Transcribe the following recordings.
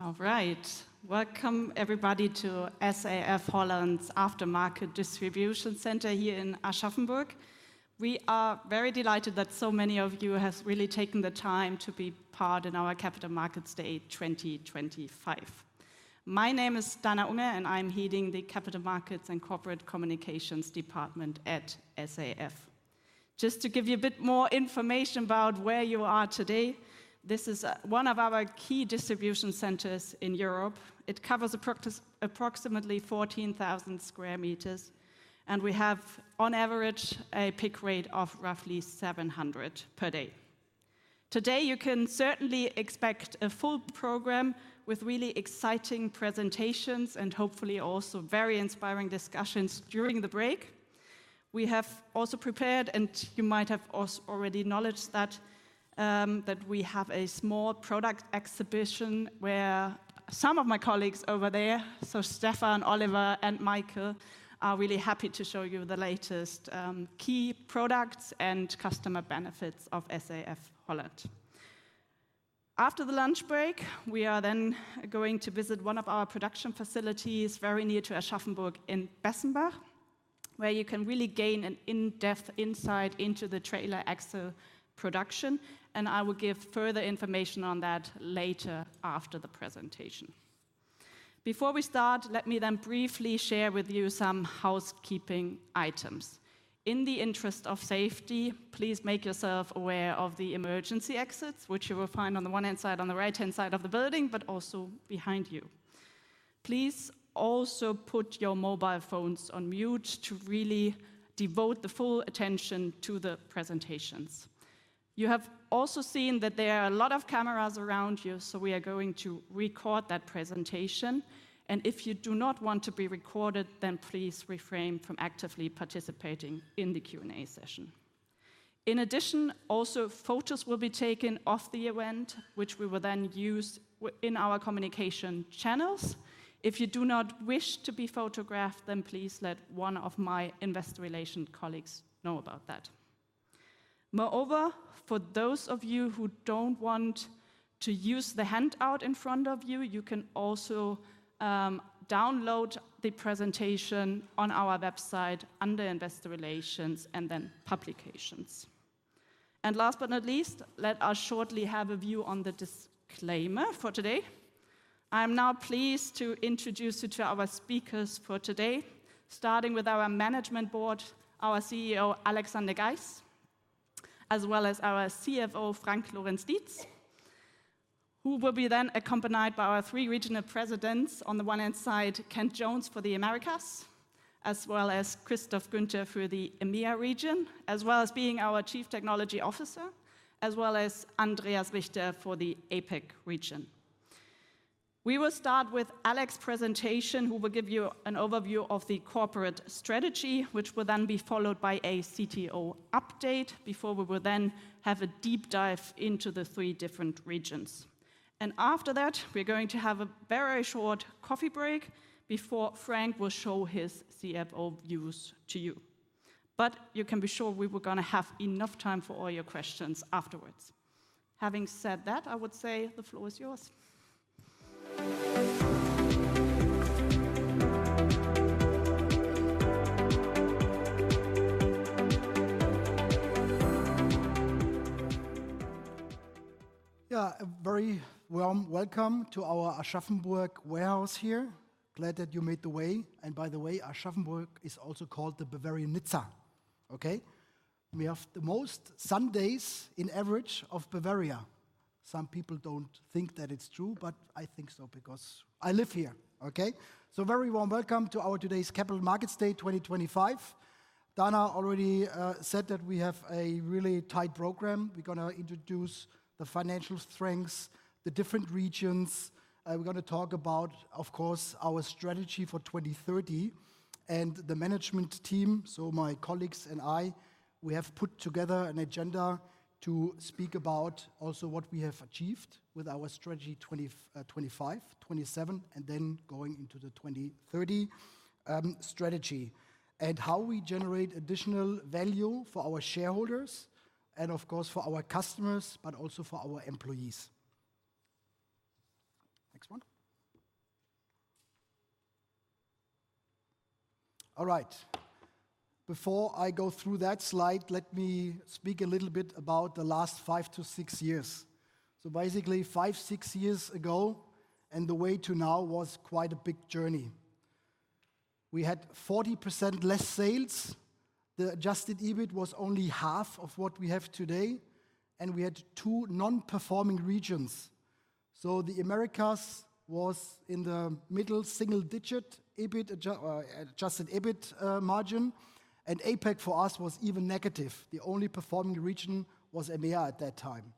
All right, welcome everybody to SAF-Holland's aftermarket distribution center here in Aschaffenburg. We are very delighted that so many of you have really taken the time to be part in our Capital Markets Day 2025. My name is Dana Unger, and I'm heading the Capital Markets and Corporate Communications Department at SAF. Just to give you a bit more information about where you are today, this is one of our key distribution centers in Europe. It covers approximately 14,000 square meters, and we have, on average, a pick rate of roughly 700 per day. Today, you can certainly expect a full program with really exciting presentations and hopefully also very inspiring discussions during the break. We have also prepared, and you might have already acknowledged that, we have a small product exhibition where some of my colleagues over there, so Stefan, Oliver, and Michael, are really happy to show you the latest key products and customer benefits of SAF-Holland. After the lunch break, we are then going to visit one of our production facilities very near to Aschaffenburg in Bessenbach, where you can really gain an in-depth insight into the trailer axle production, and I will give further information on that later after the presentation. Before we start, let me then briefly share with you some housekeeping items. In the interest of safety, please make yourself aware of the emergency exits, which you will find on one hand on the right-hand side of the building, but also behind you. Please also put your mobile phones on mute to really devote the full attention to the presentations. You have also seen that there are a lot of cameras around you, so we are going to record that presentation, and if you do not want to be recorded, then please refrain from actively participating in the Q&A session. In addition, also photos will be taken of the event, which we will then use in our communication channels. If you do not wish to be photographed, then please let one of my investor relations colleagues know about that. Moreover, for those of you who don't want to use the handout in front of you, you can also download the presentation on our website under Investor Relations and then Publications. Last but not least, let us shortly have a view on the disclaimer for today. I'm now pleased to introduce you to our speakers for today, starting with our management board, our CEO Alexander Geis, as well as our CFO Frank Lorenz-Dietz, who will be then accompanied by our three regional presidents. On the one hand side, Kent Jones for the Americas, as well as Christoph Günter for the EMEA region, as well as being our Chief Technology Officer, as well as Andreas Richter for the APAC region. We will start with Alex's presentation, who will give you an overview of the corporate strategy, which will then be followed by a CTO update before we will then have a deep dive into the three different regions. After that, we're going to have a very short coffee break before Frank will show his CFO views to you. You can be sure we were going to have enough time for all your questions afterwards. Having said that, I would say the floor is yours. Yeah, very warm welcome to our Aschaffenburg warehouse here. Glad that you made the way. And by the way, Aschaffenburg is also called the Bavarian Nizza. We have the most sunny days in average of Bavaria. Some people don't think that it's true, but I think so because I live here. Very warm welcome to our today's Capital Markets Day 2025. Dana already said that we have a really tight program. We're going to introduce the financial strengths, the different regions. We're going to talk about, of course, our strategy for 2030 and the management team. My colleagues and I, we have put together an agenda to speak about also what we have achieved with our strategy 2025, 2027, and then going into the 2030 strategy and how we generate additional value for our shareholders and, of course, for our customers, but also for our employees. Next one. All right. Before I go through that slide, let me speak a little bit about the last five to six years. Basically, five, six years ago, and the way to now was quite a big journey. We had 40% less sales. The adjusted EBIT was only half of what we have today, and we had two non-performing regions. The Americas was in the middle single digit EBIT adjusted EBIT margin, and APAC for us was even negative. The only performing region was EMEA at that time.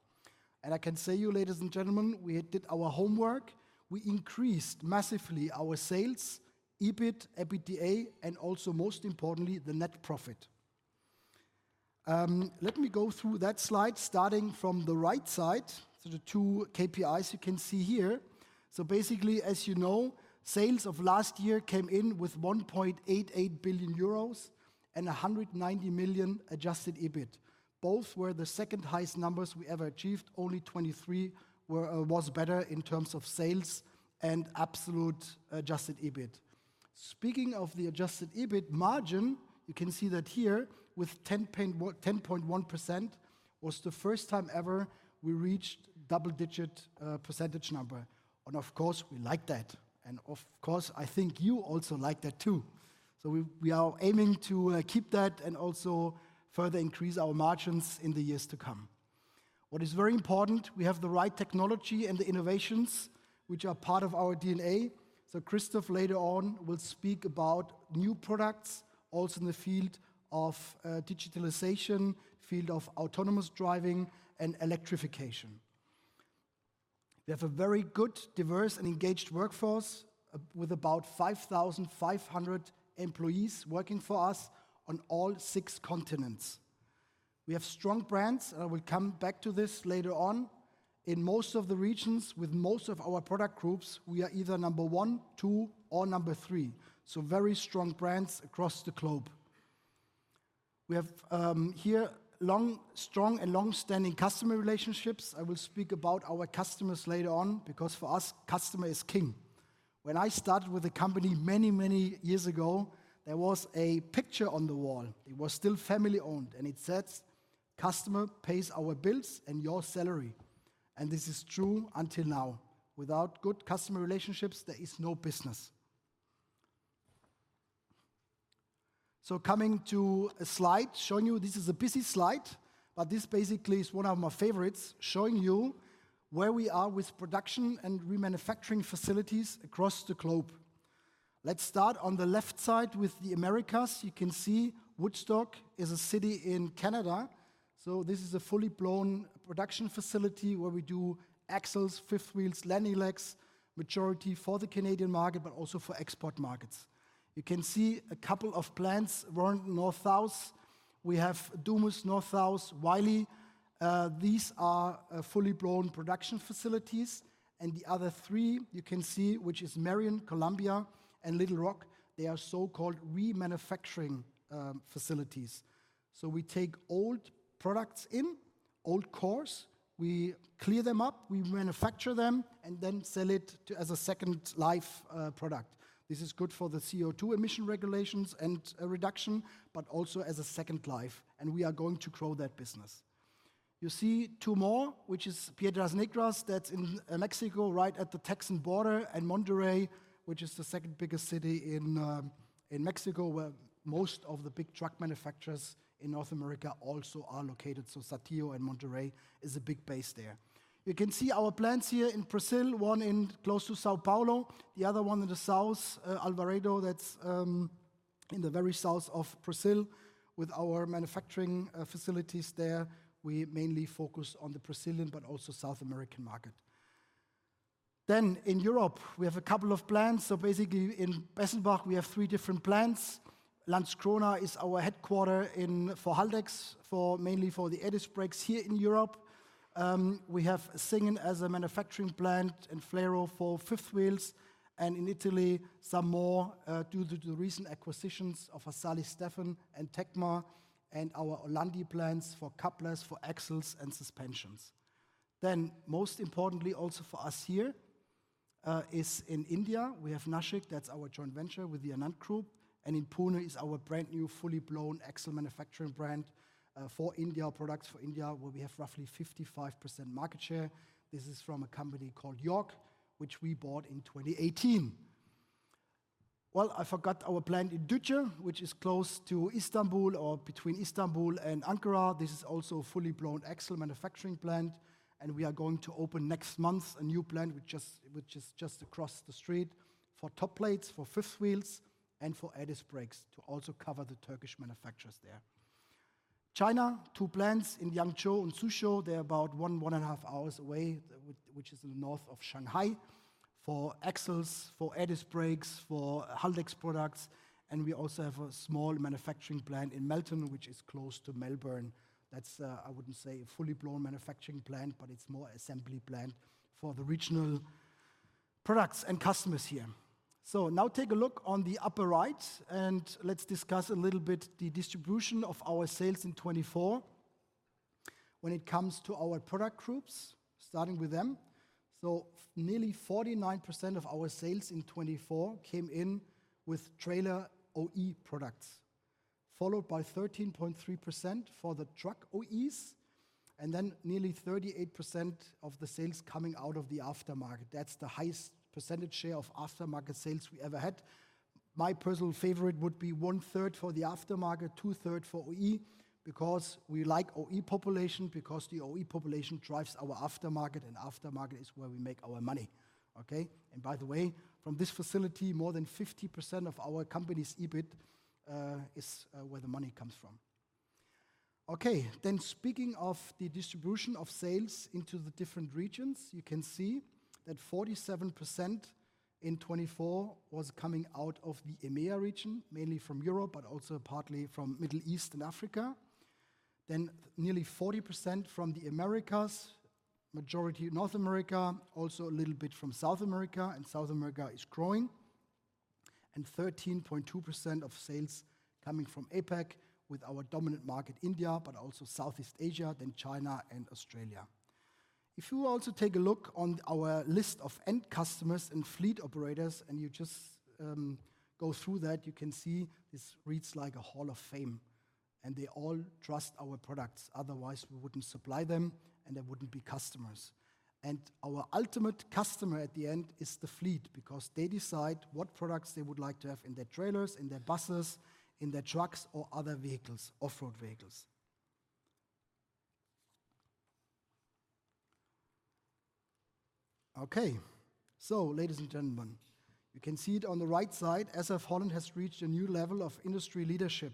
I can say to you, ladies and gentlemen, we did our homework. We increased massively our sales, EBIT, EBITDA, and also, most importantly, the net profit. Let me go through that slide starting from the right side. The two KPIs you can see here. Basically, as you know, sales of last year came in with €1.88 billion and €190 million adjusted EBIT. Both were the second highest numbers we ever achieved. Only 2023 was better in terms of sales and absolute adjusted EBIT. Speaking of the adjusted EBIT margin, you can see that here with 10.1% was the first time ever we reached double-digit percentage number. Of course, we like that. Of course, I think you also like that too. We are aiming to keep that and also further increase our margins in the years to come. What is very important, we have the right technology and the innovations which are part of our DNA. Christoph later on will speak about new products also in the field of digitalization, field of autonomous driving, and electrification. We have a very good, diverse, and engaged workforce with about 5,500 employees working for us on all six continents. We have strong brands. I will come back to this later on. In most of the regions with most of our product groups, we are either number one, two, or number three. So very strong brands across the globe. We have long, strong, and long-standing customer relationships. I will speak about our customers later on because for us, customer is king. When I started with the company many, many years ago, there was a picture on the wall. It was still family-owned, and it said, "Customer pays our bills and your salary." This is true until now. Without good customer relationships, there is no business. Coming to a slide showing you, this is a busy slide, but this basically is one of my favorites, showing you where we are with production and remanufacturing facilities across the globe. Let's start on the left side with the Americas. You can see Woodstock is a city in Canada. This is a fully blown production facility where we do axles, fifth wheels, landing legs, majority for the Canadian market, but also for export markets. You can see a couple of plants, Warren North House. We have Dumus North House, Wiley. These are fully blown production facilities. And the other three you can see, which is Marion, Columbia, and Little Rock, they are so-called remanufacturing facilities. We take old products in, old cores, we clear them up, we manufacture them, and then sell it as a second life product. This is good for the CO2 emission regulations and reduction, but also as a second life. We are going to grow that business. You see two more, which is Piedras Negras. That's in Mexico, right at the Texan border, and Monterrey, which is the second biggest city in Mexico, where most of the big truck manufacturers in North America also are located. SCANIA and Monterrey is a big base there. You can see our plants here in Brazil, one close to São Paulo, the other one in the south, Alvarado, that's in the very south of Brazil with our manufacturing facilities there. We mainly focus on the Brazilian, but also South American market. In Europe, we have a couple of plants. Basically in Bessenbach, we have three different plants. Lanz Krona is our headquarter for Haldex for mainly for the EBIS brakes here in Europe. We have Singin as a manufacturing plant and Flero for fifth wheels. In Italy, some more due to the recent acquisitions of Asali Stefan and Tecma and our Holland plants for couplers, for axles, and suspensions. Most importantly, also for us here is in India, we have Nashik. That's our joint venture with the Anand Group. In Pune is our brand new fully blown axle manufacturing brand for India, products for India, where we have roughly 55% market share. This is from a company called York, which we bought in 2018. I forgot our plant in Düce, which is close to Istanbul or between Istanbul and Ankara. This is also a fully blown axle manufacturing plant. We are going to open next month a new plant, which is just across the street for top plates, for fifth wheels, and for Edis brakes to also cover the Turkish manufacturers there. China, two plants in Yangzhou and Suzhou. They're about one, one and a half hours away, which is in the north of Shanghai for axles, for Edis brakes, for Haldex products. We also have a small manufacturing plant in Melton, which is close to Melbourne. That's, I wouldn't say a fully blown manufacturing plant, but it's more assembly plant for the regional products and customers here. Now take a look on the upper right and let's discuss a little bit the distribution of our sales in '24 when it comes to our product groups, starting with them. Nearly 49% of our sales in 2024 came in with trailer OE products, followed by 13.3% for the truck OEs, and then nearly 38% of the sales coming out of the aftermarket. That's the highest percentage share of aftermarket sales we ever had. My personal favorite would be one third for the aftermarket, two thirds for OE, because we like OE population, because the OE population drives our aftermarket, and aftermarket is where we make our money. And by the way, from this facility, more than 50% of our company's EBIT is where the money comes from. Then speaking of the distribution of sales into the different regions, you can see that 47% in 2024 was coming out of the EMEA region, mainly from Europe, but also partly from Middle East and Africa. Nearly 40% from the Americas, majority North America, also a little bit from South America, and South America is growing. 13.2% of sales coming from APAC with our dominant market, India, but also Southeast Asia, China and Australia. If you also take a look on our list of end customers and fleet operators, and you just go through that, you can see this reads like a hall of fame, and they all trust our products. Otherwise, we wouldn't supply them, and there wouldn't be customers. Our ultimate customer at the end is the fleet because they decide what products they would like to have in their trailers, in their buses, in their trucks, or other vehicles, off-road vehicles. Ladies and gentlemen, you can see it on the right side. SF-Holland has reached a new level of industry leadership,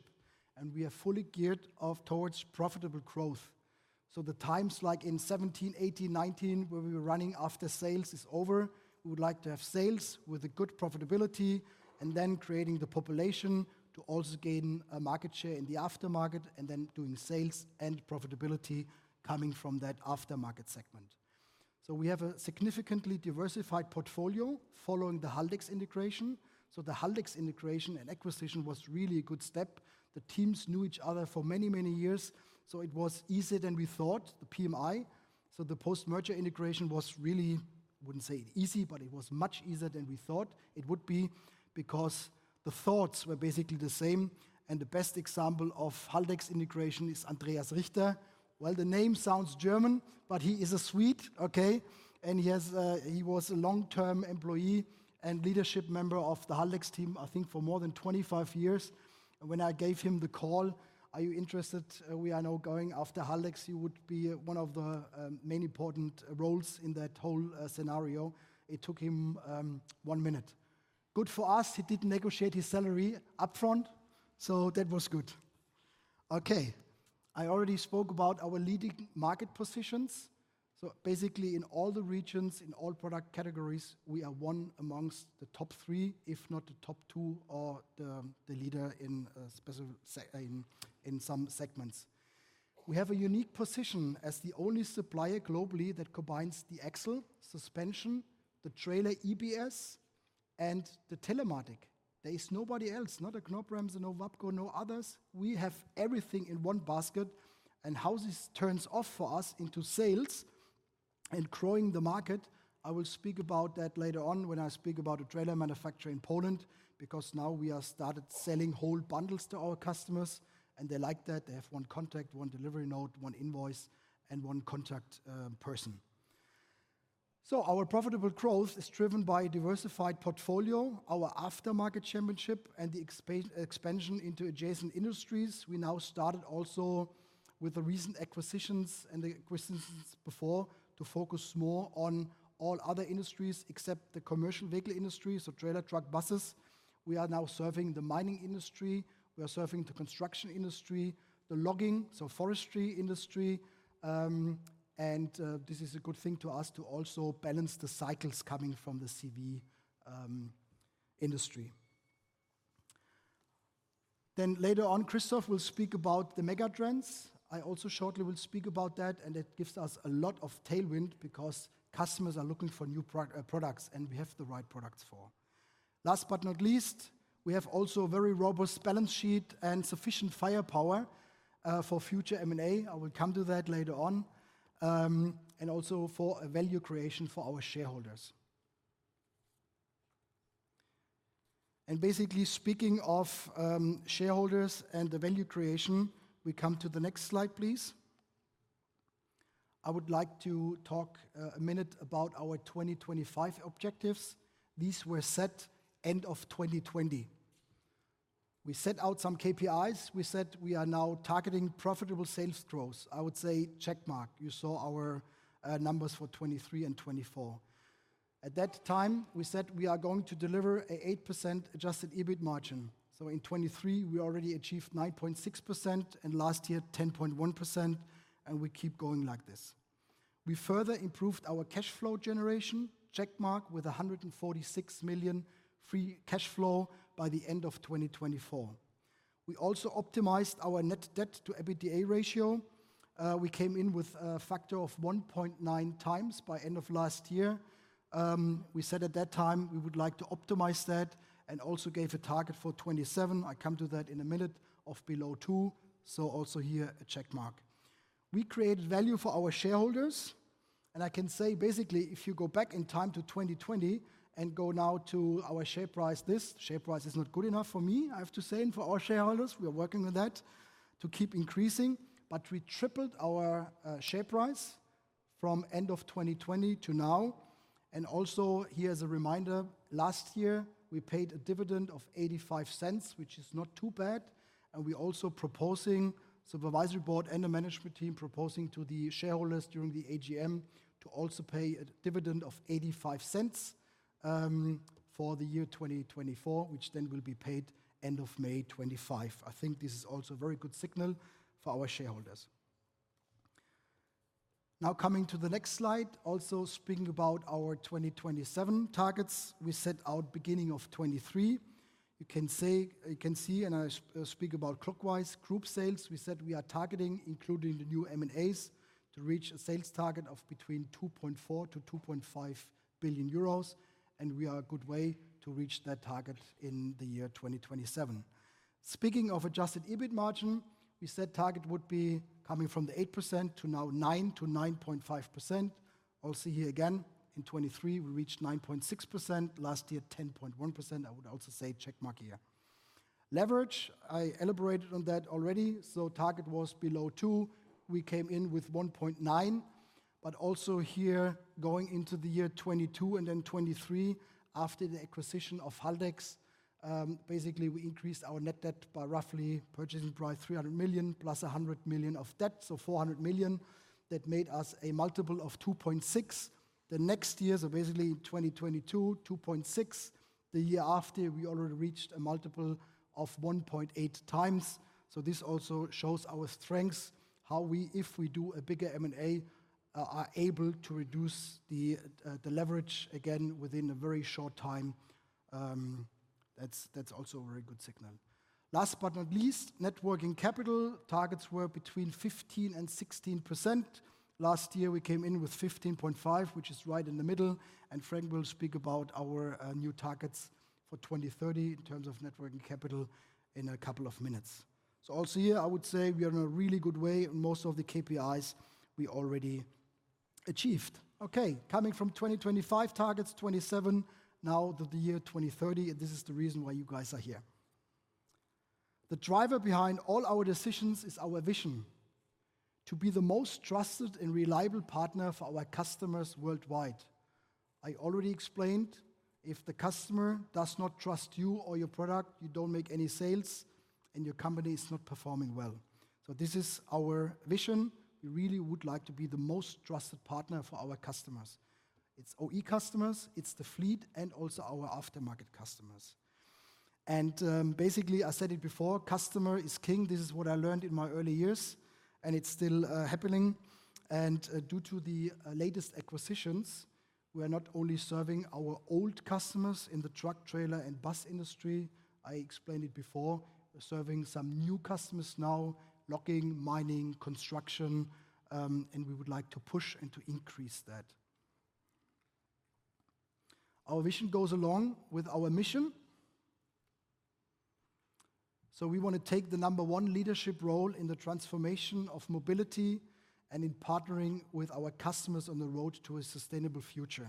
and we are fully geared towards profitable growth. The times like in '17, '18, '19, where we were running after sales is over. We would like to have sales with good profitability and then creating the population to also gain market share in the aftermarket and then doing sales and profitability coming from that aftermarket segment. We have a significantly diversified portfolio following the Haldex integration. The Haldex integration and acquisition was really a good step. The teams knew each other for many, many years. It was easier than we thought, the PMI. The post-merger integration was really, I wouldn't say easy, but it was much easier than we thought it would be because the thoughts were basically the same. The best example of Haldex integration is Andreas Richter. Well, the name sounds German, but he is a Swede, okay? He was a long-term employee and leadership member of the Haldex team, I think for more than 25 years. When I gave him the call, "Are you interested? We are now going after Haldex. You would be one of the main important roles in that whole scenario." It took him one minute. Good for us. He did negotiate his salary upfront, so that was good. Okay. I already spoke about our leading market positions. So basically in all the regions, in all product categories, we are one amongst the top three, if not the top two, or the leader in some segments. We have a unique position as the only supplier globally that combines the axle, suspension, the trailer EBS, and the telematic. There is nobody else, not a Gnobrams, no Wabco, no others. We have everything in one basket. How this turns off for us into sales and growing the market, I will speak about that later on when I speak about the trailer manufacturer in Poland, because now we have started selling whole bundles to our customers, and they like that. They have one contact, one delivery note, one invoice, and one contact person. Our profitable growth is driven by a diversified portfolio, our aftermarket championship, and the expansion into adjacent industries. We now started also with the recent acquisitions and the acquisitions before to focus more on all other industries except the commercial vehicle industry, so trailer, truck, buses. We are now serving the mining industry. We are serving the construction industry, the logging, so forestry industry. This is a good thing to us to also balance the cycles coming from the CV industry. Later on, Christoph will speak about the mega trends. I also will speak about that shortly, and it gives us a lot of tailwind because customers are looking for new products and we have the right products for them. Last but not least, we also have a very robust balance sheet and sufficient firepower for future M&A. I will come to that later on, and also for value creation for our shareholders. Speaking of shareholders and the value creation, we come to the next slide, please. I would like to talk a minute about our 2025 objectives. These were set at the end of 2020. We set out some KPIs. We said we are now targeting profitable sales growth. I would say checkmark. You saw our numbers for 2023 and 2024. At that time, we said we are going to deliver an 8% adjusted EBIT margin. In 2023, we already achieved 9.6% and last year 10.1%, and we keep going like this. We further improved our cash flow generation, checkmark with $146 million free cash flow by the end of 2024. We also optimized our net debt to EBITDA ratio. We came in with a factor of 1.9 times by end of last year. We said at that time we would like to optimize that and also gave a target for 2027. I come to that in a minute of below two. Also here a checkmark. We created value for our shareholders. I can say basically if you go back in time to 2020 and go now to our share price, this share price is not good enough for me, I have to say, and for our shareholders, we are working on that to keep increasing. We tripled our share price from end of 2020 to now. Also here as a reminder, last year we paid a dividend of 85 cents, which is not too bad. We also proposing supervisory board and the management team proposing to the shareholders during the AGM to also pay a dividend of 85 cents for the year 2024, which then will be paid end of May 2025. I think this is also a very good signal for our shareholders. Now coming to the next slide, also speaking about our 2027 targets, we set out beginning of 2023. You can see, I speak about clockwise group sales. We said we are targeting, including the new M&As, to reach a sales target of between €2.4 to €2.5 billion. We are a good way to reach that target in the year 2027. Speaking of adjusted EBIT margin, we said target would be coming from the 8% to now 9% to 9.5%. I'll see here again in '23, we reached 9.6%. Last year, 10.1%. I would also say checkmark here. Leverage, I elaborated on that already. Target was below two. We came in with 1.9, but also here going into the year '22 and then '23, after the acquisition of Haldex, basically we increased our net debt by roughly purchasing price $300 million plus $100 million of debt, so $400 million. That made us a multiple of 2.6. The next year, basically in 2022, 2.6. The year after, we already reached a multiple of 1.8 times. This also shows our strengths, how we, if we do a bigger M&A, are able to reduce the leverage again within a very short time. That's also a very good signal. Last but not least, networking capital targets were between 15% and 16%. Last year, we came in with 15.5%, which is right in the middle. Frank will speak about our new targets for 2030 in terms of networking capital in a couple of minutes. Also here, I would say we are in a really good way. Most of the KPIs we already achieved. Coming from 2025 targets, '27, now the year 2030, and this is the reason why you guys are here. The driver behind all our decisions is our vision to be the most trusted and reliable partner for our customers worldwide. I already explained if the customer does not trust you or your product, you don't make any sales and your company is not performing well. This is our vision. We really would like to be the most trusted partner for our customers. It's OE customers, it's the fleet, and also our aftermarket customers. Basically, I said it before, customer is king. This is what I learned in my early years, and it's still happening. Due to the latest acquisitions, we are not only serving our old customers in the truck, trailer, and bus industry. I explained it before, serving some new customers now, logging, mining, construction, and we would like to push and to increase that. Our vision goes along with our mission. We want to take the number one leadership role in the transformation of mobility and in partnering with our customers on the road to a sustainable future.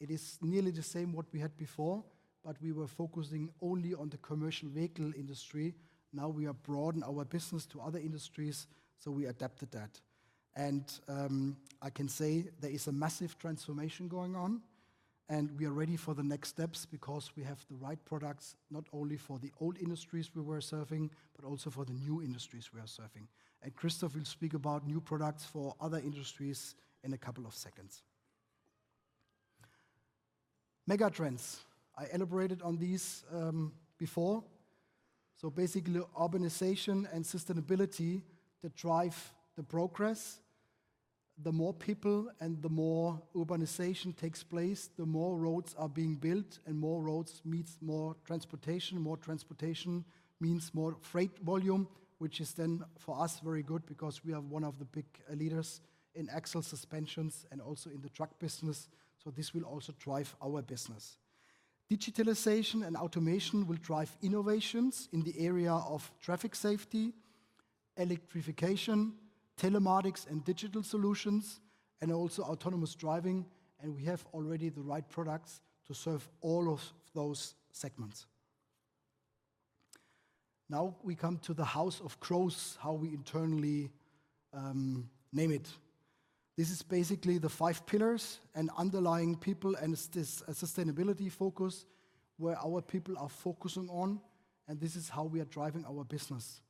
It is nearly the same what we had before, but we were focusing only on the commercial vehicle industry. Now we are broadening our business to other industries, so we adapted that. I can say there is a massive transformation going on, and we are ready for the next steps because we have the right products not only for the old industries we were serving, but also for the new industries we are serving. Christoph will speak about new products for other industries in a couple of seconds. Mega trends. I elaborated on these before. Basically, urbanization and sustainability that drive the progress. The more people and the more urbanization takes place, the more roads are being built and more roads means more transportation. More transportation means more freight volume, which is then for us very good because we have one of the big leaders in axle suspensions and also in the truck business. This will also drive our business. Digitalization and automation will drive innovations in the area of traffic safety, electrification, telematics and digital solutions, and also autonomous driving. We have already the right products to serve all of those segments. Now we come to the house of growth, how we internally name it. This is basically the five pillars and underlying people and sustainability focus where our people are focusing on, and this is how we are driving our business.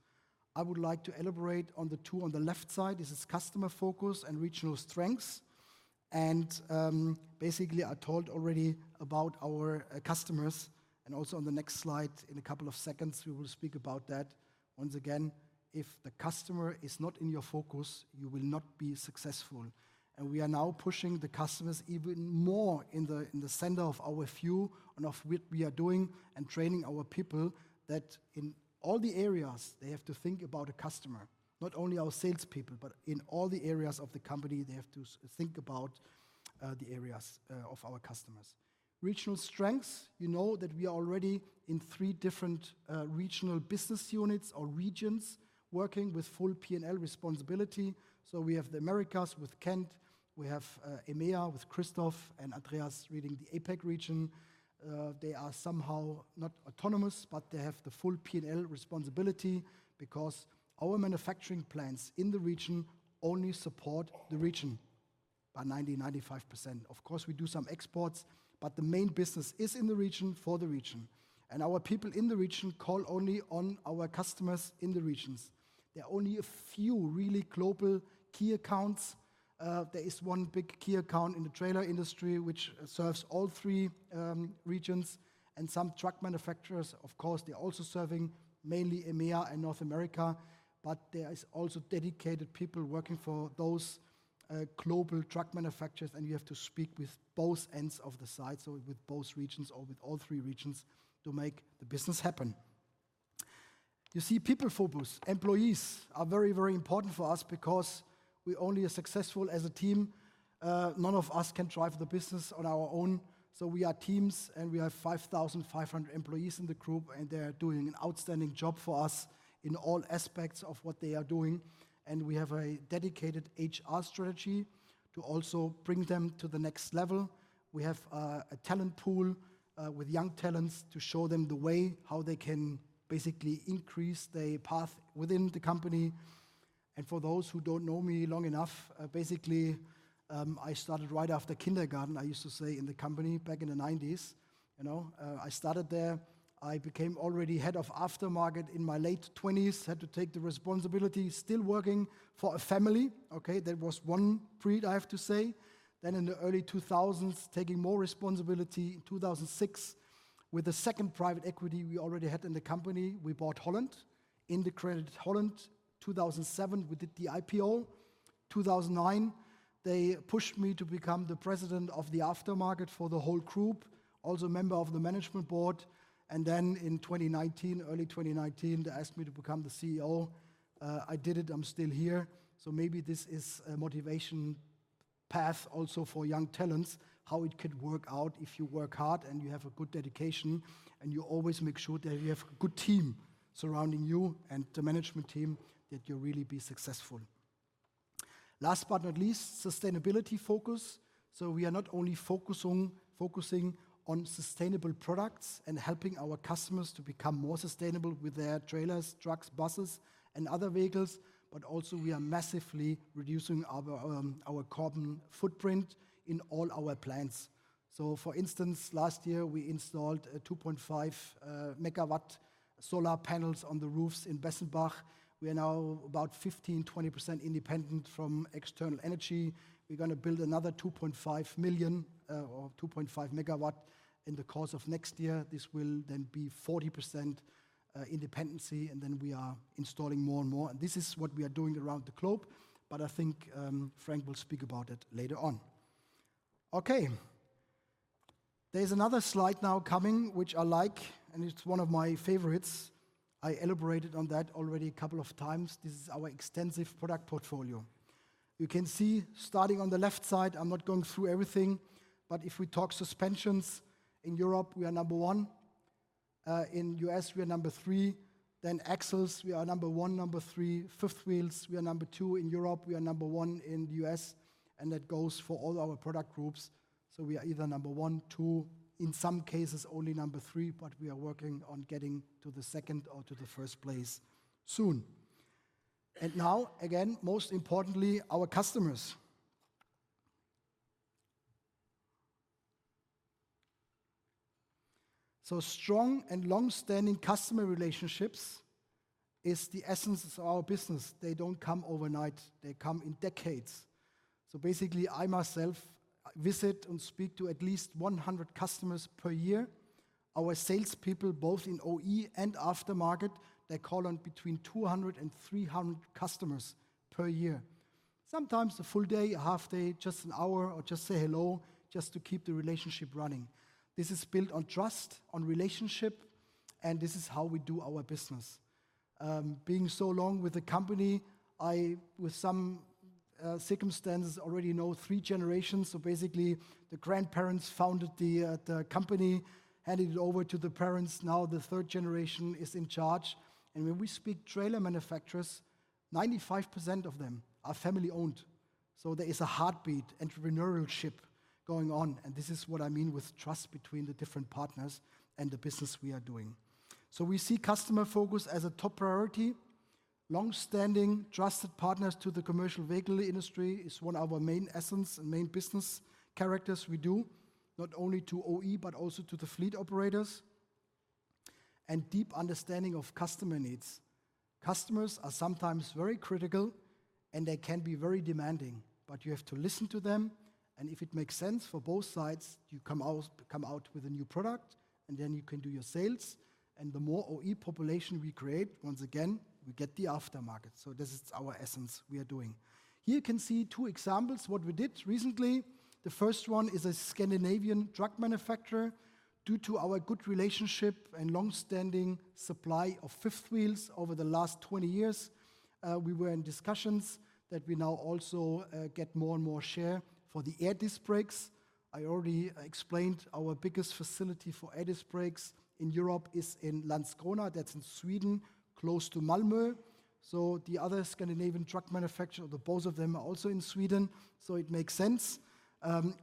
I would like to elaborate on the two on the left side. This is customer focus and regional strengths. Basically, I told already about our customers, and also on the next slide in a couple of seconds, we will speak about that. Once again, if the customer is not in your focus, you will not be successful. We are now pushing the customers even more in the center of our view and of what we are doing and training our people that in all the areas, they have to think about a customer, not only our salespeople, but in all the areas of the company, they have to think about the areas of our customers. Regional strengths, you know that we are already in three different regional business units or regions working with full P&L responsibility. So we have the Americas with Kent, we have EMEA with Christoph and Andreas leading the APAC region. They are somehow not autonomous, but they have the full P&L responsibility because our manufacturing plants in the region only support the region by 90%, 95%. Of course, we do some exports, but the main business is in the region for the region. Our people in the region call only on our customers in the regions. There are only a few really global key accounts. There is one big key account in the trailer industry, which serves all three regions. Some truck manufacturers, of course, they're also serving mainly EMEA and North America, but there are also dedicated people working for those global truck manufacturers, and you have to speak with both ends of the side, so with both regions or with all three regions to make the business happen. You see, people focus, employees are very, very important for us because we are only successful as a team. None of us can drive the business on our own. So we are teams and we have 5,500 employees in the group, and they are doing an outstanding job for us in all aspects of what they are doing. We have a dedicated HR strategy to also bring them to the next level. We have a talent pool with young talents to show them the way how they can basically increase their path within the company. For those who don't know me long enough, basically, I started right after kindergarten. I used to say in the company back in the '90s, I started there. I became already head of aftermarket in my late 20s, had to take the responsibility, still working for a family. That was one breed, I have to say. Then in the early 2000s, taking more responsibility in 2006 with the second private equity we already had in the company. We bought Holland, Indecredited Holland. 2007, we did the IPO. 2009, they pushed me to become the president of the aftermarket for the whole group, also a member of the management board. In 2019, early 2019, they asked me to become the CEO. I did it. I'm still here. Maybe this is a motivation path also for young talents, how it could work out if you work hard and you have good dedication and you always make sure that you have a good team surrounding you and the management team that you really be successful. Last but not least, sustainability focus. We are not only focusing on sustainable products and helping our customers to become more sustainable with their trailers, trucks, buses, and other vehicles, but also we are massively reducing our carbon footprint in all our plants. For instance, last year, we installed 2.5 megawatt solar panels on the roofs in Bessenbach. We are now about 15% to 20% independent from external energy. We're going to build another 2.5 million or 2.5 megawatt in the course of next year. This will then be 40% independency, and then we are installing more and more. This is what we are doing around the globe, but I think Frank will speak about it later on. There's another slide now coming, which I like, and it's one of my favorites. I elaborated on that already a couple of times. This is our extensive product portfolio. You can see starting on the left side, I'm not going through everything, but if we talk suspensions in Europe, we are number one. In the US, we are number three. Then axles, we are number one, number three. Fifth wheels, we are number two in Europe. We are number one in the US, and that goes for all our product groups. We are either number one, two, in some cases only number three, but we are working on getting to the second or to the first place soon. Now, again, most importantly, our customers. Strong and long-standing customer relationships is the essence of our business. They don't come overnight. They come in decades. Basically, I myself visit and speak to at least 100 customers per year. Our salespeople, both in OE and aftermarket, they call on between 200 and 300 customers per year. Sometimes a full day, a half day, just an hour, or just say hello just to keep the relationship running. This is built on trust, on relationship, and this is how we do our business. Being with the company for so long, I with some circumstances already know three generations. Basically, the grandparents founded the company, handed it over to the parents. Now the third generation is in charge. When we speak trailer manufacturers, 95% of them are family-owned. So there is a heartbeat, entrepreneurial ship going on, and this is what I mean with trust between the different partners and the business we are doing. We see customer focus as a top priority. Long-standing, trusted partners to the commercial vehicle industry is one of our main essence and main business characters we do, not only to OE, but also to the fleet operators. Deep understanding of customer needs. Customers are sometimes very critical, and they can be very demanding, but you have to listen to them. If it makes sense for both sides, you come out with a new product, and then you can do your sales. The more OE population we create, once again, we get the aftermarket. This is our essence we are doing. Here you can see two examples of what we did recently. The first one is a Scandinavian truck manufacturer. Due to our good relationship and long-standing supply of fifth wheels over the last 20 years, we were in discussions that we now also get more and more share for the air disc brakes. I already explained our biggest facility for air disc brakes in Europe is in Landskrona. That's in Sweden, close to Malmö. The other Scandinavian truck manufacturer, both of them are also in Sweden, so it makes sense.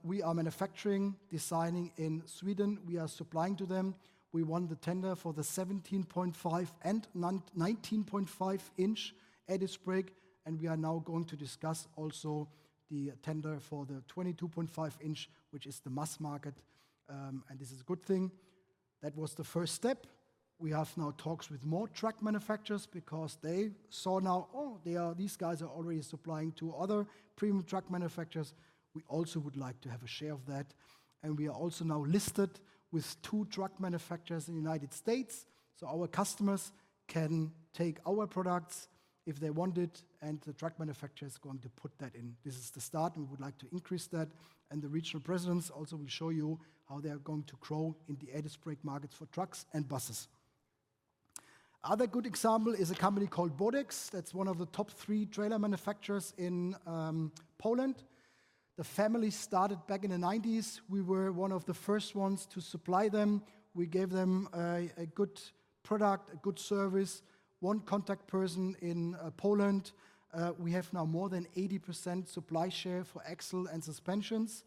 We are manufacturing, designing in Sweden. We are supplying to them. We won the tender for the 17.5 and 19.5 inch air disc brake, and we are now going to discuss also the tender for the 22.5 inch, which is the mass market, and this is a good thing. That was the first step. We have now talks with more truck manufacturers because they saw now, oh, these guys are already supplying to other premium truck manufacturers. We also would like to have a share of that. We are also now listed with two truck manufacturers in the United States. So our customers can take our products if they want it, and the truck manufacturer is going to put that in. This is the start. We would like to increase that. The regional presidents also will show you how they are going to grow in the air disc brake markets for trucks and buses. Other good example is a company called Bodex. That's one of the top three trailer manufacturers in Poland. The family started back in the '90s. We were one of the first ones to supply them. We gave them a good product, a good service, one contact person in Poland. We have now more than 80% supply share for axle and suspensions.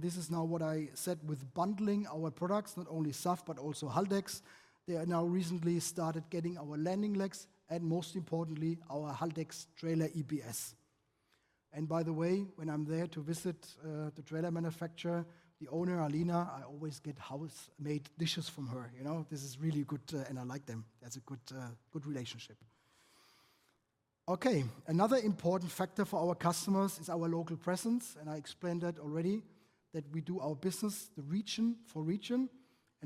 This is now what I said with bundling our products, not only SAF, but also Haldex. They are now recently started getting our landing legs and, most importantly, our Haldex trailer EPS. By the way, when I'm there to visit the trailer manufacturer, the owner, Alina, I always get house-made dishes from her. This is really good, and I like them. That's a good relationship. Another important factor for our customers is our local presence, and I explained that already, that we do our business the region for region,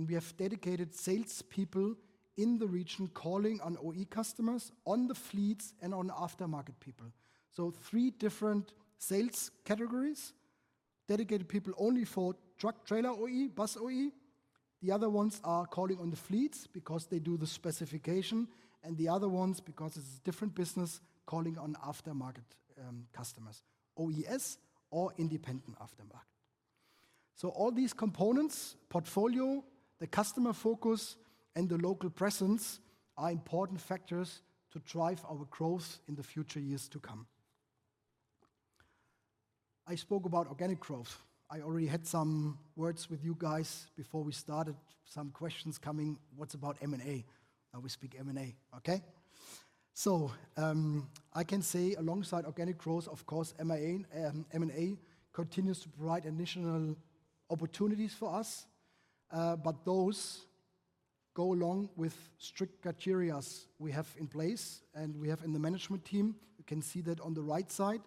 and we have dedicated salespeople in the region calling on OE customers on the fleets and on aftermarket people. So three different sales categories. Dedicated people only for truck trailer OE, bus OE. The other ones are calling on the fleets because they do the specification, and the other ones, because it's a different business, calling on aftermarket customers, OES or independent aftermarket. So all these components, portfolio, the customer focus, and the local presence are important factors to drive our growth in the future years to come. I spoke about organic growth. I already had some words with you guys before we started, some questions coming, what's about M&A? Now we speak M&A. Okay. I can say alongside organic growth, of course, M&A continues to provide additional opportunities for us, but those go along with strict criteria we have in place and we have in the management team. You can see that on the right side.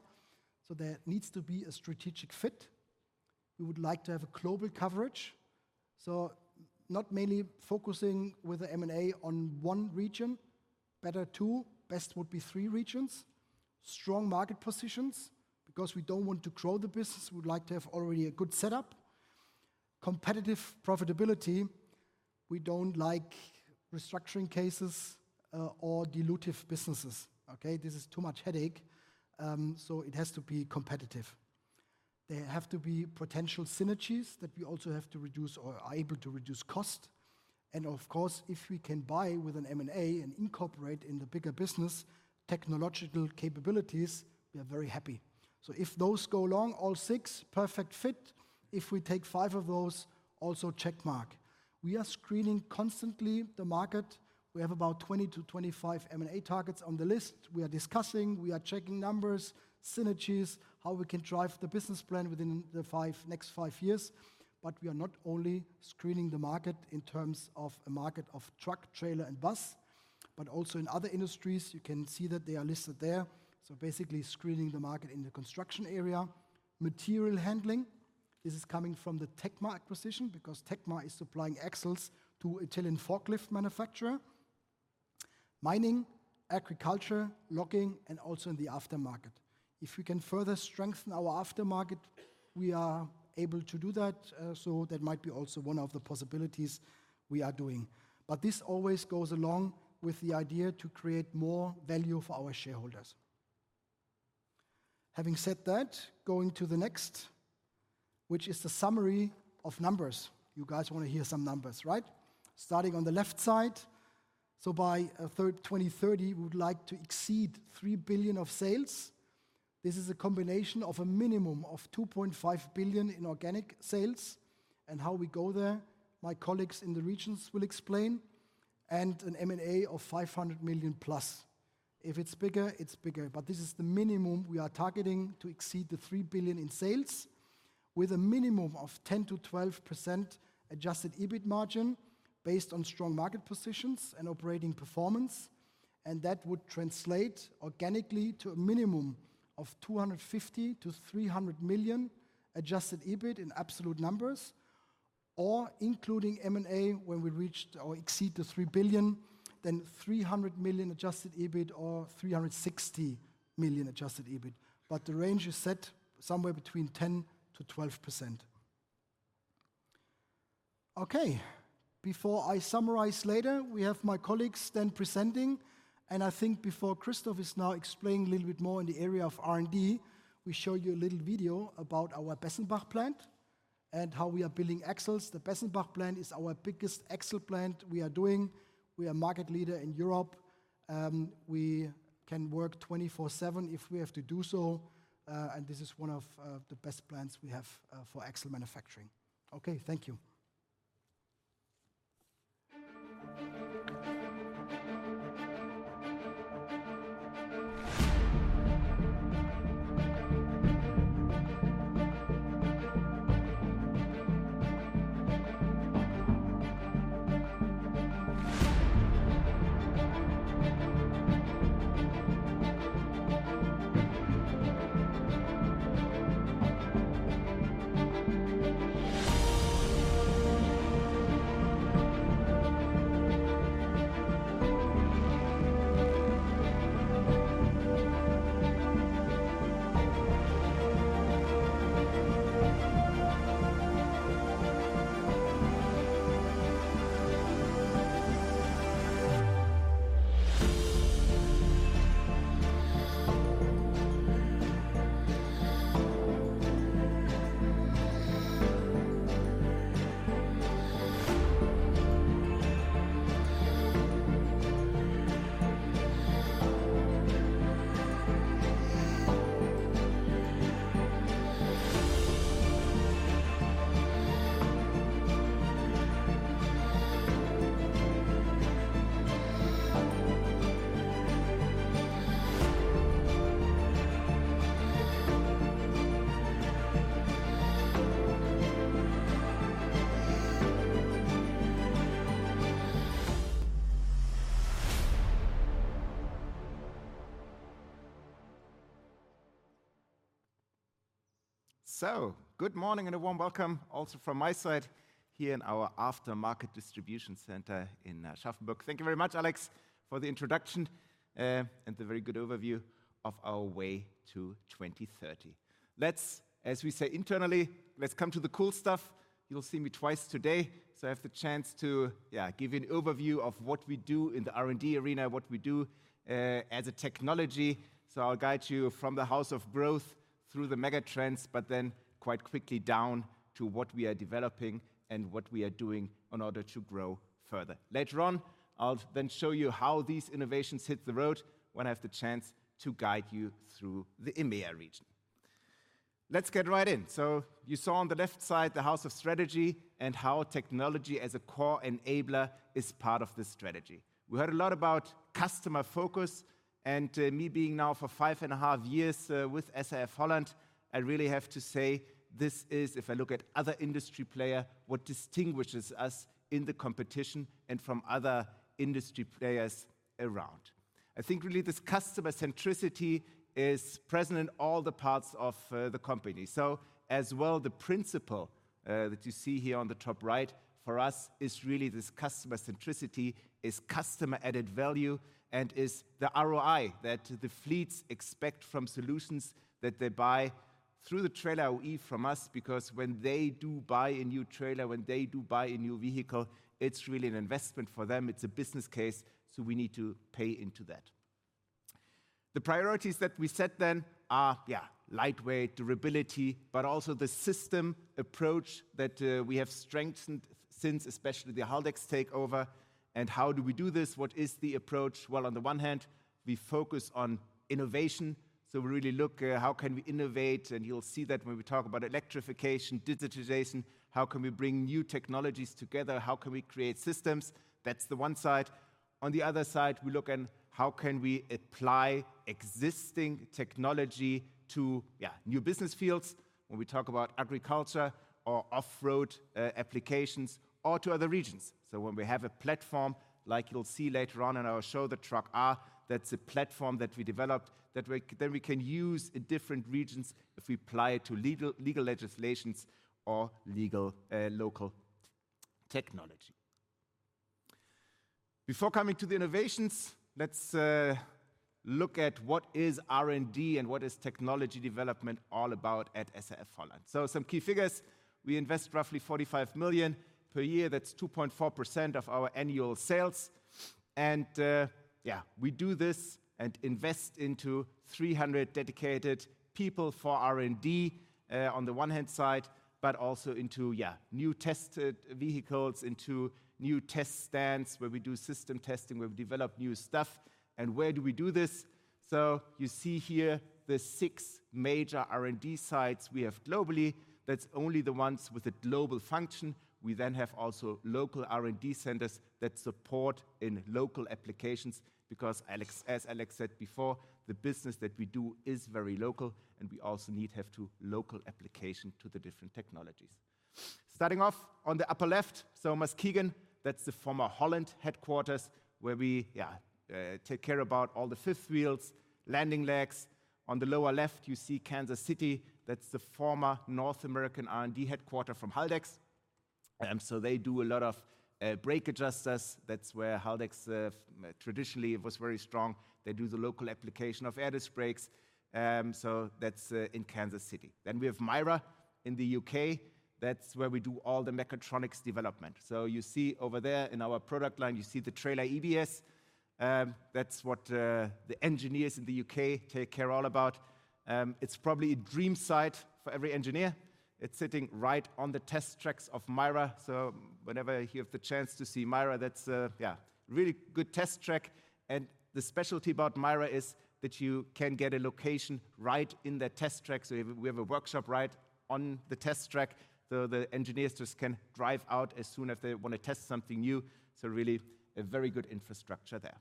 There needs to be a strategic fit. We would like to have a global coverage. Not mainly focusing with the M&A on one region, better two, best would be three regions. Strong market positions because we don't want to grow the business. We'd like to have already a good setup. Competitive profitability. We don't like restructuring cases or dilutive businesses. This is too much headache, it has to be competitive. There have to be potential synergies that we also have to reduce or are able to reduce cost. Of course, if we can buy with an M&A and incorporate in the bigger business technological capabilities, we are very happy. If those go along, all six, perfect fit. If we take five of those, also check mark. We are screening constantly the market. We have about 20 to 25 M&A targets on the list. We are discussing, we are checking numbers, synergies, how we can drive the business plan within the next five years. We are not only screening the market in terms of a market of truck, trailer, and bus, but also in other industries. You can see that they are listed there. Basically screening the market in the construction area. Material handling. This is coming from the TECMA acquisition because TECMA is supplying axles to Italian forklift manufacturer. Mining, agriculture, logging, and also in the aftermarket. If we can further strengthen our aftermarket, we are able to do that. That might be also one of the possibilities we are doing. This always goes along with the idea to create more value for our shareholders. Having said that, going to the next, which is the summary of numbers. You guys want to hear some numbers, right? Starting on the left side. By 2030, we would like to exceed $3 billion of sales. This is a combination of a minimum of $2.5 billion in organic sales. How we go there, my colleagues in the regions will explain. M&A of $500 million plus. If it's bigger, it's bigger. But this is the minimum we are targeting to exceed the $3 billion in sales with a minimum of 10% to 12% adjusted EBIT margin based on strong market positions and operating performance. That would translate organically to a minimum of $250 million to $300 million adjusted EBIT in absolute numbers or including M&A when we reached or exceed the $3 billion, then $300 million adjusted EBIT or $360 million adjusted EBIT. But the range is set somewhere between 10% to 12%. Before I summarize later, we have my colleagues then presenting. I think before Christoph is now explaining a little bit more in the area of R&D, we show you a little video about our Bessenbach plant and how we are building axles. The Bessenbach plant is our biggest axle plant we are doing. We are a market leader in Europe. We can work 24/7 if we have to do so. This is one of the best plants we have for axle manufacturing. Okay, thank you. Good morning and a warm welcome also from my side here in our aftermarket distribution center in Schaffenburg. Thank you very much, Alex, for the introduction and the very good overview of our way to 2030. Let's, as we say internally, let's come to the cool stuff. You'll see me twice today. I have the chance to give you an overview of what we do in the R&D arena, what we do as a technology. I'll guide you from the house of growth through the mega trends, but then quite quickly down to what we are developing and what we are doing in order to grow further. Later on, I'll then show you how these innovations hit the road when I have the chance to guide you through the EMEA region. Let's get right in. You saw on the left side the house of strategy and how technology as a core enabler is part of this strategy. We heard a lot about customer focus. Me being now for five and a half years with SAF Holland, I really have to say this is, if I look at other industry players, what distinguishes us in the competition and from other industry players around. I think really this customer centricity is present in all the parts of the company. The principle that you see here on the top right for us is really this customer centricity is customer added value and is the ROI that the fleets expect from solutions that they buy through the trailer OE from us because when they do buy a new trailer, when they do buy a new vehicle, it's really an investment for them. It's a business case, so we need to pay into that. The priorities that we set then are lightweight, durability, but also the system approach that we have strengthened since, especially the Haldex takeover. How do we do this? What is the approach? On the one hand, we focus on innovation. We really look at how can we innovate? You'll see that when we talk about electrification, digitization, how can we bring new technologies together? How can we create systems? That's the one side. On the other side, we look at how can we apply existing technology to new business fields when we talk about agriculture or off-road applications or to other regions. When we have a platform, like you'll see later on in our show, the truck R, that's a platform that we developed that we can use in different regions if we apply it to legal legislations or local technology. Before coming to the innovations, let's look at what is R&D and what is technology development all about at SAF Holland. So some key figures. We invest roughly $45 million per year. That's 2.4% of our annual sales. We do this and invest into 300 dedicated people for R&D on the one hand side, but also into new test vehicles, into new test stands where we do system testing, where we develop new stuff. Where do we do this? You see here the six major R&D sites we have globally. That's only the ones with a global function. We then have also local R&D centers that support in local applications because, as Alex said before, the business that we do is very local and we also need to have local application to the different technologies. Starting off on the upper left, so Muskegon, that's the former Holland headquarters where we take care of all the fifth wheels, landing legs. On the lower left, you see Kansas City. That's the former North American R&D headquarters from Haldex. They do a lot of brake adjusters. That's where Haldex traditionally was very strong. They do the local application of air disc brakes. That's in Kansas City. Then we have Myra in the UK. That's where we do all the mechatronics development. You see over there in our product line, you see the trailer EBS. That's what the engineers in the UK take care of. It's probably a dream site for every engineer. It's sitting right on the test tracks of Myra. Whenever you have the chance to see Myra, that's a really good test track. The specialty about Myra is that you can get a location right in the test track. We have a workshop right on the test track. The engineers just can drive out as soon as they want to test something new. Really a very good infrastructure there.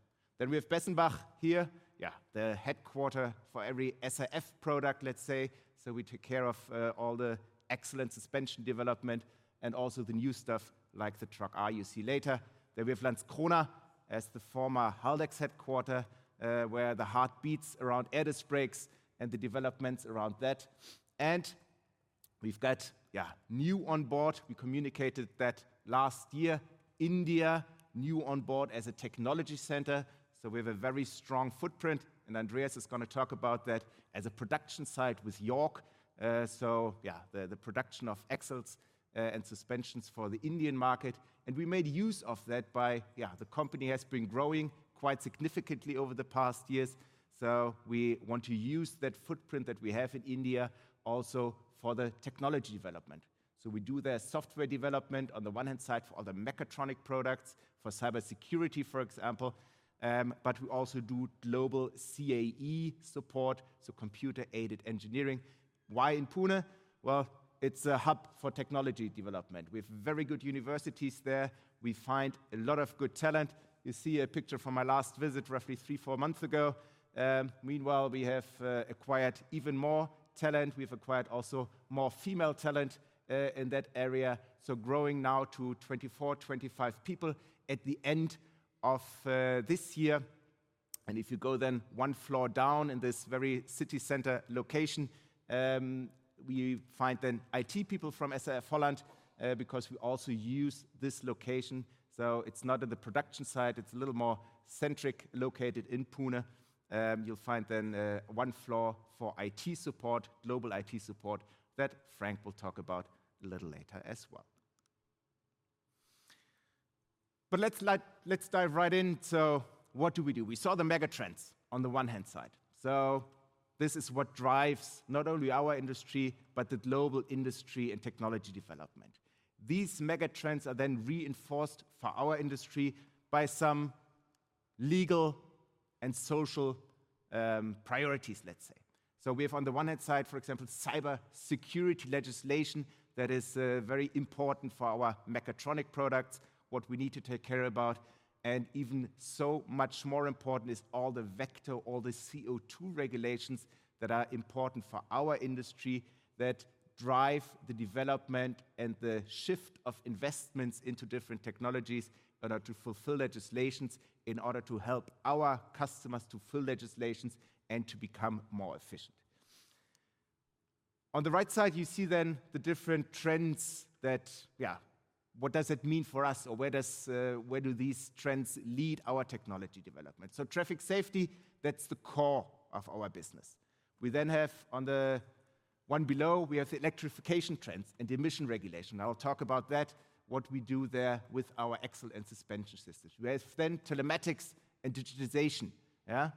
We have Bessenbach here, the headquarter for every SAF product. We take care of all the excellent suspension development and also the new stuff like the truck R you see later. We have Lanz Kroner as the former Haldex headquarter where the heart beats around air disc brakes and the developments around that. We've got new on board. We communicated that last year, India new on board as a technology center. We have a very strong footprint. Andreas is going to talk about that as a production site with York. The production of axles and suspensions for the Indian market. We made use of that by, the company has been growing quite significantly over the past years. We want to use that footprint that we have in India also for the technology development. We do their software development on the one hand side for all the mechatronic products for cybersecurity, for example. But we also do global CAE support, computer-aided engineering. Why in Pune? Well, it's a hub for technology development. We have very good universities there. We find a lot of good talent. You see a picture from my last visit roughly three, four months ago. Meanwhile, we have acquired even more talent. We've acquired also more female talent in that area. Growing now to 24, 25 people at the end of this year. If you go then one floor down in this very city center location, we find IT people from SAF Holland because we also use this location. It's not at the production site. It's a little more centric located in Pune. You'll find then one floor for IT support, global IT support that Frank will talk about a little later as well. Let's dive right in. What do we do? We saw the mega trends on the one hand side. This is what drives not only our industry, but the global industry and technology development. These mega trends are then reinforced for our industry by some legal and social priorities, let's say. We have on the one hand side, for example, cybersecurity legislation that is very important for our mechatronic products, what we need to take care about. Even more important is all the vector, all the CO2 regulations that are important for our industry that drive the development and the shift of investments into different technologies in order to fulfill legislations in order to help our customers to fill legislations and to become more efficient. On the right side, you see then the different trends that, what does it mean for us or where do these trends lead our technology development? Traffic safety, that's the core of our business. We then have on the one below, we have the electrification trends and the emission regulation. I'll talk about that, what we do there with our axle and suspension systems. We have then telematics and digitization. I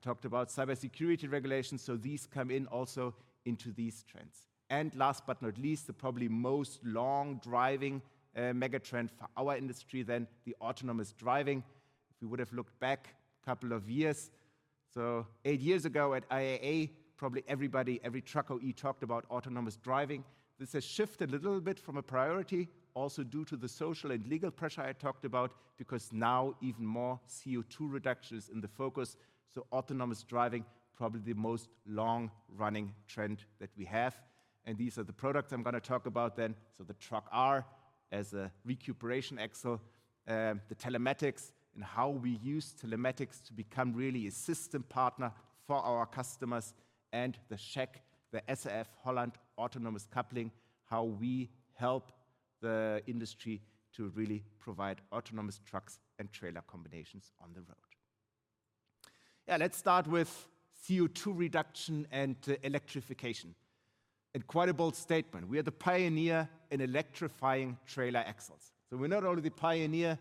talked about cybersecurity regulations. These come in also into these trends. Last but not least, the probably most long-driving mega trend for our industry then the autonomous driving. If we would have looked back a couple of years, so eight years ago at IAA, probably everybody, every truck OE talked about autonomous driving. This has shifted a little bit from a priority also due to the social and legal pressure I talked about because now even more CO2 reduction is in the focus. Autonomous driving, probably the most long-running trend that we have. These are the products I'm going to talk about then. The truck R as a recuperation axle, the telematics and how we use telematics to become really a system partner for our customers and the SHEC, the SAF Holland autonomous coupling, how we help the industry to really provide autonomous trucks and trailer combinations on the road. Yeah, let's start with CO2 reduction and electrification. An incredible statement. We are the pioneer in electrifying trailer axles. So we're not only the pioneer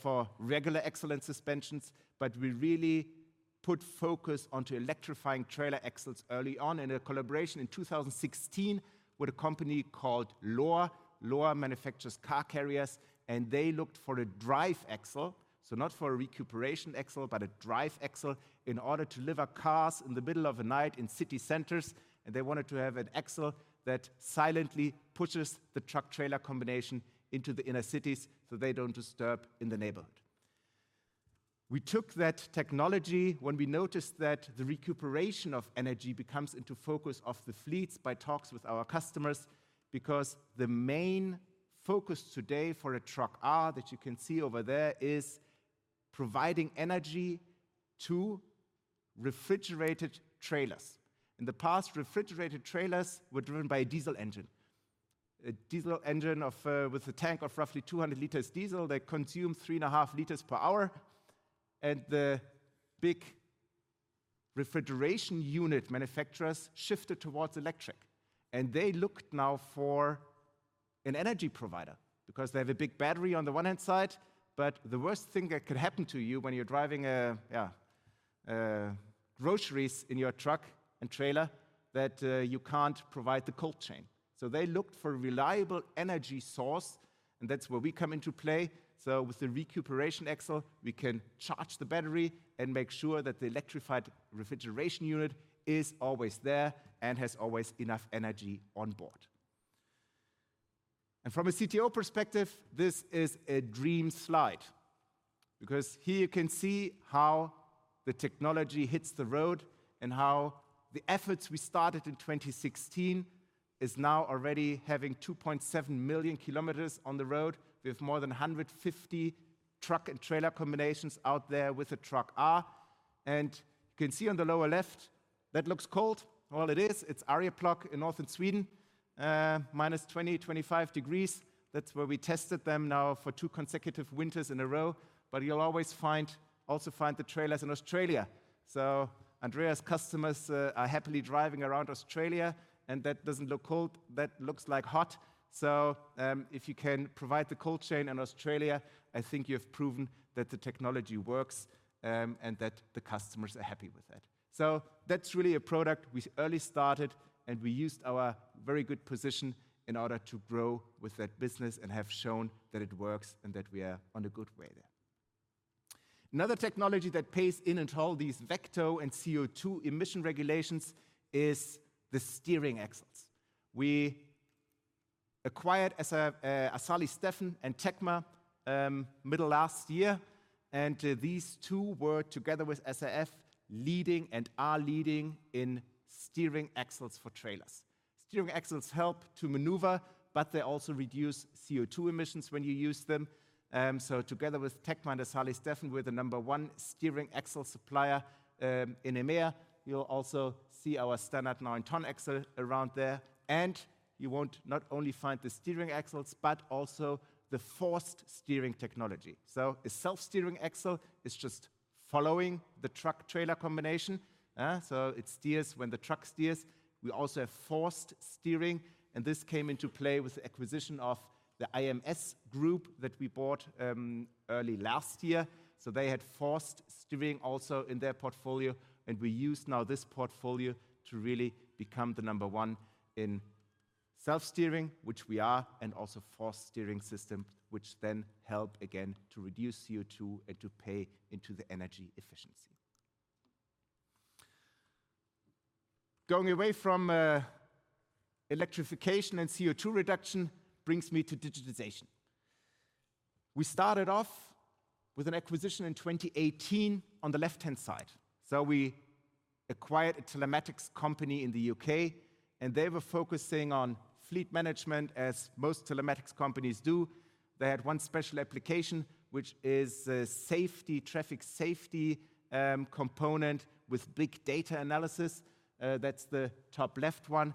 for regular excellent suspensions, but we really put focus onto electrifying trailer axles early on in a collaboration in 2016 with a company called LORE. LORE manufactures car carriers and they looked for a drive axle, so not for a recuperation axle, but a drive axle in order to lift cars in the middle of the night in city centers. They wanted to have an axle that silently pushes the truck trailer combination into the inner cities so they don't disturb the neighborhood. We took that technology when we noticed that the recuperation of energy becomes into focus of the fleets by talks with our customers because the main focus today for a truck R that you can see over there is providing energy to refrigerated trailers. In the past, refrigerated trailers were driven by a diesel engine. A diesel engine with a tank of roughly 200 liters diesel, they consume 3.5 liters per hour. The big refrigeration unit manufacturers shifted towards electric. They looked now for an energy provider because they have a big battery on the one hand side, but the worst thing that could happen to you when you're driving groceries in your truck and trailer that you can't provide the cold chain. So they looked for a reliable energy source and that's where we come into play. With the recuperation axle, we can charge the battery and make sure that the electrified refrigeration unit is always there and has always enough energy on board. From a CTO perspective, this is a dream slide because here you can see how the technology hits the road and how the efforts we started in 2016 is now already having 2.7 million kilometers on the road. We have more than 150 truck and trailer combinations out there with a truck R. You can see on the lower left, that looks cold. Well, it is. It's Arjeplog in northern Sweden, minus 20, 25 degrees. That's where we tested them now for two consecutive winters in a row. But you'll always also find the trailers in Australia. Andreas' customers are happily driving around Australia and that doesn't look cold. That looks like hot. If you can provide the cold chain in Australia, I think you have proven that the technology works and that the customers are happy with that. That's really a product we early started and we used our very good position in order to grow with that business and have shown that it works and that we are on a good way there. Another technology that pays in and holds these vector and CO2 emission regulations is the steering axles. We acquired Asali Steffen and TECMA middle last year. These two were together with SAF leading and are leading in steering axles for trailers. Steering axles help to maneuver, but they also reduce CO2 emissions when you use them. Together with TECMA and Asali Steffen, we're the number one steering axle supplier in EMEA. You'll also see our standard nine-ton axle around there. You won't not only find the steering axles, but also the forced steering technology. A self-steering axle is just following the truck trailer combination. It steers when the truck steers. We also have forced steering. This came into play with the acquisition of the IMS group that we bought early last year. They had forced steering also in their portfolio. We use now this portfolio to really become the number one in self-steering, which we are, and also forced steering systems, which then help again to reduce CO2 and to pay into the energy efficiency. Going away from electrification and CO2 reduction brings me to digitization. We started off with an acquisition in 2018 on the left hand side. We acquired a telematics company in the UK and they were focusing on fleet management as most telematics companies do. They had one special application, which is a safety traffic safety component with big data analysis. That's the top left one.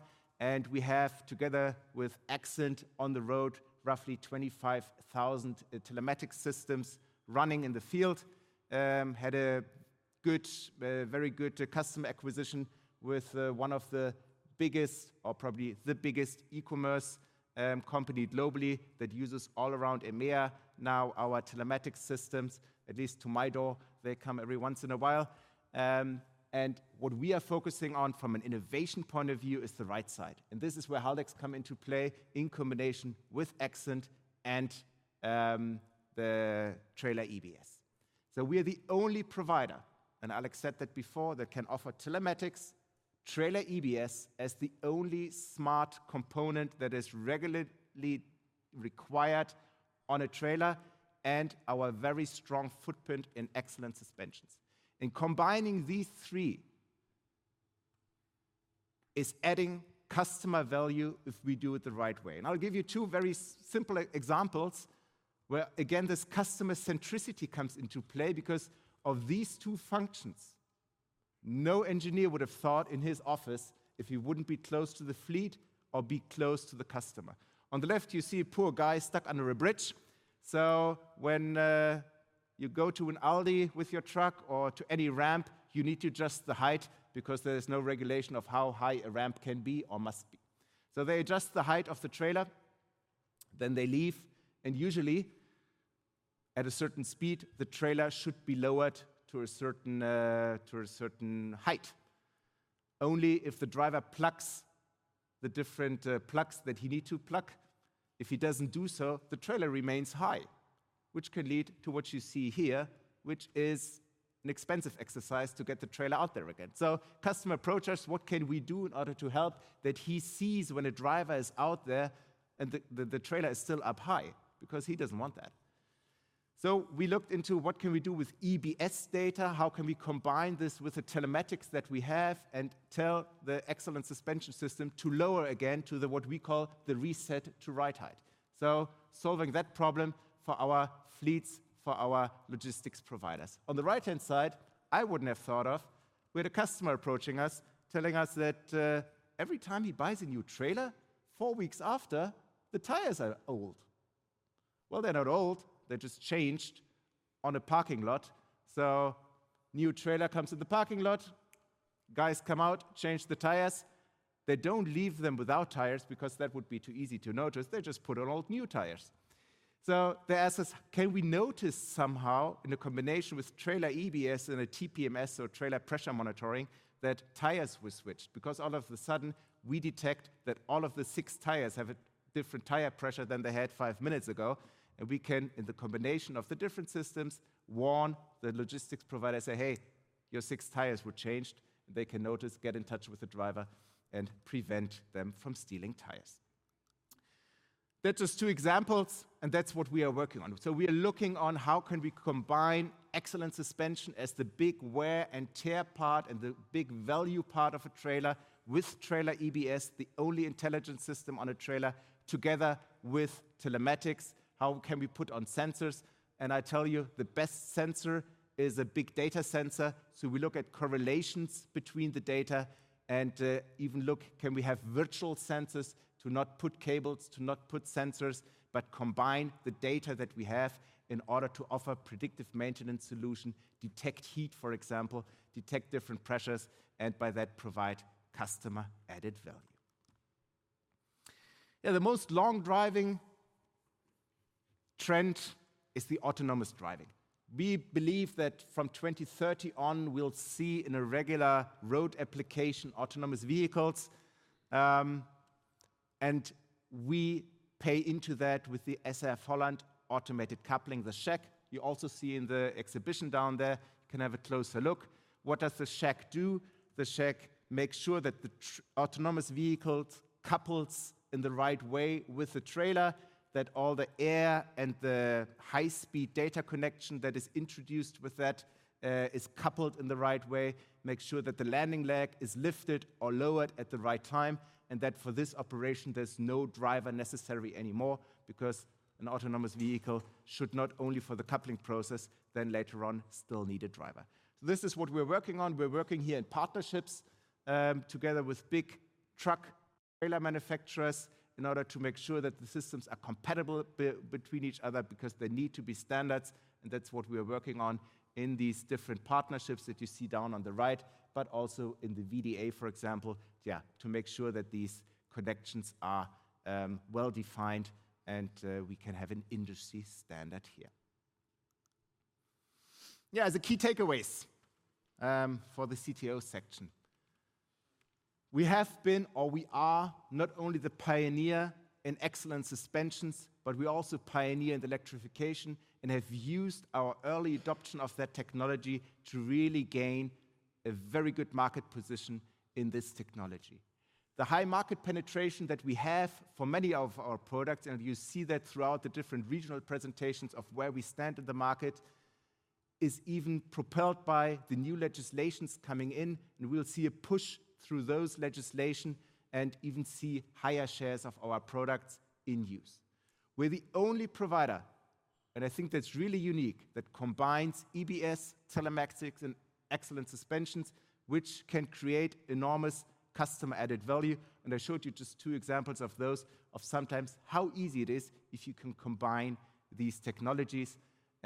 We have together with Accent on the Road, roughly 25,000 telematics systems running in the field. Had a very good customer acquisition with one of the biggest, or probably the biggest e-commerce company globally that uses all around EMEA. Now our telematics systems, at least to my door, they come every once in a while. What we are focusing on from an innovation point of view is the right side. This is where Haldex come into play in combination with Accent and the trailer EBS. So we are the only provider, and Alex said that before, that can offer telematics, trailer EBS as the only smart component that is regularly required on a trailer and our very strong footprint in excellent suspensions. Combining these three is adding customer value if we do it the right way. I'll give you two very simple examples where again this customer centricity comes into play because of these two functions. No engineer would have thought in his office if he wouldn't be close to the fleet or be close to the customer. On the left, you see a poor guy stuck under a bridge. When you go to an Aldi with your truck or to any ramp, you need to adjust the height because there is no regulation of how high a ramp can be or must be. They adjust the height of the trailer, then they leave. Usually at a certain speed, the trailer should be lowered to a certain height. Only if the driver plugs the different plugs that he needs to plug. If he doesn't do so, the trailer remains high, which can lead to what you see here, which is an expensive exercise to get the trailer out there again. So customer approach us, what can we do in order to help that he sees when a driver is out there and the trailer is still up high because he doesn't want that? We looked into what can we do with EBS data. How can we combine this with the telematics that we have and tell the excellent suspension system to lower again to what we call the reset to right height? Solving that problem for our fleets, for our logistics providers. On the right hand side, I wouldn't have thought of, we had a customer approaching us telling us that every time he buys a new trailer, four weeks after, the tires are old. Well, they're not old. They're just changed on a parking lot. So new trailer comes in the parking lot, guys come out, change the tires. They don't leave them without tires because that would be too easy to notice. They just put on old new tires. So they ask us, can we notice somehow in a combination with trailer EBS and a TPMS or trailer pressure monitoring that tires were switched because all of a sudden we detect that all of the six tires have a different tire pressure than they had five minutes ago. We can, in the combination of the different systems, warn the logistics provider, say, "Hey, your six tires were changed." They can notice, get in touch with the driver and prevent them from stealing tires. That's just two examples and that's what we are working on. We are looking at how we can combine excellent suspension as the big wear and tear part and the big value part of a trailer with trailer EBS, the only intelligent system on a trailer together with telematics. How can we put on sensors? I tell you, the best sensor is a big data sensor. We look at correlations between the data and even look, can we have virtual sensors to not put cables, to not put sensors, but combine the data that we have in order to offer predictive maintenance solution, detect heat, for example, detect different pressures, and by that provide customer added value. The most long-driving trend is the autonomous driving. We believe that from 2030 on, we'll see in regular road application autonomous vehicles. We pay into that with the SAF Holland automated coupling, the SHEC. You also see in the exhibition down there, you can have a closer look. What does the SHEC do? The SHEC makes sure that the autonomous vehicles couple in the right way with the trailer, that all the air and the high-speed data connection that is introduced with that is coupled in the right way, makes sure that the landing leg is lifted or lowered at the right time, and that for this operation, there's no driver necessary anymore because an autonomous vehicle should not only for the coupling process, then later on still need a driver. This is what we're working on. We're working here in partnerships together with big truck trailer manufacturers in order to make sure that the systems are compatible between each other because they need to be standards. That's what we are working on in these different partnerships that you see down on the right, but also in the VDA, for example, to make sure that these connections are well defined and we can have an industry standard here. As a key takeaway for the CTO section, we have been, or we are not only the pioneer in excellent suspensions, but we also pioneer in electrification and have used our early adoption of that technology to really gain a very good market position in this technology. The high market penetration that we have for many of our products, and you see that throughout the different regional presentations of where we stand in the market, is even propelled by the new legislations coming in. We'll see a push through those legislations and even see higher shares of our products in use. We're the only provider, and I think that's really unique, that combines EBS, telematics, and excellent suspensions, which can create enormous customer added value. I showed you just two examples of those of sometimes how easy it is if you can combine these technologies.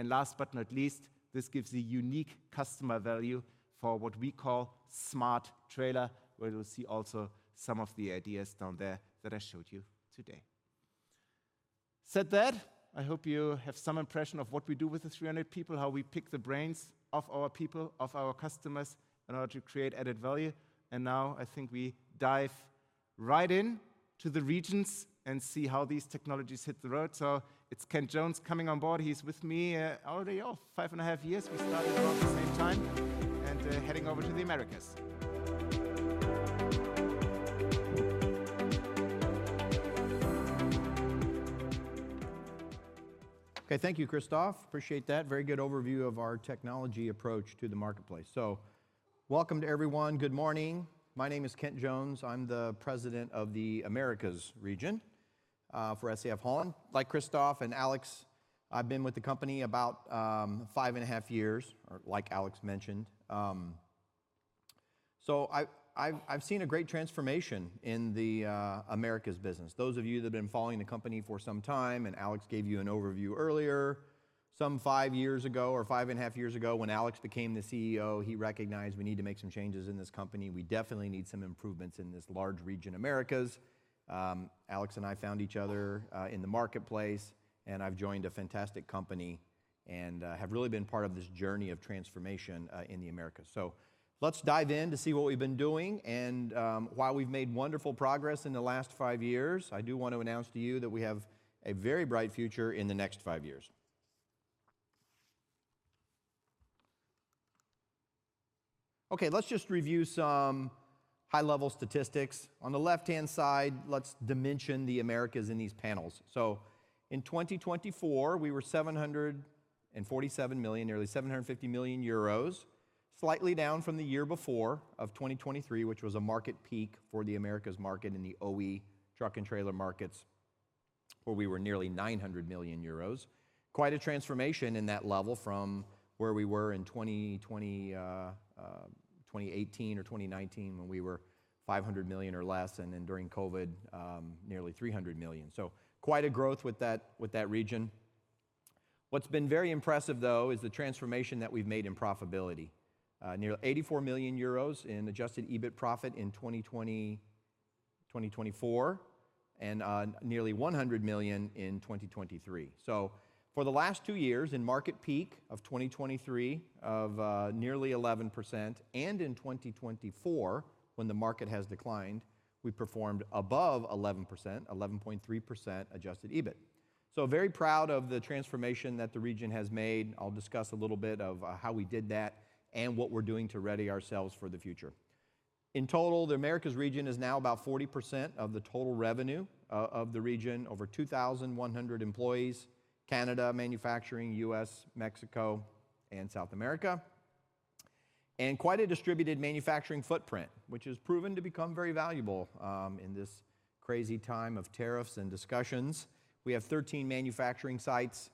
Last but not least, this gives a unique customer value for what we call smart trailer, where you'll see also some of the ideas down there that I showed you today. Said that, I hope you have some impression of what we do with the 300 people, how we pick the brains of our people, of our customers in order to create added value. Now I think we dive right in to the regions and see how these technologies hit the road. It's Kent Jones coming on board. He's with me already five and a half years. We started about the same time and heading over to the Americas. Okay, thank you, Christoph. Appreciate that. Very good overview of our technology approach to the marketplace. So welcome to everyone. Good morning. My name is Kent Jones. I'm the President of the Americas region for SAF Holland. Like Christoph and Alex, I've been with the company about five and a half years, or like Alex mentioned. So I've seen a great transformation in the Americas business. Those of you that have been following the company for some time, and Alex gave you an overview earlier, some five years ago or five and a half years ago when Alex became the CEO, he recognized we need to make some changes in this company. We definitely need some improvements in this large region, Americas. Alex and I found each other in the marketplace, and I've joined a fantastic company and have really been part of this journey of transformation in the Americas. Let's dive in to see what we've been doing and why we've made wonderful progress in the last five years. I do want to announce to you that we have a very bright future in the next five years. Let's just review some high-level statistics. On the left-hand side, let's dimension the Americas in these panels. In 2024, we were €747 million, nearly €750 million, slightly down from the year before of 2023, which was a market peak for the Americas market in the OE truck and trailer markets, where we were nearly €900 million. Quite a transformation in that level from where we were in 2018 or 2019 when we were €500 million or less, and then during COVID, nearly €300 million. So quite a growth with that region. What's been very impressive, though, is the transformation that we've made in profitability: nearly €84 million in adjusted EBIT profit in 2024 and nearly €100 million in 2023. For the last two years in market peak of 2023 of nearly 11%, and in 2024, when the market has declined, we performed above 11%, 11.3% adjusted EBIT. Very proud of the transformation that the region has made. I'll discuss a little bit of how we did that and what we're doing to ready ourselves for the future. In total, the Americas region is now about 40% of the total revenue of the region, over 2,100 employees: Canada, manufacturing, U.S., Mexico, and South America. And quite a distributed manufacturing footprint, which has proven to become very valuable in this crazy time of tariffs and discussions. We have 13 manufacturing sites.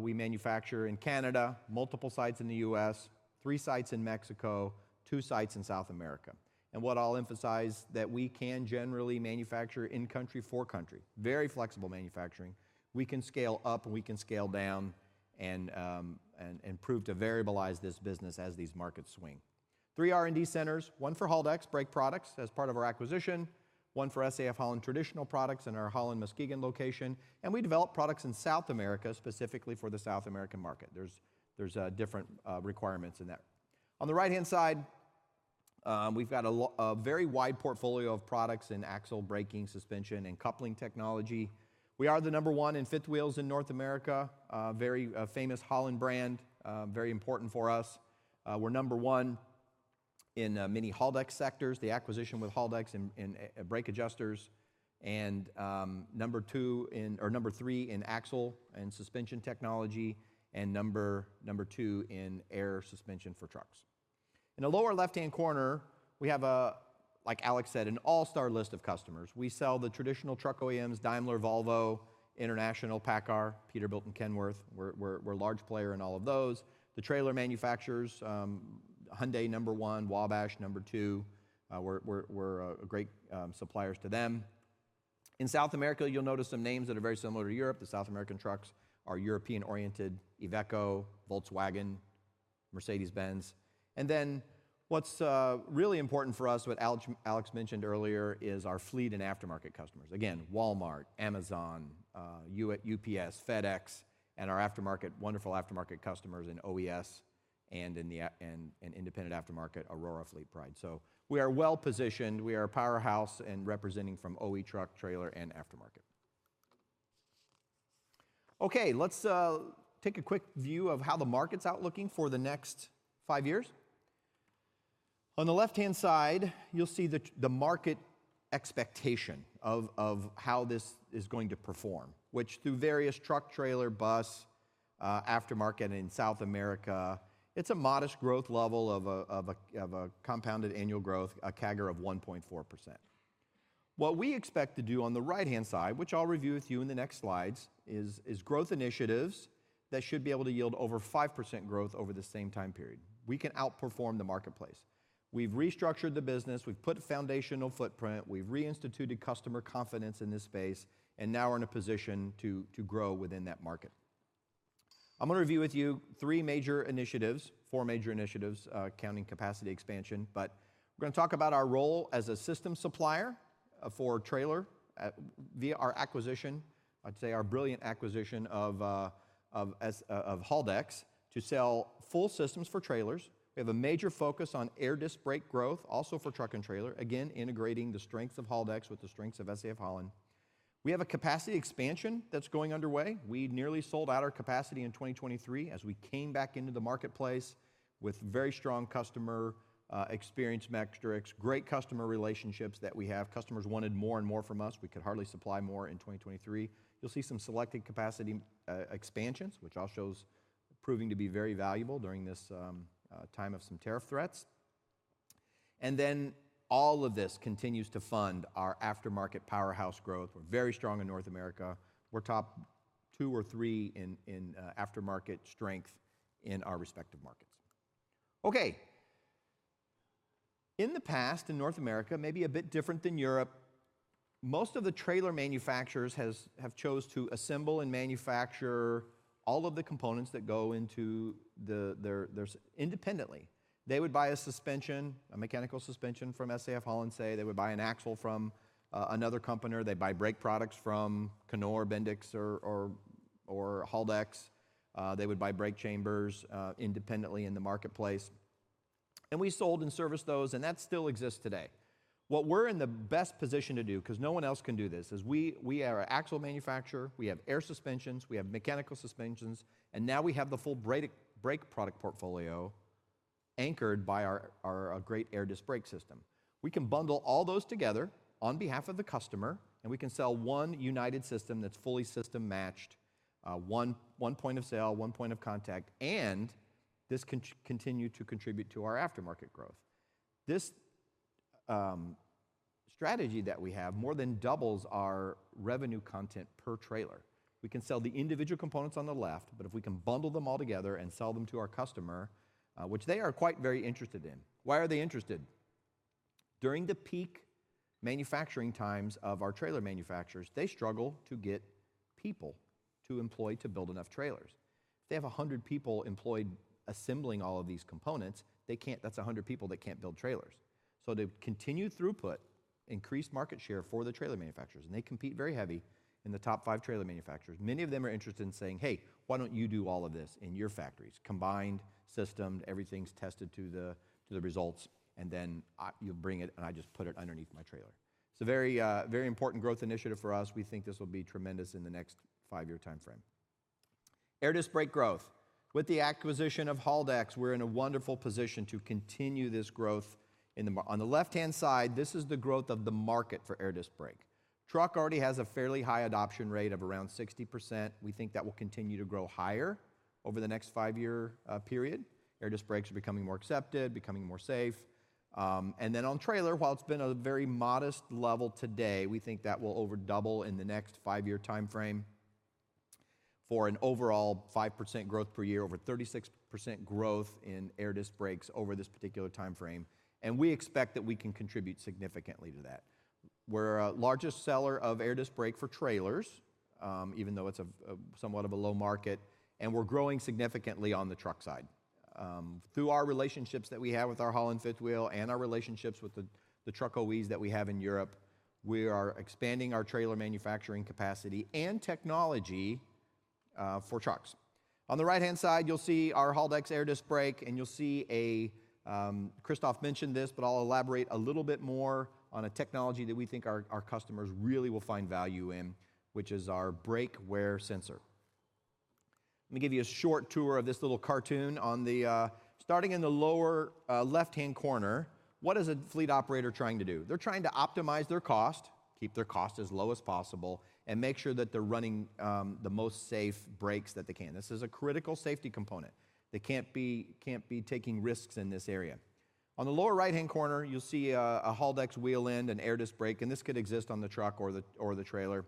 We manufacture in Canada, multiple sites in the U.S., three sites in Mexico, two sites in South America. What I'll emphasize is that we can generally manufacture in country for country, very flexible manufacturing. We can scale up, we can scale down, and prove to variabilize this business as these markets swing. Three R&D centers, one for Haldex Brake products as part of our acquisition, one for SAF Holland traditional products in our Holland, Muskegon location. We develop products in South America specifically for the South American market. There's different requirements in that. On the right-hand side, we've got a very wide portfolio of products in axle braking, suspension, and coupling technology. We are the number one in fifth wheels in North America, a very famous Holland brand, very important for us. We're number one in many Haldex sectors, the acquisition with Haldex and brake adjusters, and number two in, or number three in axle and suspension technology, and number two in air suspension for trucks. In the lower left-hand corner, we have, like Alex said, an all-star list of customers. We sell the traditional truck OEMs: Daimler, Volvo, International, Paccar, Peterbilt, and Kenworth. We're a large player in all of those. The trailer manufacturers, Hyundai number one, Wabash number two, we're great suppliers to them. In South America, you'll notice some names that are very similar to Europe. The South American trucks are European-oriented: Iveco, Volkswagen, Mercedes-Benz. What's really important for us, what Alex mentioned earlier, is our fleet and aftermarket customers. Again, Walmart, Amazon, UPS, FedEx, and our aftermarket, wonderful aftermarket customers in OES and in independent aftermarket, Aurora FleetPride. So we are well positioned. We are a powerhouse and representing from OE truck, trailer, and aftermarket. Let's take a quick view of how the market's outlooking for the next five years. On the left-hand side, you'll see the market expectation of how this is going to perform, which through various truck, trailer, bus, aftermarket in South America, it's a modest growth level of a compounded annual growth, a CAGR of 1.4%. What we expect to do on the right-hand side, which I'll review with you in the next slides, is growth initiatives that should be able to yield over 5% growth over the same time period. We can outperform the marketplace. We've restructured the business. We've put a foundational footprint. We've reinstituted customer confidence in this space, and now we're in a position to grow within that market. I'm going to review with you three major initiatives, four major initiatives, counting capacity expansion, but we're going to talk about our role as a system supplier for trailer via our acquisition, I'd say our brilliant acquisition of Haldex to sell full systems for trailers. We have a major focus on air disc brake growth, also for truck and trailer, again, integrating the strengths of Haldex with the strengths of SAF Holland. We have a capacity expansion that's going underway. We nearly sold out our capacity in 2023 as we came back into the marketplace with very strong customer experience metrics, great customer relationships that we have. Customers wanted more and more from us. We could hardly supply more in 2023. You'll see some selected capacity expansions, which all show proving to be very valuable during this time of some tariff threats. All of this continues to fund our aftermarket powerhouse growth. We're very strong in North America. We're top two or three in aftermarket strength in our respective markets. In the past, in North America, maybe a bit different than Europe, most of the trailer manufacturers have chosen to assemble and manufacture all of the components that go into theirs independently. They would buy a suspension, a mechanical suspension from SAF Holland, say they would buy an axle from another company, or they buy brake products from Knorr, Bendix, or Haldex. They would buy brake chambers independently in the marketplace. We sold and serviced those, and that still exists today. What we're in the best position to do, because no one else can do this, is we are an axle manufacturer. We have air suspensions, we have mechanical suspensions, and now we have the full brake product portfolio anchored by our great air disc brake system. We can bundle all those together on behalf of the customer, and we can sell one united system that's fully system matched, one point of sale, one point of contact, and this can continue to contribute to our aftermarket growth. This strategy that we have more than doubles our revenue content per trailer. We can sell the individual components on the left, but if we can bundle them all together and sell them to our customer, which they are quite very interested in. Why are they interested? During the peak manufacturing times of our trailer manufacturers, they struggle to get people to employ to build enough trailers. If they have 100 people employed assembling all of these components, that's 100 people that can't build trailers. So to continue throughput, increased market share for the trailer manufacturers, and they compete very heavily in the top five trailer manufacturers. Many of them are interested in saying, "Hey, why don't you do all of this in your factories? Combined, systemed, everything's tested to the results, and then you bring it and I just put it underneath my trailer." It's a very important growth initiative for us. We think this will be tremendous in the next five-year timeframe. Air disc brake growth. With the acquisition of Haldex, we're in a wonderful position to continue this growth. On the left-hand side, this is the growth of the market for air disc brake. Truck already has a fairly high adoption rate of around 60%. We think that will continue to grow higher over the next five-year period. Air disc brakes are becoming more accepted, becoming more safe. On trailer, while it's been a very modest level today, we think that will over double in the next five-year timeframe for an overall 5% growth per year, over 36% growth in air disc brakes over this particular timeframe. We expect that we can contribute significantly to that. We're a largest seller of air disc brake for trailers, even though it's somewhat of a low market, and we're growing significantly on the truck side. Through our relationships that we have with our Holland fifth wheel and our relationships with the truck OEs that we have in Europe, we are expanding our trailer manufacturing capacity and technology for trucks. On the right-hand side, you'll see our Haldex air disc brake, and you'll see a Christoph mentioned this, but I'll elaborate a little bit more on a technology that we think our customers really will find value in, which is our brake wear sensor. Let me give you a short tour of this little cartoon starting in the lower left-hand corner. What is a fleet operator trying to do? They're trying to optimize their cost, keep their cost as low as possible, and make sure that they're running the most safe brakes that they can. This is a critical safety component. They can't be taking risks in this area. On the lower right-hand corner, you'll see a Haldex wheel end, an air disc brake, and this could exist on the truck or the trailer.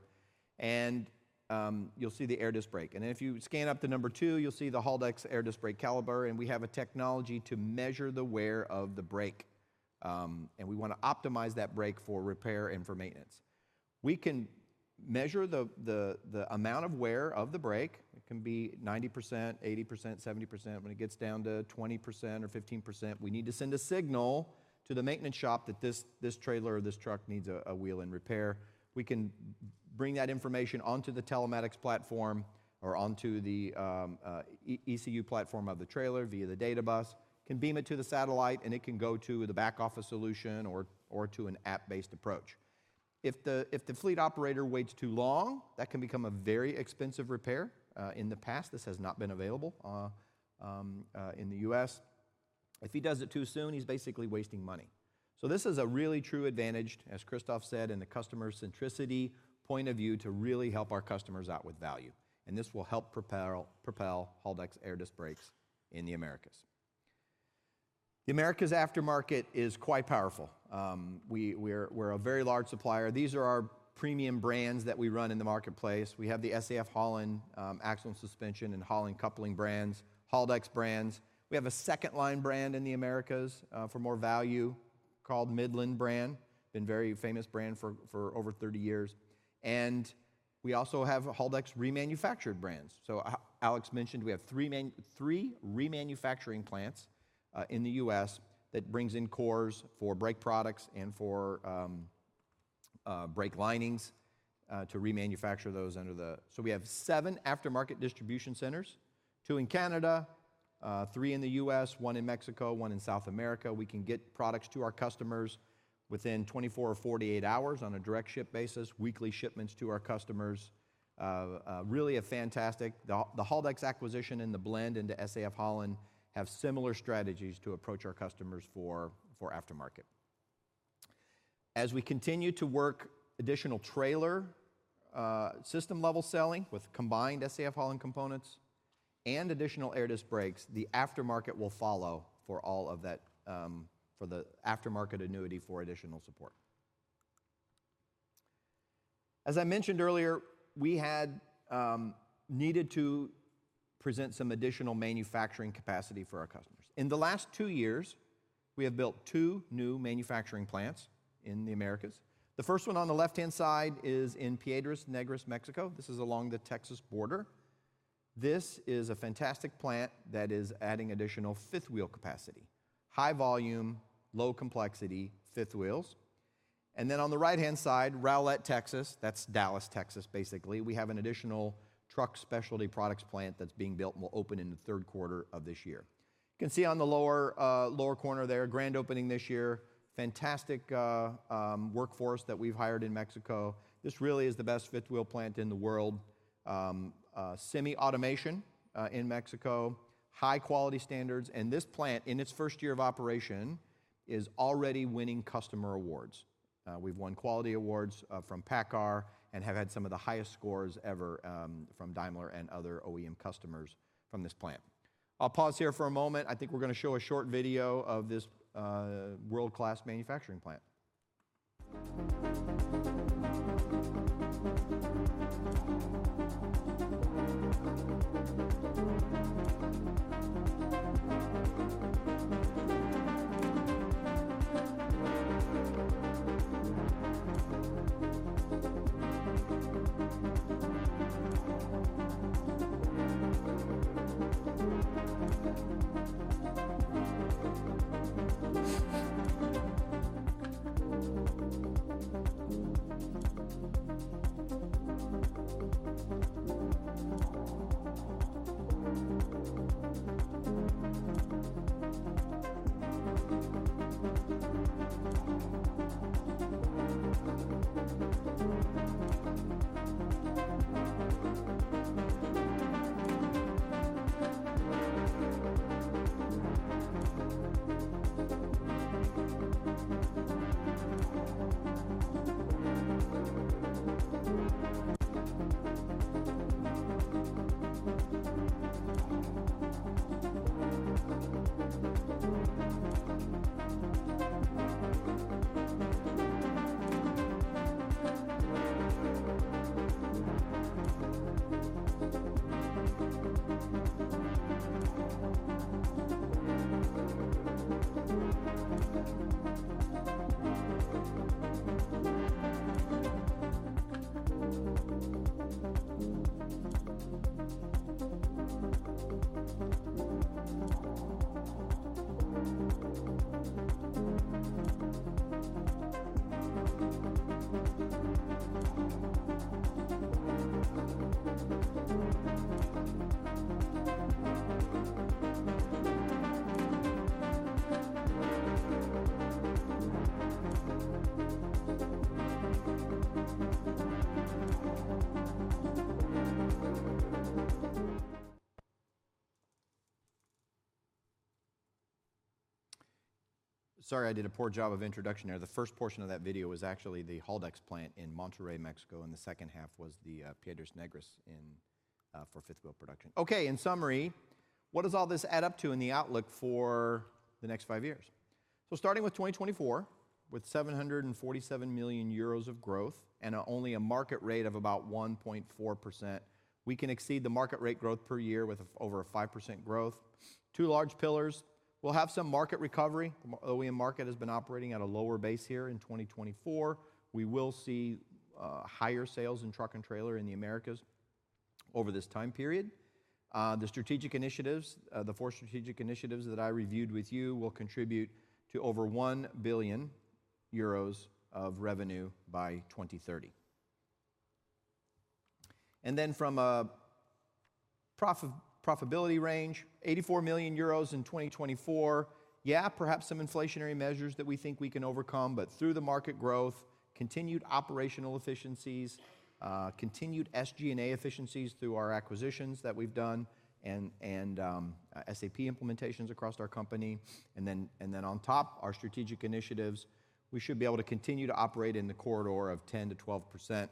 You'll see the air disc brake. If you scan up to number two, you'll see the Haldex air disc brake caliper, and we have a technology to measure the wear of the brake. We want to optimize that brake for repair and for maintenance. We can measure the amount of wear of the brake. It can be 90%, 80%, 70%. When it gets down to 20% or 15%, we need to send a signal to the maintenance shop that this trailer or this truck needs a wheel in repair. We can bring that information onto the telematics platform or onto the ECU platform of the trailer via the data bus. It can beam it to the satellite, and it can go to the back office solution or to an app-based approach. If the fleet operator waits too long, that can become a very expensive repair. In the past, this has not been available in the US. If he does it too soon, he's basically wasting money. This is a really true advantage, as Christoph said, and the customer centricity point of view to really help our customers out with value. This will help propel Haldex air disc brakes in the Americas. The Americas aftermarket is quite powerful. We're a very large supplier. These are our premium brands that we run in the marketplace. We have the SAF Holland axle and suspension and Holland coupling brands, Haldex brands. We have a second line brand in the Americas for more value called Midland brand. Been a very famous brand for over 30 years. We also have Haldex remanufactured brands. Alex mentioned we have three remanufacturing plants in the U.S. that brings in cores for brake products and for brake linings to remanufacture those. We have seven aftermarket distribution centers, two in Canada, three in the U.S., one in Mexico, one in South America. We can get products to our customers within 24 or 48 hours on a direct ship basis, weekly shipments to our customers. Really a fantastic the Haldex acquisition and the blend into SAF Holland have similar strategies to approach our customers for aftermarket. As we continue to work additional trailer system level selling with combined SAF Holland components and additional air disc brakes, the aftermarket will follow for all of that for the aftermarket annuity for additional support. As I mentioned earlier, we had needed to present some additional manufacturing capacity for our customers. In the last two years, we have built two new manufacturing plants in the Americas. The first one on the left-hand side is in Piedras Negras, Mexico. This is along the Texas border. This is a fantastic plant that is adding additional fifth wheel capacity, high volume, low complexity fifth wheels. And then on the right-hand side, Rowlett, Texas, that's Dallas, Texas basically. We have an additional truck specialty products plant that's being built and will open in the third quarter of this year. You can see on the lower corner there, grand opening this year, fantastic workforce that we've hired in Mexico. This really is the best fifth wheel plant in the world, semi-automation in Mexico, high quality standards. This plant, in its first year of operation, is already winning customer awards. We've won quality awards from Paccar and have had some of the highest scores ever from Daimler and other OEM customers from this plant. I'll pause here for a moment. I think we're going to show a short video of this world-class manufacturing plant. Sorry, I did a poor job of introduction there. The first portion of that video was actually the Haldex plant in Monterrey, Mexico, and the second half was the Piedras Negras for fifth wheel production. In summary, what does all this add up to in the outlook for the next five years? Starting with 2024, with €747 million of growth and only a market rate of about 1.4%, we can exceed the market rate growth per year with over 5% growth. Two large pillars. We'll have some market recovery. The OEM market has been operating at a lower base here in 2024. We will see higher sales in truck and trailer in the Americas over this time period. The strategic initiatives, the four strategic initiatives that I reviewed with you, will contribute to over €1 billion of revenue by 2030. From a profitability range, €84 million in 2024. Perhaps some inflationary measures that we think we can overcome, but through the market growth, continued operational efficiencies, continued SG&A efficiencies through our acquisitions that we've done, and SAP implementations across our company. On top, our strategic initiatives, we should be able to continue to operate in the corridor of 10% to 12%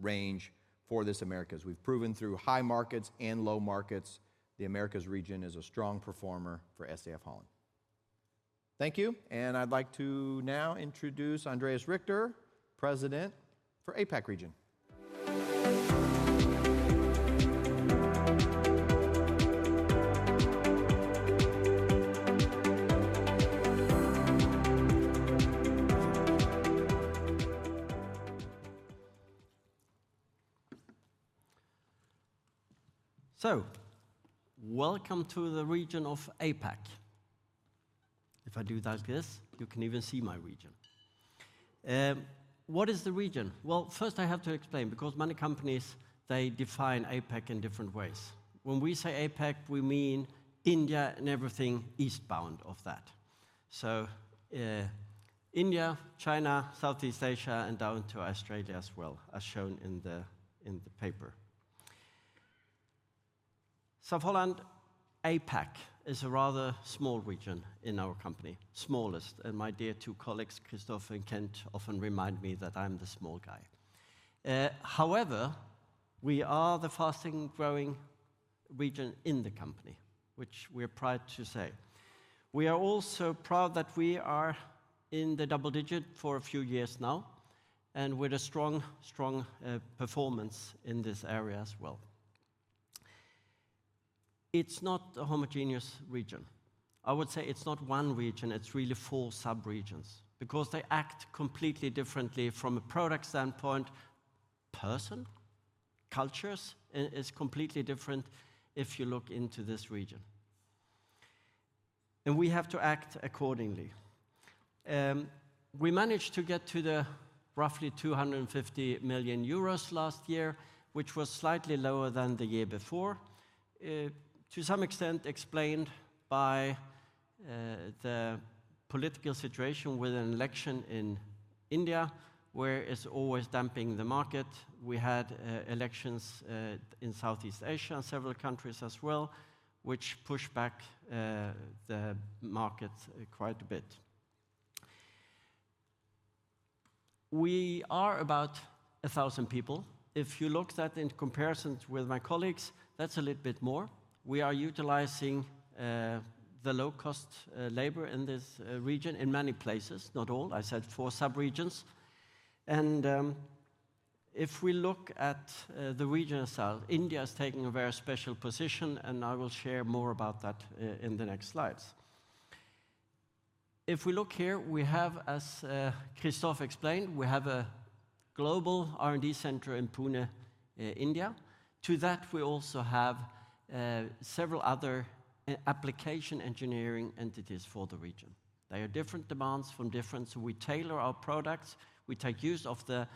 range for this Americas. We've proven through high markets and low markets, the Americas region is a strong performer for SAF Holland. Thank you. I'd like to now introduce Andreas Richter, President for APAC Region. Welcome to the region of APAC. If I do like this, you can even see my region. What is the region? Well, first I have to explain, because many companies, they define APAC in different ways. When we say APAC, we mean India and everything eastbound of that. So India, China, Southeast Asia, and down to Australia as well, as shown in the paper. So Holland, APAC is a rather small region in our company, smallest. And my dear two colleagues, Christoph and Kent, often remind me that I'm the small guy. However, we are the fastest growing region in the company, which we are proud to say. We are also proud that we are in the double digit for a few years now, and with a strong, strong performance in this area as well. It's not a homogeneous region. I would say it's not one region. It's really four subregions because they act completely differently from a product standpoint, person, cultures, and it's completely different if you look into this region. We have to act accordingly. We managed to get to roughly €250 million last year, which was slightly lower than the year before, to some extent explained by the political situation with an election in India, where it's always dumping the market. We had elections in Southeast Asia and several countries as well, which pushed back the market quite a bit. We are about 1,000 people. If you look at that in comparison with my colleagues, that's a little bit more. We are utilizing the low-cost labor in this region in many places, not all. I said four subregions. If we look at the regional style, India is taking a very special position, and I will share more about that in the next slides. If we look here, we have, as Christoph explained, we have a global R&D center in Pune, India. To that, we also have several other application engineering entities for the region. They are different demands from different, so we tailor our products. We take use of the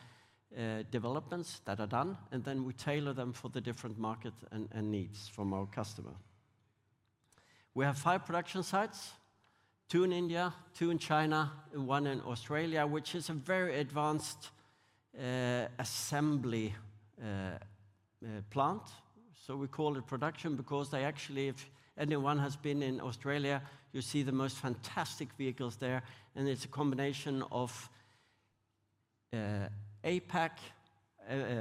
developments that are done, and then we tailor them for the different markets and needs from our customer. We have five production sites: two in India, two in China, and one in Australia, which is a very advanced assembly plant. So we call it production because they actually, if anyone has been in Australia, you see the most fantastic vehicles there. It's a combination of APAC,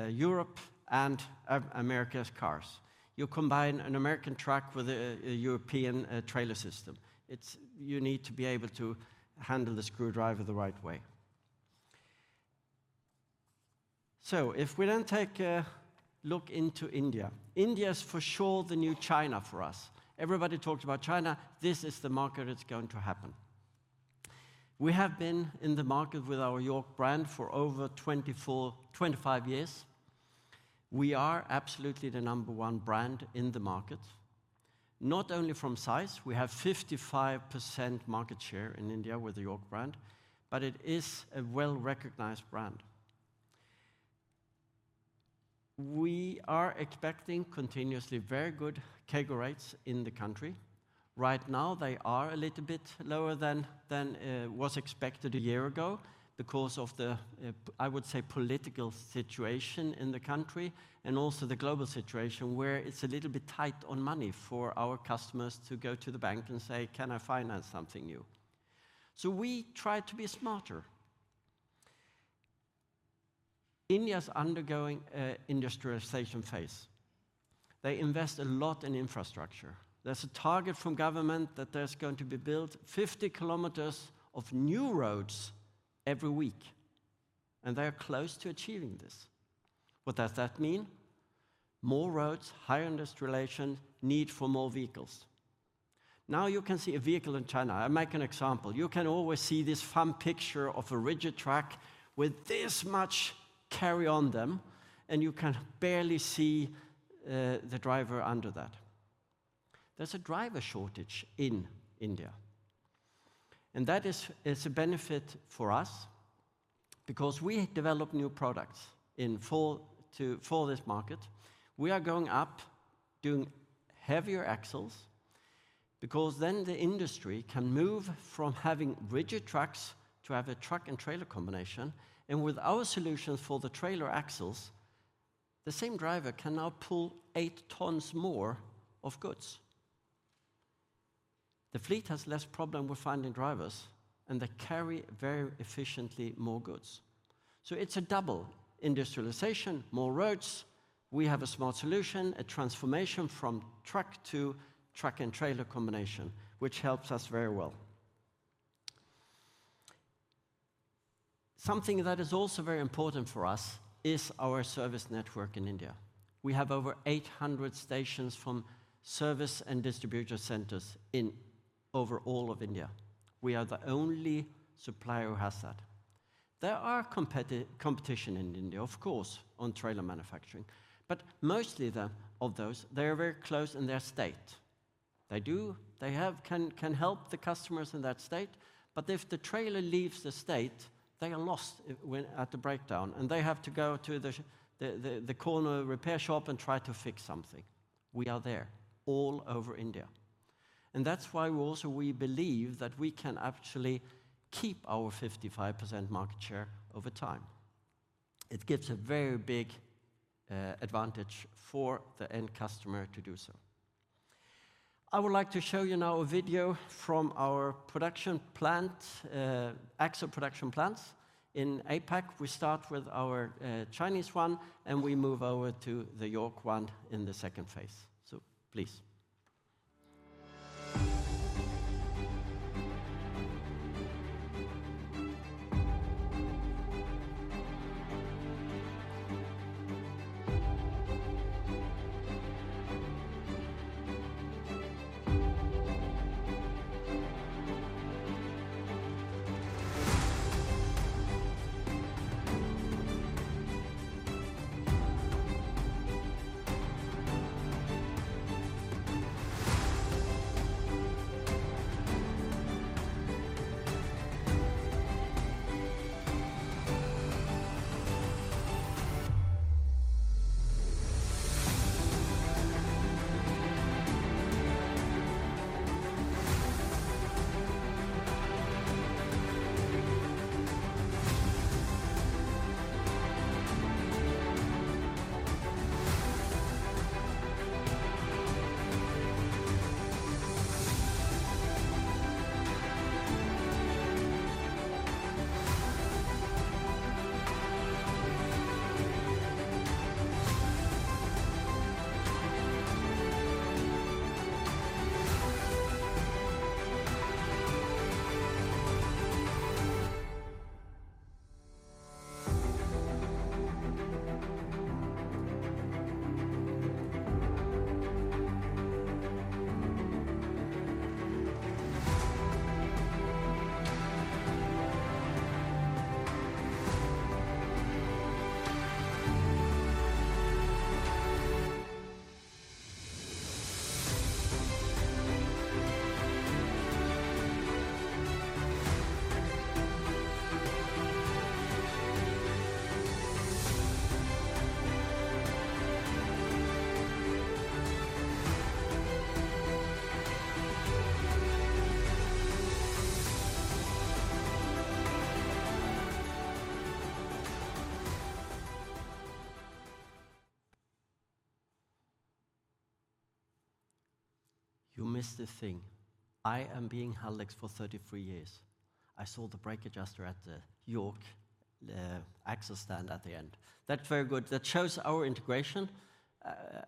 Europe, and America's cars. You combine an American truck with a European trailer system. You need to be able to handle the screwdriver the right way. If we then take a look into India, India is for sure the new China for us. Everybody talks about China. This is the market that's going to happen. We have been in the market with our York brand for over 25 years. We are absolutely the number one brand in the market, not only from size. We have 55% market share in India with the York brand, but it is a well-recognized brand. We are expecting continuously very good CAGR rates in the country. Right now, they are a little bit lower than was expected a year ago because of the, I would say, political situation in the country and also the global situation where it's a little bit tight on money for our customers to go to the bank and say, "Can I finance something new?" So we try to be smarter. India is undergoing an industrialization phase. They invest a lot in infrastructure. There's a target from government that there's going to be built 50 kilometers of new roads every week, and they are close to achieving this. What does that mean? More roads, higher industrialization, need for more vehicles. Now you can see a vehicle in China. I'll make an example. You can always see this fun picture of a rigid truck with this much carry-on them, and you can barely see the driver under that. There's a driver shortage in India, and that is a benefit for us because we develop new products for this market. We are going up, doing heavier axles because then the industry can move from having rigid trucks to have a truck and trailer combination. With our solutions for the trailer axles, the same driver can now pull eight tons more of goods. The fleet has less problem with finding drivers, and they carry very efficiently more goods. So it's a double industrialization, more roads. We have a smart solution, a transformation from truck to truck and trailer combination, which helps us very well. Something that is also very important for us is our service network in India. We have over 800 stations from service and distributor centers in over all of India. We are the only supplier who has that. There is competition in India, of course, on trailer manufacturing, but mostly those are very close in their state. They can help the customers in that state, but if the trailer leaves the state, they are lost at the breakdown, and they have to go to the corner repair shop and try to fix something. We are there all over India. That's why we also believe that we can actually keep our 55% market share over time. It gives a very big advantage for the end customer to do so. I would like to show you now a video from our production plant, AXA Production Plants in APAC. We start with our Chinese one, and we move over to the York one in the second phase. So please. You missed the thing. I am being held for 33 years. I saw the brake adjuster at the York AXA stand at the end. That's very good. That shows our integration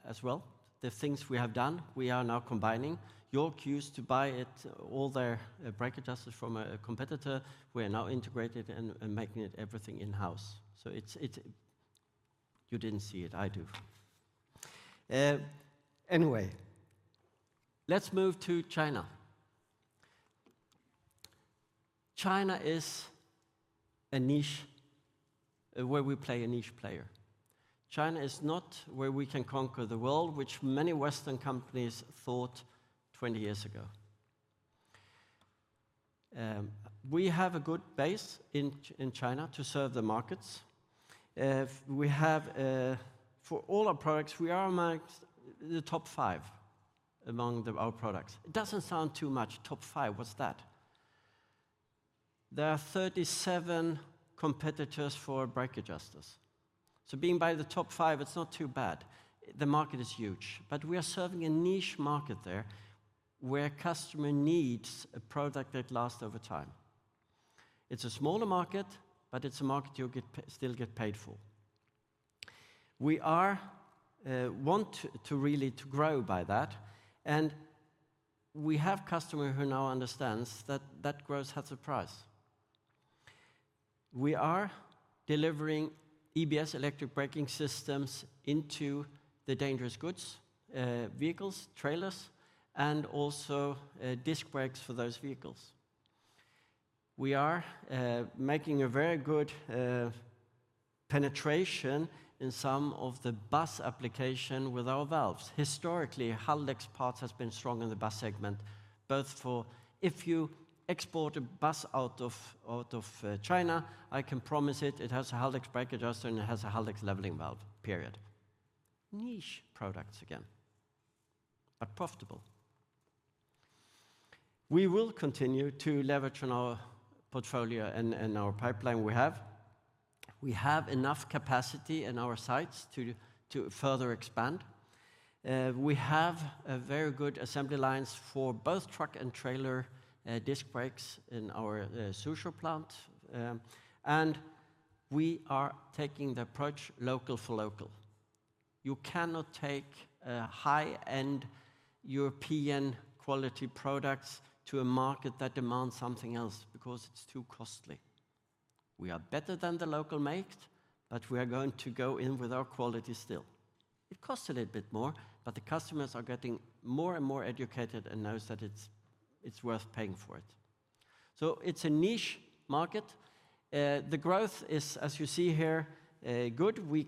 as well. The things we have done, we are now combining. York used to buy all their brake adjusters from a competitor. We are now integrated and making everything in-house. So you didn't see it. I do. Anyway, let's move to China. China is a niche where we play a niche player. China is not where we can conquer the world, which many Western companies thought 20 years ago. We have a good base in China to serve the markets. For all our products, we are among the top five among our products. It doesn't sound too much. Top five, what's that? There are 37 competitors for brake adjusters. Being in the top five, it's not too bad. The market is huge, but we are serving a niche market there where a customer needs a product that lasts over time. It's a smaller market, but it's a market you still get paid for. We want to really grow by that, and we have customers who now understand that that growth has a price. We are delivering EBS electric braking systems into the dangerous goods vehicles, trailers, and also disc brakes for those vehicles. We are making a very good penetration in some of the bus application with our valves. Historically, Haldex parts have been strong in the bus segment, both for if you export a bus out of China, I can promise it, it has a Haldex brake adjuster and it has a Haldex leveling valve, period. Niche products again, but profitable. We will continue to leverage on our portfolio and our pipeline we have. We have enough capacity in our sites to further expand. We have very good assembly lines for both truck and trailer disc brakes in our social plant. We are taking the approach local for local. You cannot take high-end European quality products to a market that demands something else because it's too costly. We are better than the local makes, but we are going to go in with our quality still. It costs a little bit more, but the customers are getting more and more educated and know that it's worth paying for it. So it's a niche market. The growth is, as you see here, good. We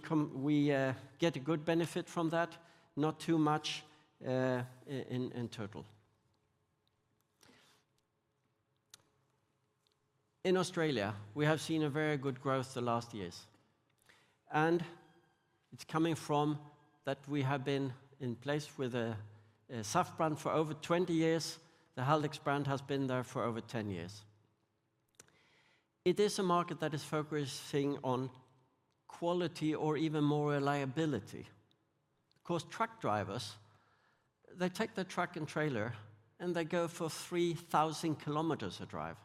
get a good benefit from that, not too much in total. In Australia, we have seen very good growth the last years. It's coming from that we have been in place with a soft brand for over 20 years. The Haldex brand has been there for over 10 years. It is a market that is focusing on quality or even more reliability. Of course, truck drivers, they take their truck and trailer and they go for 3,000 kilometers a drive.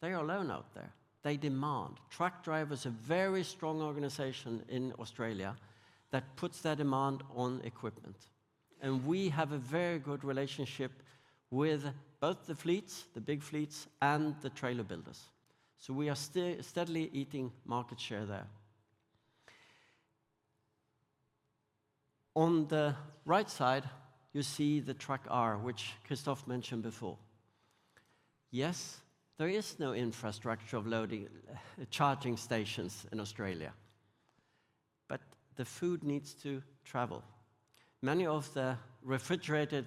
They are alone out there. They demand. Truck drivers are a very strong organization in Australia that puts their demand on equipment. We have a very good relationship with both the fleets, the big fleets, and the trailer builders. We are steadily eating market share there. On the right side, you see the truck R, which Christoph mentioned before. Yes, there is no infrastructure of loading charging stations in Australia, but the food needs to travel. Many of the refrigerated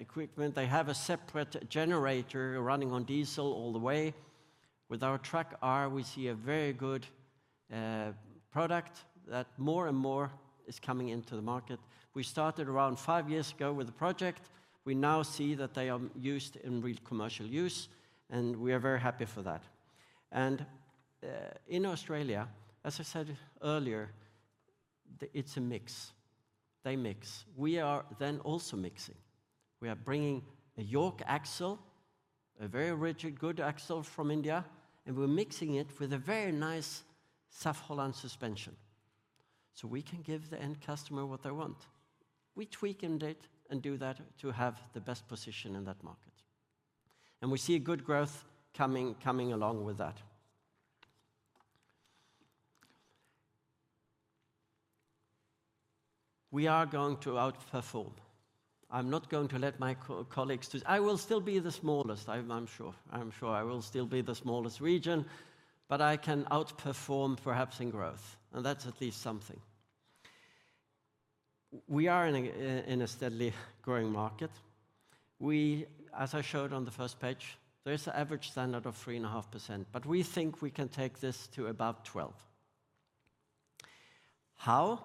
equipment, they have a separate generator running on diesel all the way. With our truck R, we see a very good product that more and more is coming into the market. We started around five years ago with a project. We now see that they are used in real commercial use, and we are very happy for that. In Australia, as I said earlier, it's a mix. They mix. We are then also mixing. We are bringing a York axle, a very rigid good axle from India, and we're mixing it with a very nice SAF Holland suspension so we can give the end customer what they want. We tweak and do that to have the best position in that market. We see good growth coming along with that. We are going to outperform. I'm not going to let my colleagues do it. I will still be the smallest, I'm sure. I'm sure I will still be the smallest region, but I can outperform perhaps in growth, and that's at least something. We are in a steadily growing market. As I showed on the first page, there is an average standard of 3.5%, but we think we can take this to about 12%. How?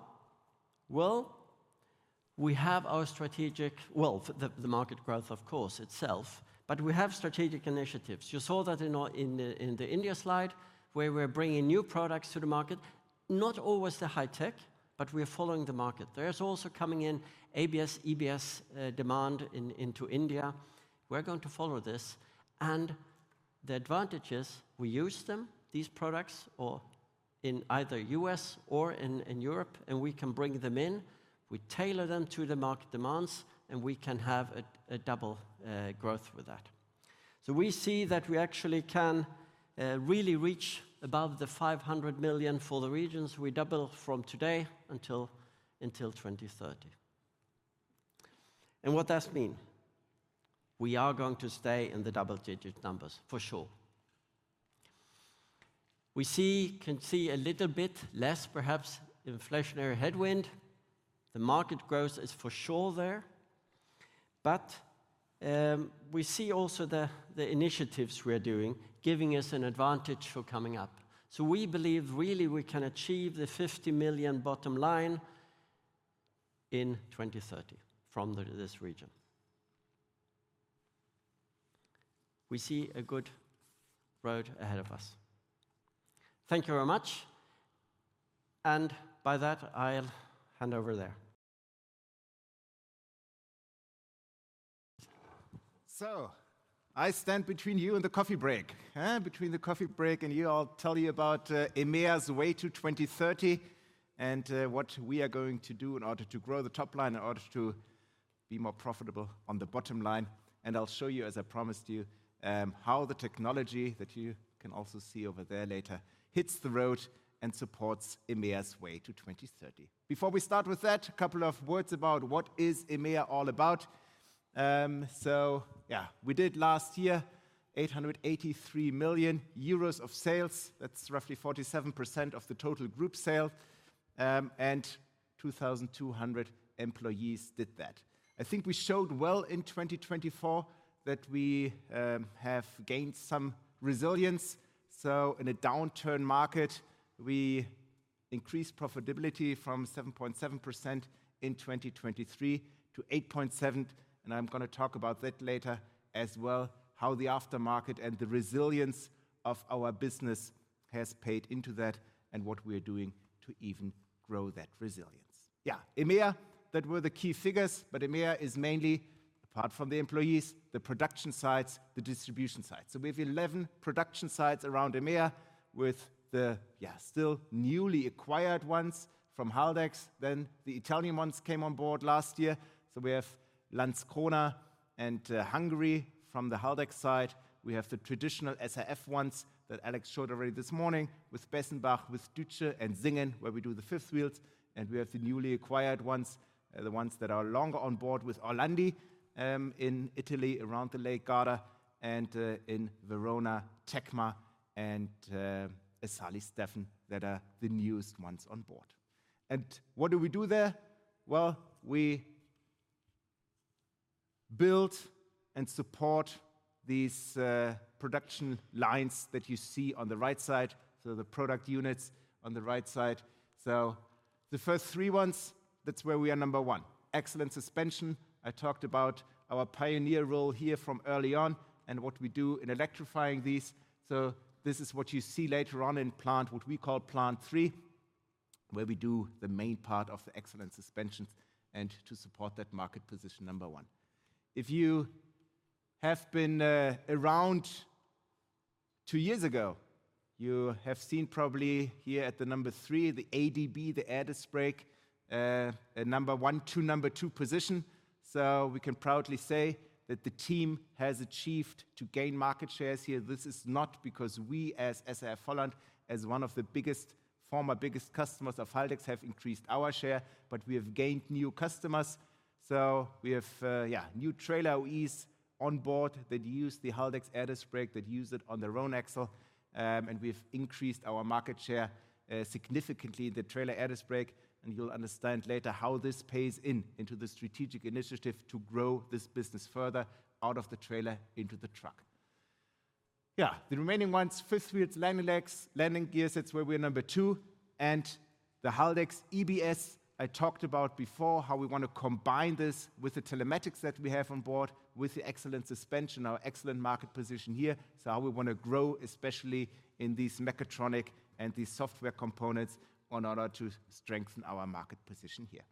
We have our strategic initiatives. The market growth, of course, itself, but we have strategic initiatives. You saw that in the India slide where we're bringing new products to the market, not always the high tech, but we're following the market. There's also coming in ABS, EBS demand into India. We're going to follow this. The advantages, we use them, these products, either in the US or in Europe, and we can bring them in. We tailor them to the market demands, and we can have a double growth with that. We see that we actually can really reach above the $500 million for the regions. We double from today until 2030. What does that mean? We are going to stay in the double-digit numbers for sure. We can see a little bit less, perhaps, inflationary headwind. The market growth is for sure there, but we see also the initiatives we are doing giving us an advantage for coming up. We believe really we can achieve the $50 million bottom line in 2030 from this region. We see a good road ahead of us. Thank you very much. By that, I'll hand over there. I stand between you and the coffee break, between the coffee break and you. I'll tell you about EMEA's way to 2030 and what we are going to do in order to grow the top line in order to be more profitable on the bottom line. I'll show you, as I promised you, how the technology that you can also see over there later hits the road and supports EMEA's way to 2030. Before we start with that, a couple of words about what EMEA is all about. We did last year €883 million of sales. That's roughly 47% of the total group sale. 2,200 employees did that. I think we showed well in 2024 that we have gained some resilience. In a downturn market, we increased profitability from 7.7% in 2023 to 8.7%. I'm going to talk about that later as well, how the aftermarket and the resilience of our business has paid into that and what we are doing to even grow that resilience. EMEA, those were the key figures, but EMEA is mainly, apart from the employees, the production sites, the distribution sites. So we have 11 production sites around EMEA with the still newly acquired ones from Haldex. Then the Italian ones came on board last year. So we have Lanz Kona and Hungary from the Haldex side. We have the traditional SAF ones that Alex showed already this morning with Bessenbach, with Dütze and Singen, where we do the fifth wheels. We have the newly acquired ones, the ones that are longer on board with Orlandi in Italy around the Lake Garda and in Verona, TECMA and Isali Steffen that are the newest ones on board. What do we do there? Well, we build and support these production lines that you see on the right side, the product units on the right side. The first three ones, that's where we are number one. Excellent suspension. I talked about our pioneer role here from early on and what we do in electrifying these. This is what you see later on in plant, what we call plant three, where we do the main part of the excellent suspensions and to support that market position number one. If you have been around two years ago, you have seen probably here at the number three, the ADB, the ADAS brake, a number one, two number two position. We can proudly say that the team has achieved to gain market shares here. This is not because we as SAF Holland, as one of the biggest former biggest customers of Haldex, have increased our share, but we have gained new customers. So we have new trailer OEMs on board that use the Haldex ADAS brake that use it on the Roan Axle. We have increased our market share significantly, the trailer ADAS brake. You'll understand later how this pays into the strategic initiative to grow this business further out of the trailer into the truck. Yeah, the remaining ones, fifth wheels, landing gears, that's where we are number two. The Haldex EBS I talked about before, how we want to combine this with the telematics that we have on board with the excellent suspension, our excellent market position here. How we want to grow, especially in these mechatronic and these software components in order to strengthen our market position here.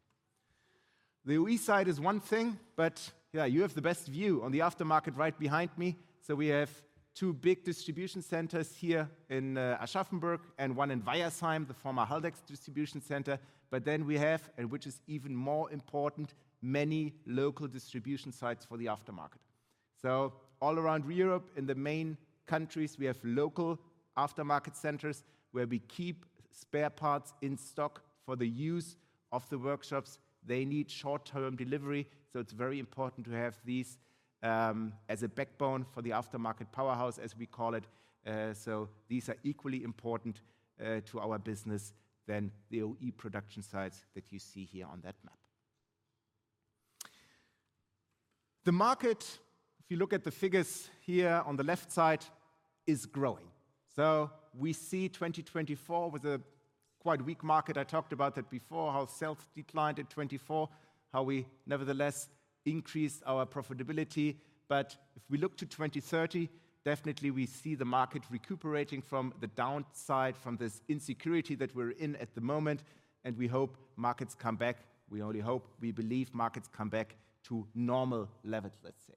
The E side is one thing, but yeah, you have the best view on the aftermarket right behind me. We have two big distribution centers here in Aschaffenburg and one in Weyerheim, the former Haldex distribution center. But then we have, and which is even more important, many local distribution sites for the aftermarket. All around Europe in the main countries, we have local aftermarket centers where we keep spare parts in stock for the use of the workshops. They need short-term delivery. It's very important to have these as a backbone for the aftermarket powerhouse, as we call it. These are equally important to our business than the OE production sites that you see here on that map. The market, if you look at the figures here on the left side, is growing. We see 2024 was a quite weak market. I talked about that before, how sales declined in '24, how we nevertheless increased our profitability. But if we look to 2030, definitely we see the market recuperating from the downside from this insecurity that we're in at the moment. We hope markets come back. We only hope, we believe markets come back to normal levels, let's say.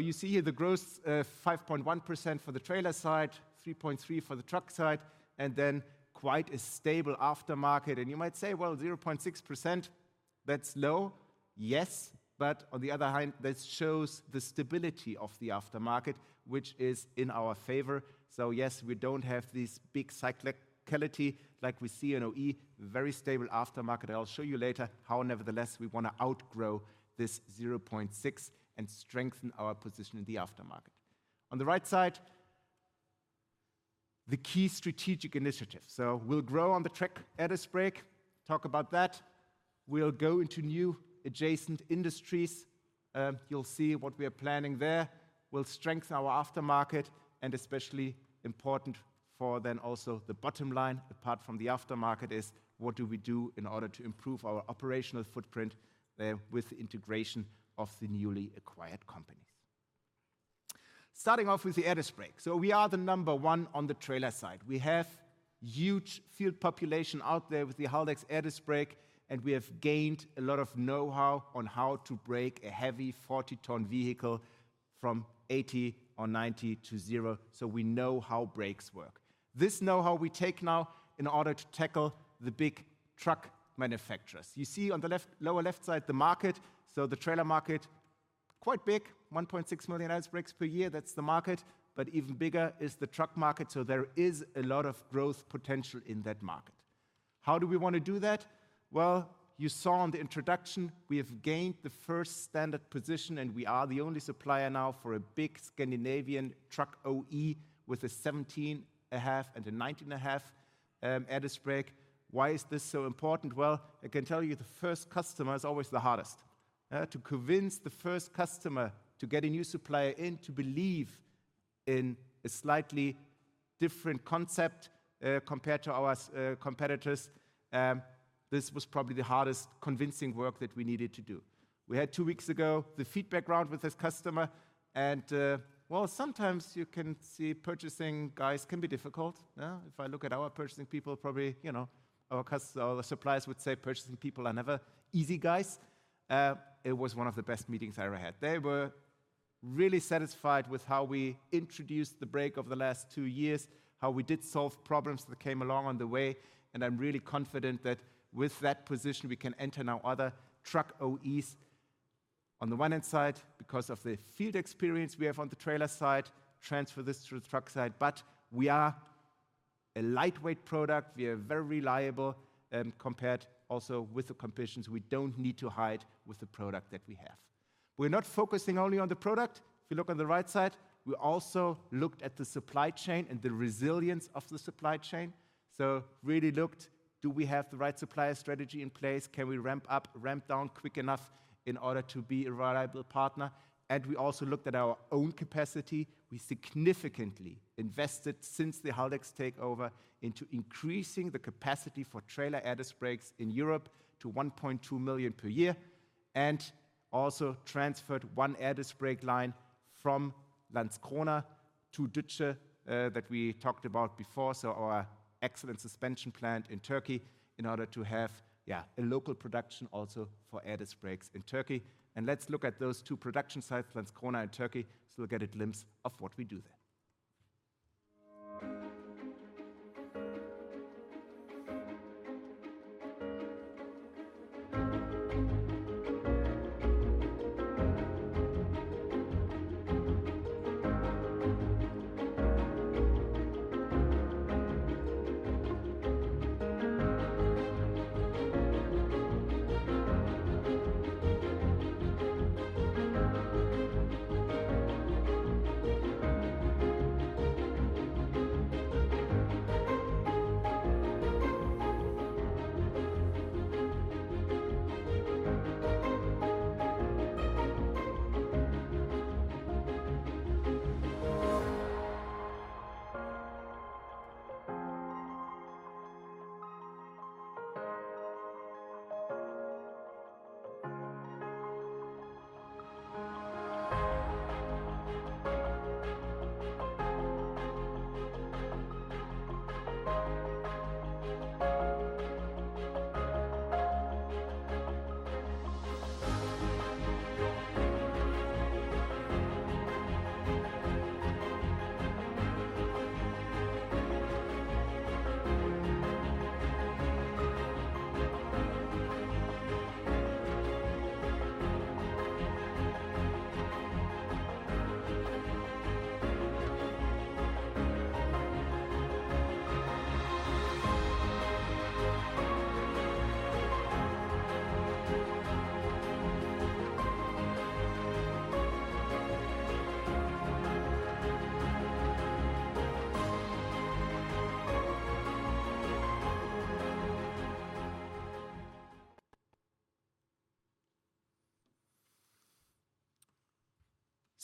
You see here the growth, 5.1% for the trailer side, 3.3% for the truck side, and then quite a stable aftermarket. You might say, well, 0.6%, that's low. Yes, but on the other hand, this shows the stability of the aftermarket, which is in our favor. Yes, we don't have this big cyclicality like we see in OE, very stable aftermarket. I'll show you later how nevertheless we want to outgrow this 0.6% and strengthen our position in the aftermarket. On the right side, the key strategic initiative. We'll grow on the truck ADAS brake, talk about that. We'll go into new adjacent industries. You'll see what we are planning there. We'll strengthen our aftermarket, and especially important for then also the bottom line, apart from the aftermarket, is what do we do in order to improve our operational footprint there with the integration of the newly acquired companies. Starting off with the ADAS brake. We are the number one on the trailer side. We have huge field population out there with the Haldex ADAS brake, and we have gained a lot of know-how on how to brake a heavy 40-ton vehicle from 80 or 90 to zero. We know how brakes work. This know-how we take now in order to tackle the big truck manufacturers. You see on the lower left side the market. The trailer market, quite big, 1.6 million ADAS brakes per year, that's the market. But even bigger is the truck market. There is a lot of growth potential in that market. How do we want to do that? You saw in the introduction, we have gained the first standard position, and we are the only supplier now for a big Scandinavian truck OE with a 17.5 and a 19.5 ADAS brake. Why is this so important? I can tell you the first customer is always the hardest. To convince the first customer to get a new supplier in to believe in a slightly different concept compared to our competitors, this was probably the hardest convincing work that we needed to do. We had two weeks ago the feedback round with this customer. Well, sometimes you can see purchasing guys can be difficult. If I look at our purchasing people, probably our suppliers would say purchasing people are never easy guys. It was one of the best meetings I ever had. They were really satisfied with how we introduced the brake over the last two years, how we did solve problems that came along on the way. I'm really confident that with that position, we can enter now other truck OEs on the one hand side because of the field experience we have on the trailer side, transfer this to the truck side. We are a lightweight product. We are very reliable compared also with the competitions. We don't need to hide with the product that we have. We're not focusing only on the product. If you look on the right side, we also looked at the supply chain and the resilience of the supply chain. We really looked, do we have the right supplier strategy in place? Can we ramp up, ramp down quick enough in order to be a reliable partner? We also looked at our own capacity. We significantly invested since the Haldex takeover into increasing the capacity for trailer ADAS brakes in Europe to 1.2 million per year and also transferred one ADAS brake line from Lanz Kona to Dütze that we talked about before to our excellent suspension plant in Turkey in order to have a local production also for ADAS brakes in Turkey. Let's look at those two production sites, Lanz Kona and Turkey. We'll get a glimpse of what we do there.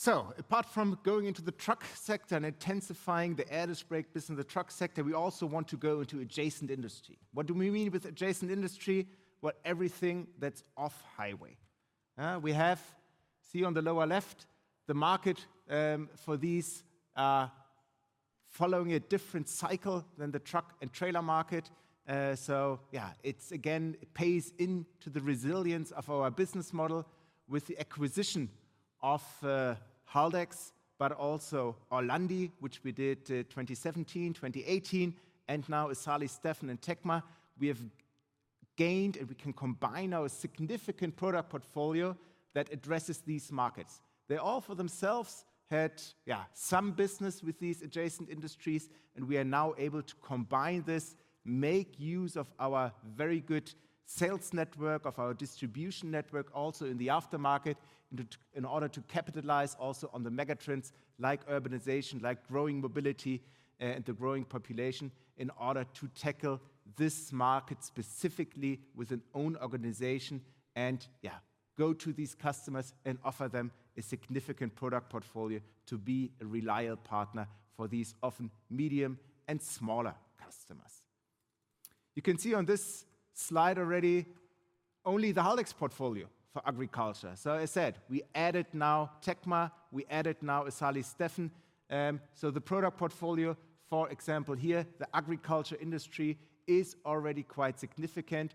Apart from going into the truck sector and intensifying the ADAS brake business, the truck sector, we also want to go into adjacent industry. What do we mean with adjacent industry? Well, everything that's off highway. We have, see on the lower left, the market for these following a different cycle than the truck and trailer market. It's again, it pays into the resilience of our business model with the acquisition of Haldex, but also Orlandi, which we did 2017, 2018, and now Isali Steffen and TECMA. We have gained and we can combine our significant product portfolio that addresses these markets. They all for themselves had some business with these adjacent industries, and we are now able to combine this, make use of our very good sales network, of our distribution network also in the aftermarket in order to capitalize also on the megatrends like urbanization, like growing mobility and the growing population in order to tackle this market specifically with an own organization and go to these customers and offer them a significant product portfolio to be a reliable partner for these often medium and smaller customers. You can see on this slide already only the Haldex portfolio for agriculture. I said, we added now TECMA, we added now Isali Steffen. The product portfolio, for example, here, the agriculture industry is already quite significant.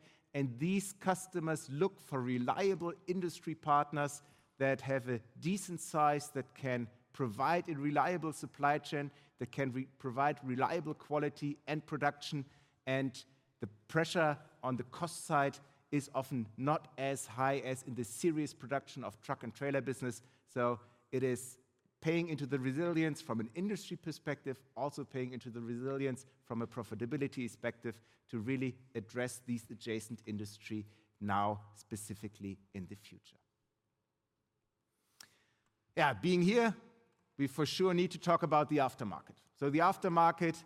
These customers look for reliable industry partners that have a decent size that can provide a reliable supply chain, that can provide reliable quality and production. The pressure on the cost side is often not as high as in the serious production of truck and trailer business. So it is paying into the resilience from an industry perspective, also paying into the resilience from a profitability perspective to really address these adjacent industries now specifically in the future. Being here, we for sure need to talk about the aftermarket. So the aftermarket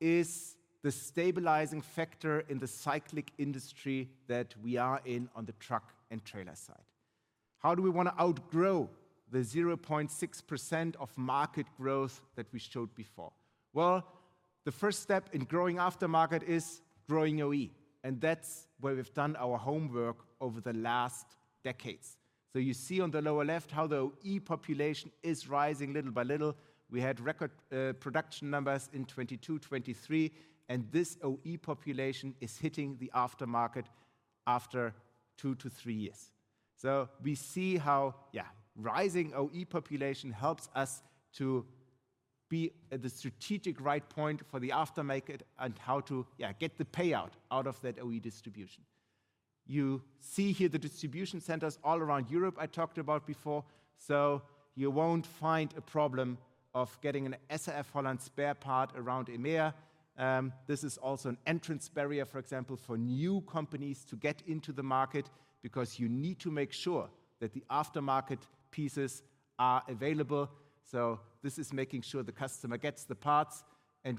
is the stabilizing factor in the cyclic industry that we are in on the truck and trailer side. How do we want to outgrow the 0.6% of market growth that we showed before? The first step in growing aftermarket is growing OE. That's where we've done our homework over the last decades. You see on the lower left how the OE population is rising little by little. We had record production numbers in '22, '23, and this OE population is hitting the aftermarket after two to three years. You see how rising OE population helps us to be at the strategic right point for the aftermarket and how to get the payout out of that OE distribution. You see here the distribution centers all around Europe I talked about before. You won't find a problem of getting an SAF Holland spare part around EMEA. This is also an entrance barrier, for example, for new companies to get into the market because you need to make sure that the aftermarket pieces are available. This is making sure the customer gets the parts.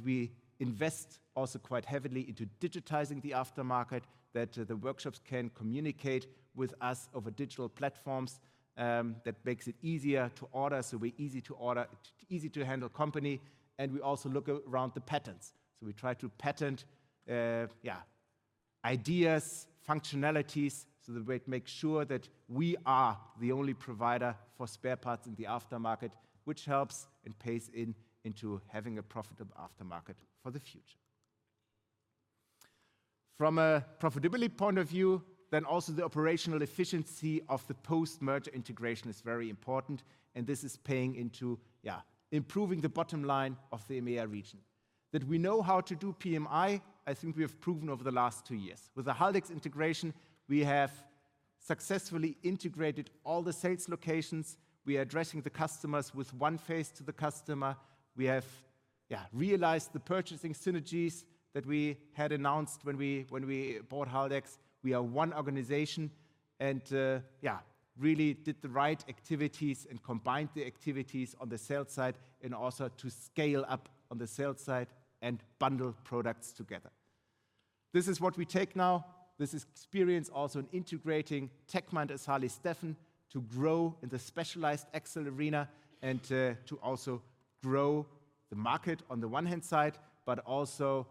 We invest also quite heavily into digitizing the aftermarket, that the workshops can communicate with us over digital platforms that makes it easier to order, so we're easy to order, easy to handle company. We also look around the patents. We try to patent ideas, functionalities so that we make sure that we are the only provider for spare parts in the aftermarket, which helps and pays into having a profitable aftermarket for the future. From a profitability point of view, then also the operational efficiency of the post-merger integration is very important. This is paying into improving the bottom line of the EMEA region. We know how to do PMI, I think we have proven over the last two years. With the Haldex integration, we have successfully integrated all the sales locations. We are addressing the customers with one face to the customer. We have realized the purchasing synergies that we had announced when we bought Haldex. We are one organization and really did the right activities and combined the activities on the sales side and also to scale up on the sales side and bundle products together. This is what we take now. This is experience also in integrating TECMA and Isali Steffen to grow in the specialized axle arena and to also grow the market on the one hand side, but also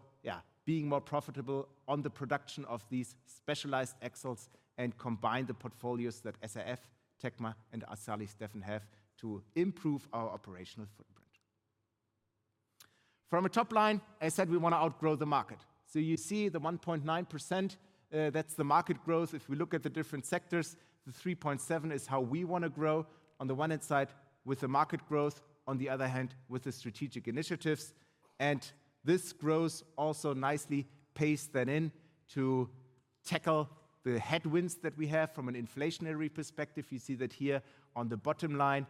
being more profitable on the production of these specialized axles and combine the portfolios that SAF, TECMA, and Isali Steffen have to improve our operational footprint. From a top line, I said we want to outgrow the market. So you see the 1.9%, that's the market growth. If we look at the different sectors, the 3.7% is how we want to grow on the one hand side with the market growth, on the other hand with the strategic initiatives. This growth also nicely pays then into tackling the headwinds that we have from an inflationary perspective. You see that here on the bottom line,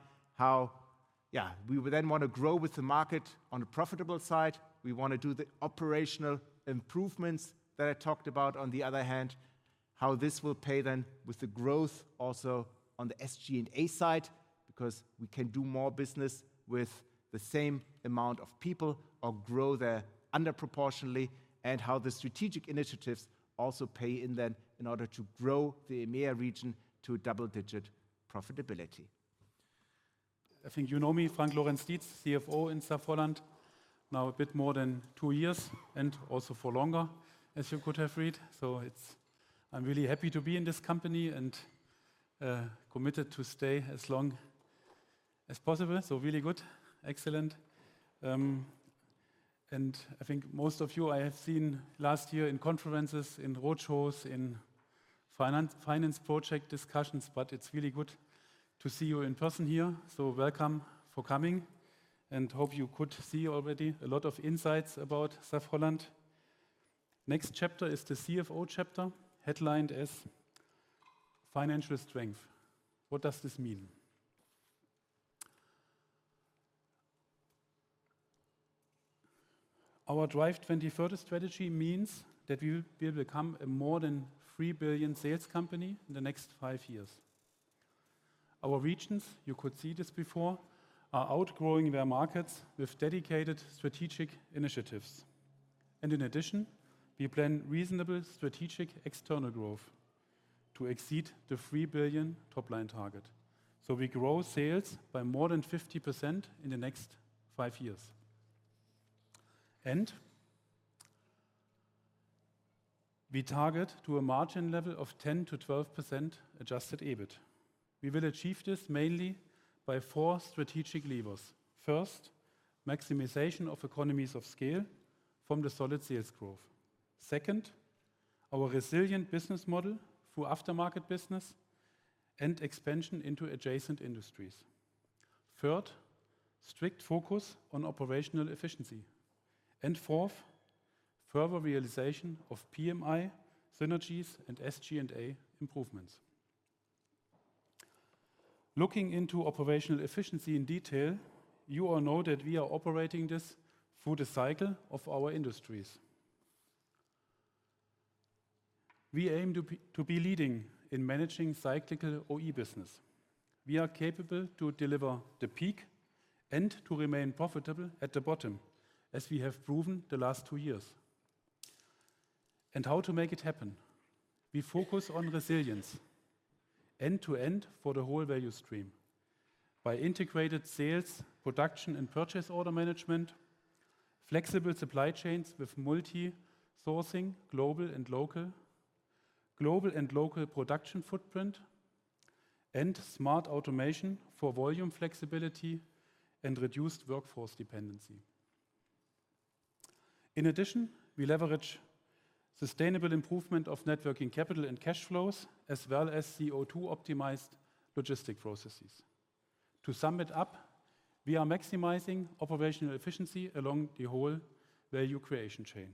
how we then want to grow with the market on the profitable side. We want to do the operational improvements that I talked about on the other hand, how this will pay then with the growth also on the SG&A side because we can do more business with the same amount of people or grow there underproportionally and how the strategic initiatives also pay in then in order to grow the EMEA region to double-digit profitability. I think you know me, Frank Lorenz-Dietz, CFO in SAF Holland, now a bit more than two years and also for longer, as you could have read. I'm really happy to be in this company and committed to stay as long as possible. Really good, excellent. I think most of you I have seen last year in conferences, in roadshows, in finance project discussions, but it's really good to see you in person here. Welcome for coming and hope you could see already a lot of insights about SAF Holland. Next chapter is the CFO chapter headlined as Financial Strength. What does this mean? Our Drive 2030 strategy means that we will become a more than $3 billion sales company in the next five years. Our regions, you could see this before, are outgrowing their markets with dedicated strategic initiatives. In addition, we plan reasonable strategic external growth to exceed the $3 billion top line target. So we grow sales by more than 50% in the next five years. We target to a margin level of 10% to 12% adjusted EBIT. We will achieve this mainly by four strategic levers. First, maximization of economies of scale from the solid sales growth. Second, our resilient business model through aftermarket business and expansion into adjacent industries. Third, strict focus on operational efficiency. Fourth, further realization of PMI synergies and SG&A improvements. Looking into operational efficiency in detail, you all know that we are operating this through the cycle of our industries. We aim to be leading in managing cyclical OE business. We are capable to deliver the peak and to remain profitable at the bottom, as we have proven the last two years. How to make it happen? We focus on resilience end to end for the whole value stream by integrated sales, production, and purchase order management, flexible supply chains with multi-sourcing, global and local production footprint, and smart automation for volume flexibility and reduced workforce dependency. In addition, we leverage sustainable improvement of networking capital and cash flows as well as CO2-optimized logistic processes. To sum it up, we are maximizing operational efficiency along the whole value creation chain.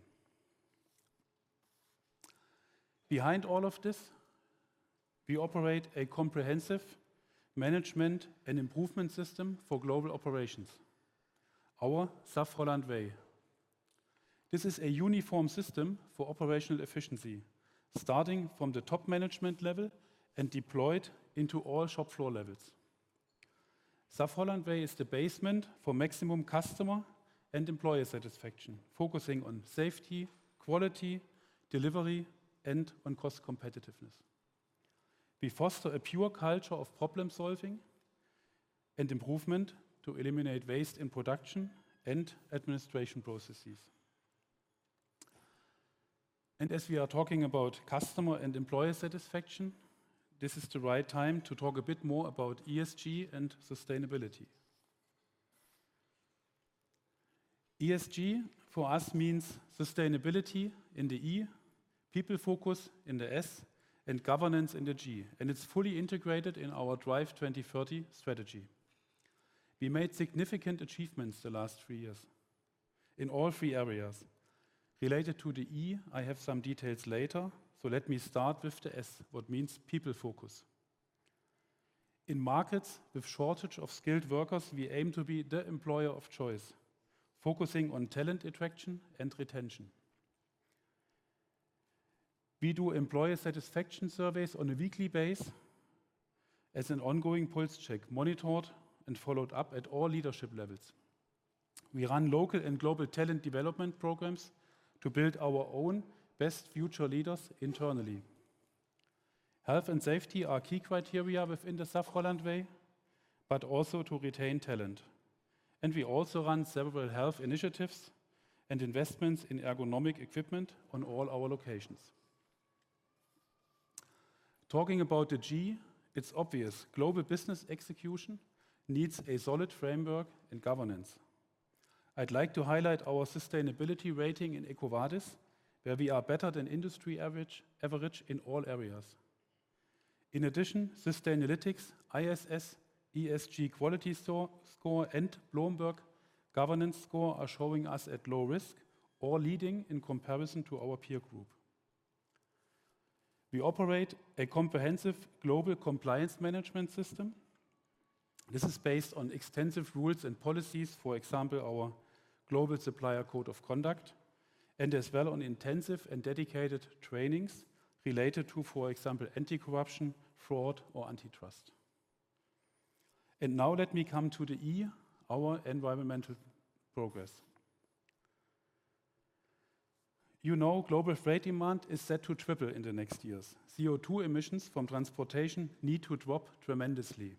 Behind all of this, we operate a comprehensive management and improvement system for global operations, our SAF Holland Way. This is a uniform system for operational efficiency starting from the top management level and deployed into all shop floor levels. SAF Holland Way is the basement for maximum customer and employer satisfaction, focusing on safety, quality, delivery, and cost competitiveness. We foster a pure culture of problem-solving and improvement to eliminate waste in production and administration processes. As we are talking about customer and employer satisfaction, this is the right time to talk a bit more about ESG and sustainability. ESG for us means sustainability in the E, people focus in the S, and governance in the G. It's fully integrated in our Drive 2030 strategy. We made significant achievements the last three years in all three areas. Related to the E, I have some details later, so let me start with the S, what means people focus. In markets with shortage of skilled workers, we aim to be the employer of choice, focusing on talent attraction and retention. We do employer satisfaction surveys on a weekly basis as an ongoing pulse check, monitored and followed up at all leadership levels. We run local and global talent development programs to build our own best future leaders internally. Health and safety are key criteria within the SAF Holland Way, but also to retain talent. We also run several health initiatives and investments in ergonomic equipment on all our locations. Talking about the G, it's obvious global business execution needs a solid framework and governance. I'd like to highlight our sustainability rating in EcoVadis, where we are better than industry average in all areas. In addition, Sustainalytics, ISS ESG quality score, and Bloomberg Governance Score are showing us at low risk or leading in comparison to our peer group. We operate a comprehensive global compliance management system. This is based on extensive rules and policies, for example, our global supplier code of conduct, and as well on intensive and dedicated trainings related to, for example, anti-corruption, fraud, or antitrust. Now let me come to the E, our environmental progress. You know, global trade demand is set to triple in the next years. CO2 emissions from transportation need to drop tremendously.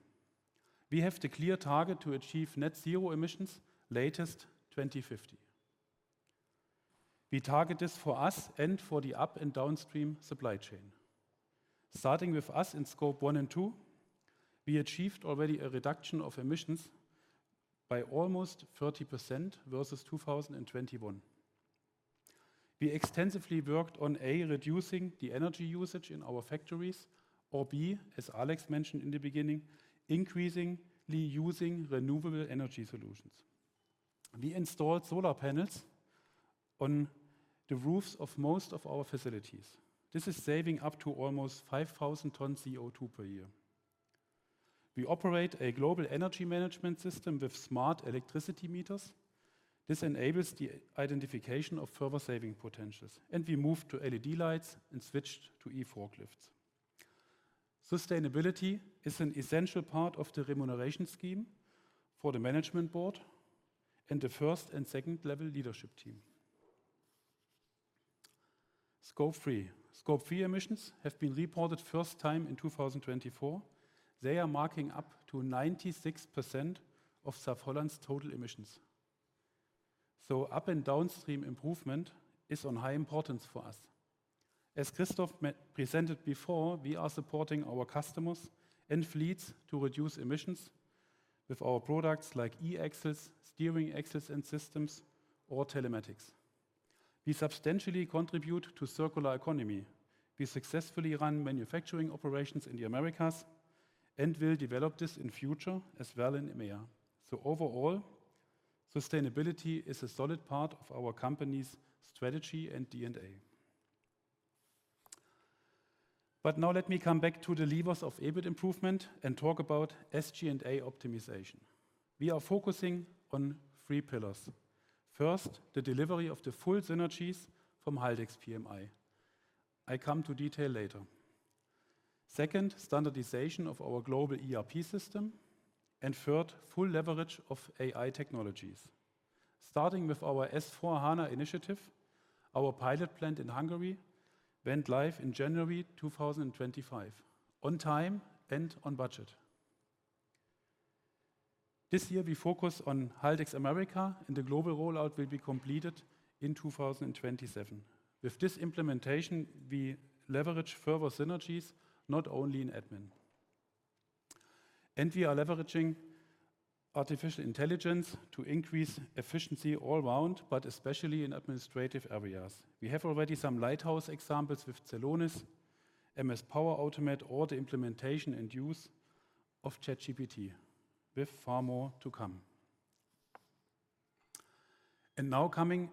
We have the clear target to achieve net zero emissions latest 2050. We target this for us and for the up and downstream supply chain. Starting with us in scope one and two, we achieved already a reduction of emissions by almost 30% versus 2021. We extensively worked on A, reducing the energy usage in our factories, or B, as Alex mentioned in the beginning, increasingly using renewable energy solutions. We installed solar panels on the roofs of most of our facilities. This is saving up to almost 5,000 tons CO2 per year. We operate a global energy management system with smart electricity meters. This enables the identification of further saving potentials. We moved to LED lights and switched to E-Forklifts. Sustainability is an essential part of the remuneration scheme for the management board and the first and second level leadership team. Scope three emissions have been reported first time in 2024. They are marking up to 96% of SAF Holland's total emissions. Up and downstream improvement is of high importance for us. As Christoph presented before, we are supporting our customers and fleets to reduce emissions with our products like E-Axles, steering axles and systems, or telematics. We substantially contribute to circular economy. We successfully run manufacturing operations in the Americas and will develop this in future as well in EMEA. Overall, sustainability is a solid part of our company's strategy and DNA. Now let me come back to the levers of EBIT improvement and talk about SG&A optimization. We are focusing on three pillars. First, the delivery of the full synergies from Haldex PMI. I come to detail later. Second, standardization of our global ERP system. Third, full leverage of AI technologies. Starting with our S4HANA initiative, our pilot plant in Hungary went live in January 2025, on time and on budget. This year, we focus on Haldex America, and the global rollout will be completed in 2027. With this implementation, we leverage further synergies, not only in admin. We are leveraging artificial intelligence to increase efficiency all round, but especially in administrative areas. We have already some lighthouse examples with Celonis, MS Power Automate, or the implementation and use of ChatGPT, with far more to come. Now coming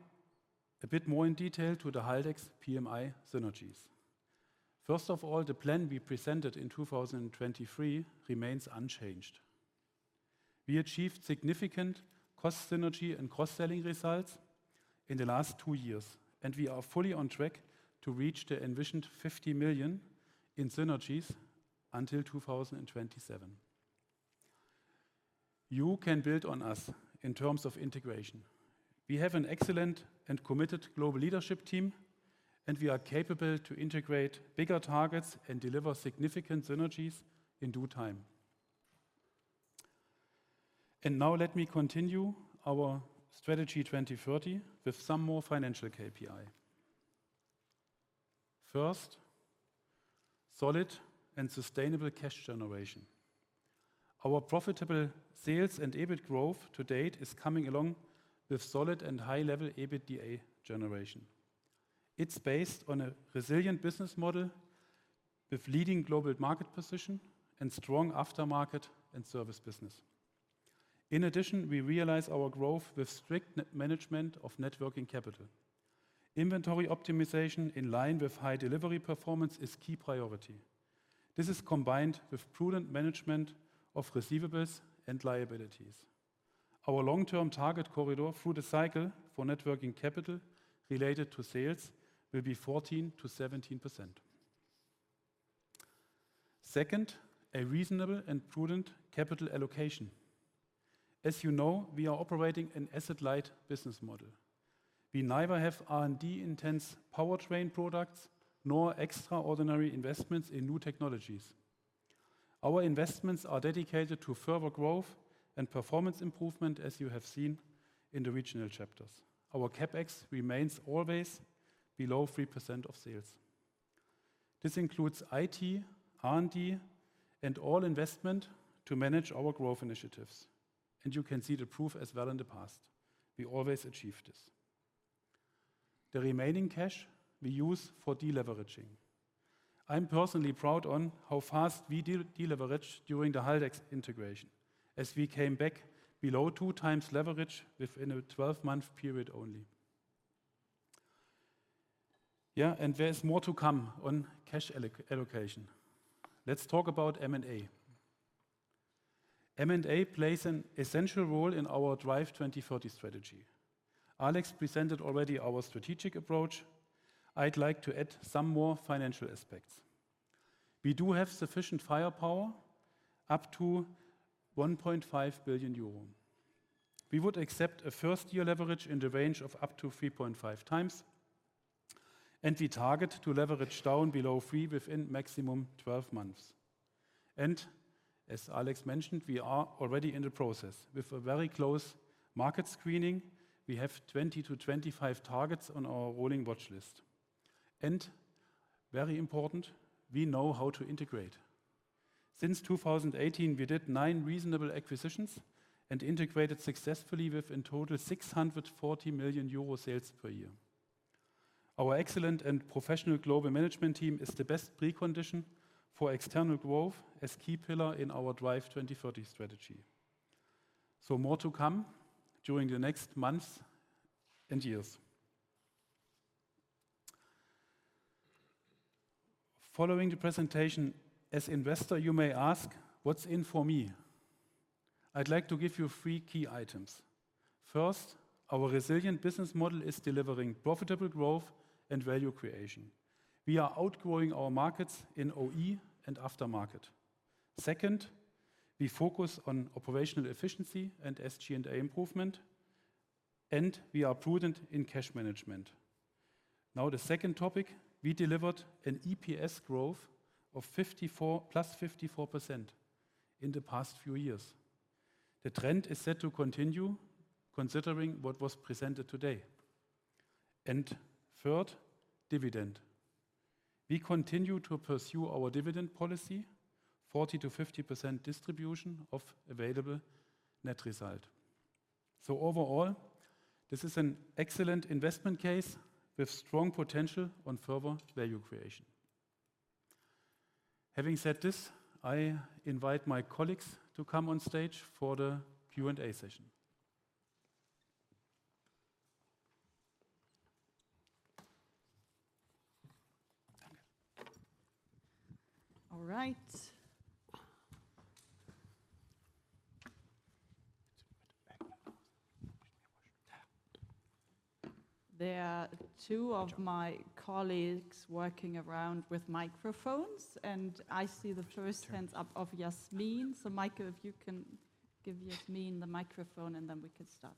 a bit more in detail to the Haldex PMI synergies. First of all, the plan we presented in 2023 remains unchanged. We achieved significant cost synergy and cross-selling results in the last two years, and we are fully on track to reach the envisioned $50 million in synergies until 2027. You can build on us in terms of integration. We have an excellent and committed global leadership team, and we are capable to integrate bigger targets and deliver significant synergies in due time. Now let me continue our strategy 2030 with some more financial KPI. First, solid and sustainable cash generation. Our profitable sales and EBIT growth to date is coming along with solid and high-level EBITDA generation. It's based on a resilient business model with leading global market position and strong aftermarket and service business. In addition, we realize our growth with strict management of working capital. Inventory optimization in line with high delivery performance is a key priority. This is combined with prudent management of receivables and liabilities. Our long-term target corridor through the cycle for networking capital related to sales will be 14% to 17%. Second, a reasonable and prudent capital allocation. As you know, we are operating an asset-light business model. We neither have R&D-intense powertrain products nor extraordinary investments in new technologies. Our investments are dedicated to further growth and performance improvement, as you have seen in the regional chapters. Our CapEx remains always below 3% of sales. This includes IT, R&D, and all investment to manage our growth initiatives. You can see the proof as well in the past. We always achieve this. The remaining cash we use for deleveraging. I'm personally proud of how fast we deleveraged during the Haldex integration, as we came back below two times leverage within a 12-month period only. There is more to come on cash allocation. Let's talk about M&A. M&A plays an essential role in our Drive 2030 strategy. Alex presented already our strategic approach. I'd like to add some more financial aspects. We do have sufficient firepower up to €1.5 billion. We would accept a first-year leverage in the range of up to 3.5 times, and we target to leverage down below three within maximum 12 months. As Alex mentioned, we are already in the process. With a very close market screening, we have 20 to 25 targets on our rolling watch list. Very important, we know how to integrate. Since 2018, we did nine reasonable acquisitions and integrated successfully with a total of €640 million sales per year. Our excellent and professional global management team is the best precondition for external growth as a key pillar in our Drive 2030 strategy. So more to come during the next months and years. Following the presentation, as investor, you may ask, what's in it for me? I'd like to give you three key items. First, our resilient business model is delivering profitable growth and value creation. We are outgrowing our markets in OE and aftermarket. Second, we focus on operational efficiency and SG&A improvement, and we are prudent in cash management. The second topic, we delivered an EPS growth of plus 54% in the past few years. The trend is set to continue considering what was presented today. Third, dividend. We continue to pursue our dividend policy, 40% to 50% distribution of available net result. Overall, this is an excellent investment case with strong potential on further value creation. Having said this, I invite my colleagues to come on stage for the Q&A session. There are two of my colleagues working around with microphones, and I see the first hands up of Yasmin. Michael, if you can give Yasmin the microphone, and then we can start.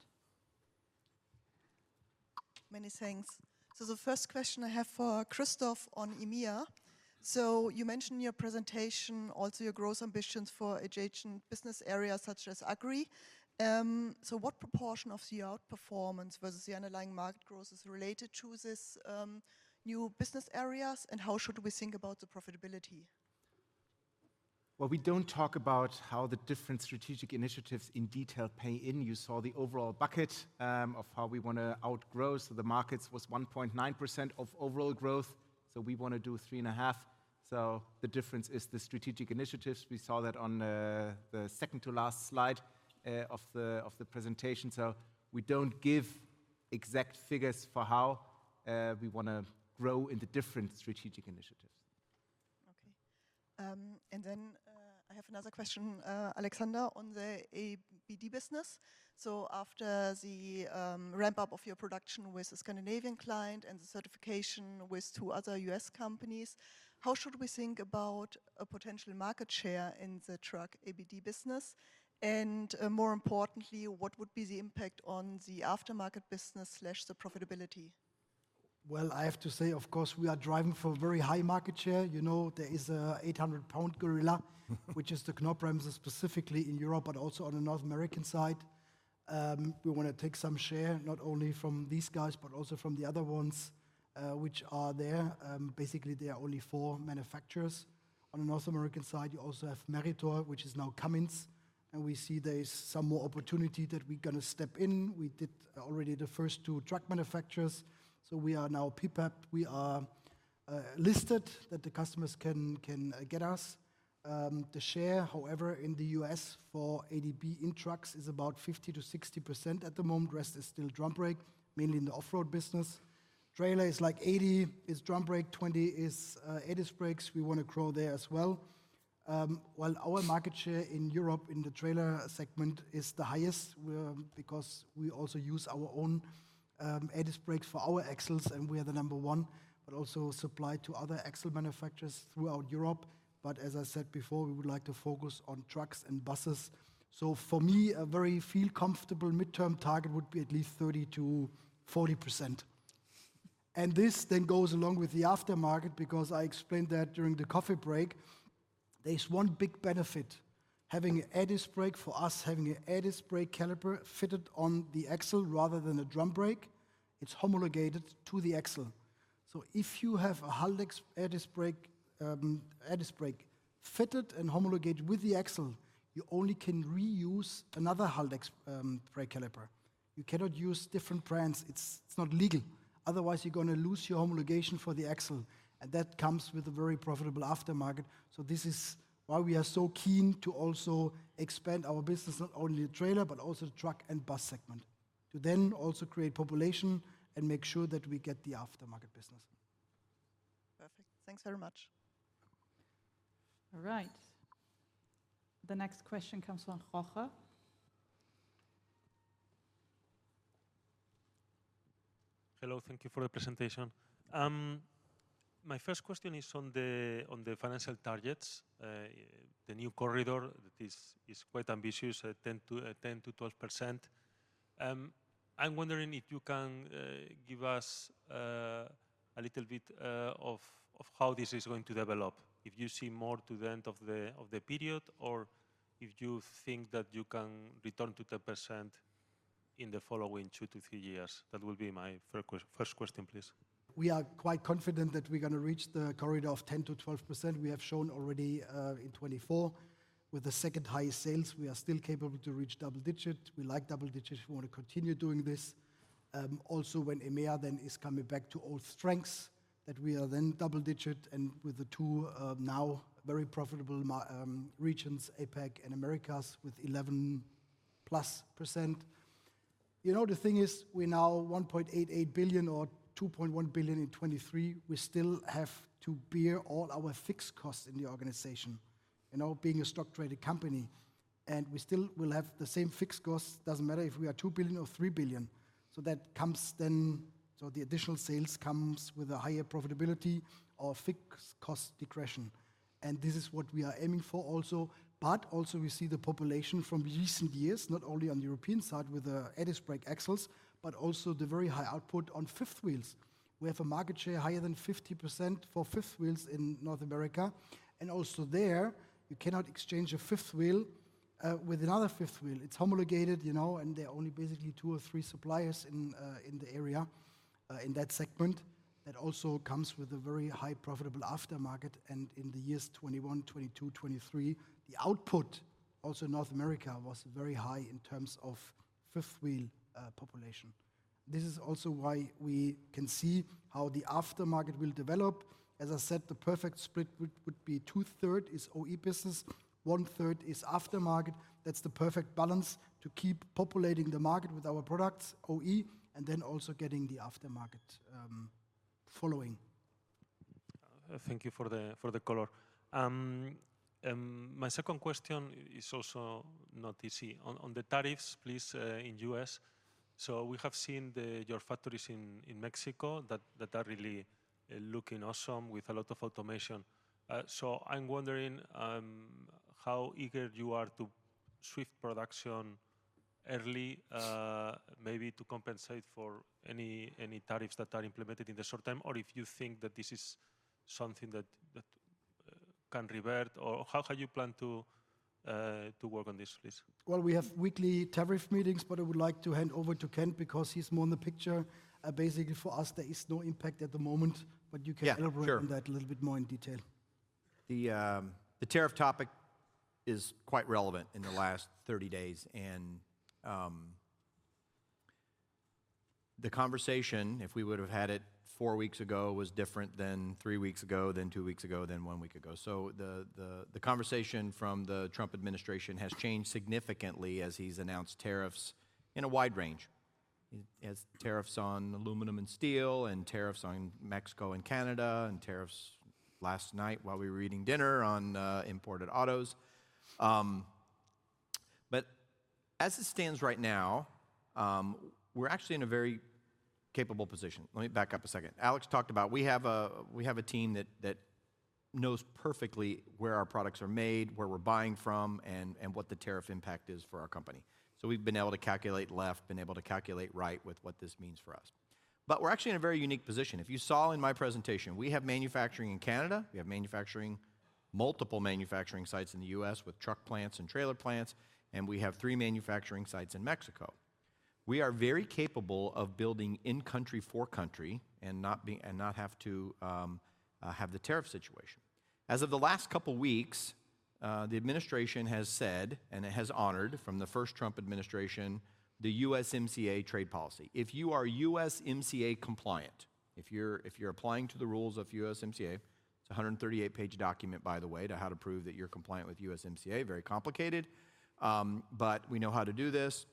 Many thanks. The first question I have for Christoph on EMEA. You mentioned in your presentation also your growth ambitions for adjacent business areas such as agri. What proportion of the outperformance versus the underlying market growth is related to these new business areas, and how should we think about the profitability? We don't talk about how the different strategic initiatives in detail pay in. You saw the overall bucket of how we want to outgrow the markets was 1.9% of overall growth. We want to do three and a half. The difference is the strategic initiatives. We saw that on the second to last slide of the presentation. We don't give exact figures for how we want to grow in the different strategic initiatives. I have another question, Alexander, on the ABD business. After the ramp-up of your production with the Scandinavian client and the certification with two other US companies, how should we think about a potential market share in the truck ABD business? More importantly, what would be the impact on the aftermarket business profitability? I have to say, of course, we are driving for a very high market share. There is an 800-pound gorilla, which is the Knorr-Bremse specifically in Europe, but also on the North American side. We want to take some share not only from these guys, but also from the other ones which are there. Basically, there are only four manufacturers. On the North American side, you also have Meritor, which is now Cummins. We see there is some more opportunity that we're going to step in. We did already the first two truck manufacturers. So we are now PPAP. We are listed that the customers can get us. The share, however, in the US for ADB in trucks is about 50% to 60% at the moment. The rest is still drum brake, mainly in the off-road business. Trailer is like 80% is drum brake, 20% is disc brakes. We want to grow there as well. While our market share in Europe in the trailer segment is the highest because we also use our own disc brakes for our axles, and we are the number one, but also supply to other axle manufacturers throughout Europe. As I said before, we would like to focus on trucks and buses. For me, a very feel-comfortable midterm target would be at least 30% to 40%. This then goes along with the aftermarket because I explained that during the coffee break. There's one big benefit having an Edis brake for us, having an Edis brake caliper fitted on the axle rather than a drum brake. It's homologated to the axle. If you have a Haldex Edis brake fitted and homologated with the axle, you only can reuse another Haldex brake caliper. You cannot use different brands. It's not legal. Otherwise, you're going to lose your homologation for the axle. That comes with a very profitable aftermarket. This is why we are keen to also expand our business, not only the trailer, but also the truck and bus segment, to then also create population and make sure that we get the aftermarket business. Perfect. Thanks very much. All right. The next question comes from Rohre. Hello. Thank you for the presentation. My first question is on the financial targets, the new corridor that is quite ambitious, 10% to 12%. I'm wondering if you can give us a little bit of how this is going to develop, if you see more to the end of the period, or if you think that you can return to 10% in the following two to three years. That will be my first question, please. We are quite confident that we're going to reach the corridor of 10% to 12%. We have shown already in 2024 with the second highest sales. We are still capable to reach double digits. We like double digits. We want to continue doing this. Also, when EMEA is coming back to all strengths, we are double digits and with the two now very profitable regions, APAC and Americas, with 11% plus. The thing is we now $1.88 billion or $2.1 billion in '23. We still have to bear all our fixed costs in the organization, being a stock-traded company. We still will have the same fixed costs. It doesn't matter if we are $2 billion or $3 billion. That comes, so the additional sales comes with a higher profitability or fixed cost degression. This is what we are aiming for also. We see the population from recent years, not only on the European side with the Edis brake axles, but also the very high output on fifth wheels. We have a market share higher than 50% for fifth wheels in North America. And also there, you cannot exchange a fifth wheel with another fifth wheel. It's homologated, you know, and there are only basically two or three suppliers in the area in that segment. That also comes with a very high profitable aftermarket. In the years '21, '22, '23, the output also in North America was very high in terms of fifth wheel population. This is also why we can see how the aftermarket will develop. As I said, the perfect split would be two-thirds is OE business, one-third is aftermarket. That's the perfect balance to keep populating the market with our products, OE, and then also getting the aftermarket following. Thank you for the color. My second question is also not easy. On the tariffs, please, in the U.S. We have seen your factories in Mexico that are really looking awesome with a lot of automation. I'm wondering how eager you are to shift production early, maybe to compensate for any tariffs that are implemented in the short term, or if you think that this is something that can revert, or how have you planned to work on this, please? We have weekly tariff meetings, but I would like to hand over to Kent because he's more in the picture. Basically, for us, there is no impact at the moment, but you can elaborate on that a little bit more in detail. The tariff topic is quite relevant in the last 30 days. The conversation, if we would have had it four weeks ago, was different than three weeks ago, than two weeks ago, than one week ago. The conversation from the Trump administration has changed significantly as he's announced tariffs in a wide range. He has tariffs on aluminum and steel and tariffs on Mexico and Canada and tariffs last night while we were eating dinner on imported autos. But as it stands right now, we're actually in a very capable position. Let me back up a second. Alex talked about we have a team that knows perfectly where our products are made, where we're buying from, and what the tariff impact is for our company. We've been able to calculate left, been able to calculate right with what this means for us. But we're actually in a very unique position. If you saw in my presentation, we have manufacturing in Canada. We have multiple manufacturing sites in the U.S. with truck plants and trailer plants, and we have three manufacturing sites in Mexico. We are very capable of building in-country for country and not have to have the tariff situation. As of the last couple of weeks, the administration has said, and it has honored from the first Trump administration, the USMCA trade policy. If you are USMCA compliant, if you're applying to the rules of USMCA, it's a 138-page document, by the way, to how to prove that you're compliant with USMCA. Very complicated, but we know how to do this.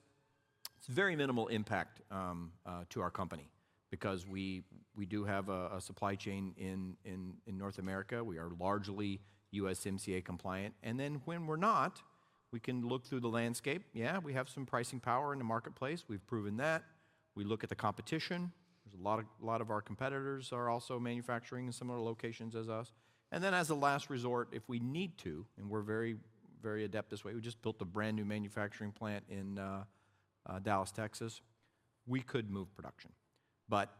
It's very minimal impact to our company because we do have a supply chain in North America. We are largely USMCA compliant. When we're not, we can look through the landscape. We have some pricing power in the marketplace. We've proven that. We look at the competition. A lot of our competitors are also manufacturing in similar locations as us. As a last resort, if we need to, and we're very adept this way, we just built a brand new manufacturing plant in Dallas, Texas. We could move production. But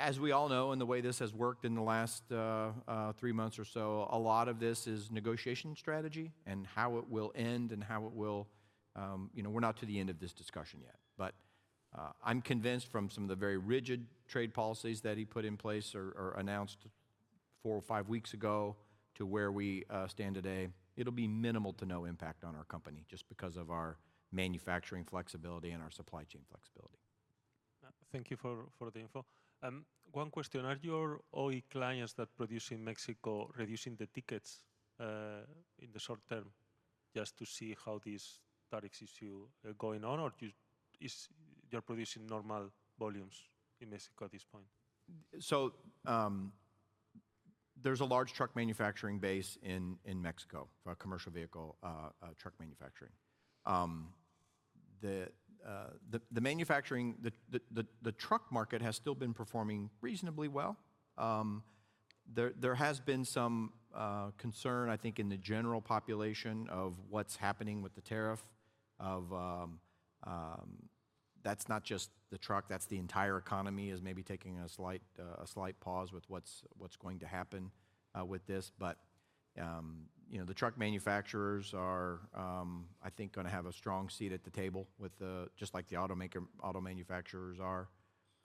as we all know, and the way this has worked in the last three months or so, a lot of this is negotiation strategy and how it will end and how it will. We're not to the end of this discussion yet. But I'm convinced from some of the very rigid trade policies that he put in place or announced four or five weeks ago to where we stand today, it'll be minimal to no impact on our company just because of our manufacturing flexibility and our supply chain flexibility. Thank you for the info. One question. Are your OE clients that produce in Mexico reducing the tickets in the short term just to see how these tariffs issues are going on, or you're producing normal volumes in Mexico at this point? So there's a large truck manufacturing base in Mexico for commercial vehicle truck manufacturing. The truck market has still been performing reasonably well. There has been some concern, I think, in the general population of what's happening with the tariff. That's not just the truck. That's the entire economy is maybe taking a slight pause with what's going to happen with this. But the truck manufacturers are, I think, going to have a strong seat at the table with just like the auto manufacturers are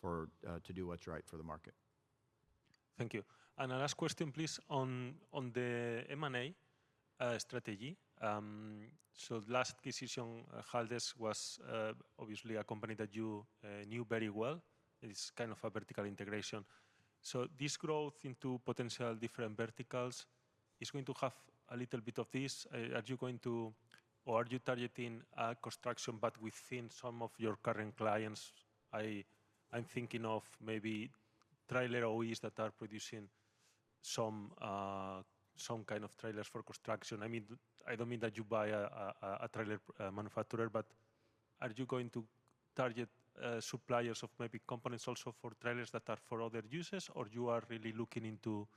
to do what's right for the market. Thank you. The last question, please, on the M&A strategy. The last decision, Haldes was obviously a company that you knew very well. It's kind of a vertical integration. This growth into potential different verticals is going to have a little bit of this. Are you going to, or are you targeting construction, but within some of your current clients? I'm thinking of maybe trailer OEs that are producing some kind of trailers for construction. I mean, I don't mean that you buy a trailer manufacturer, but are you going to target suppliers of maybe components also for trailers that are for other uses, or you are really looking into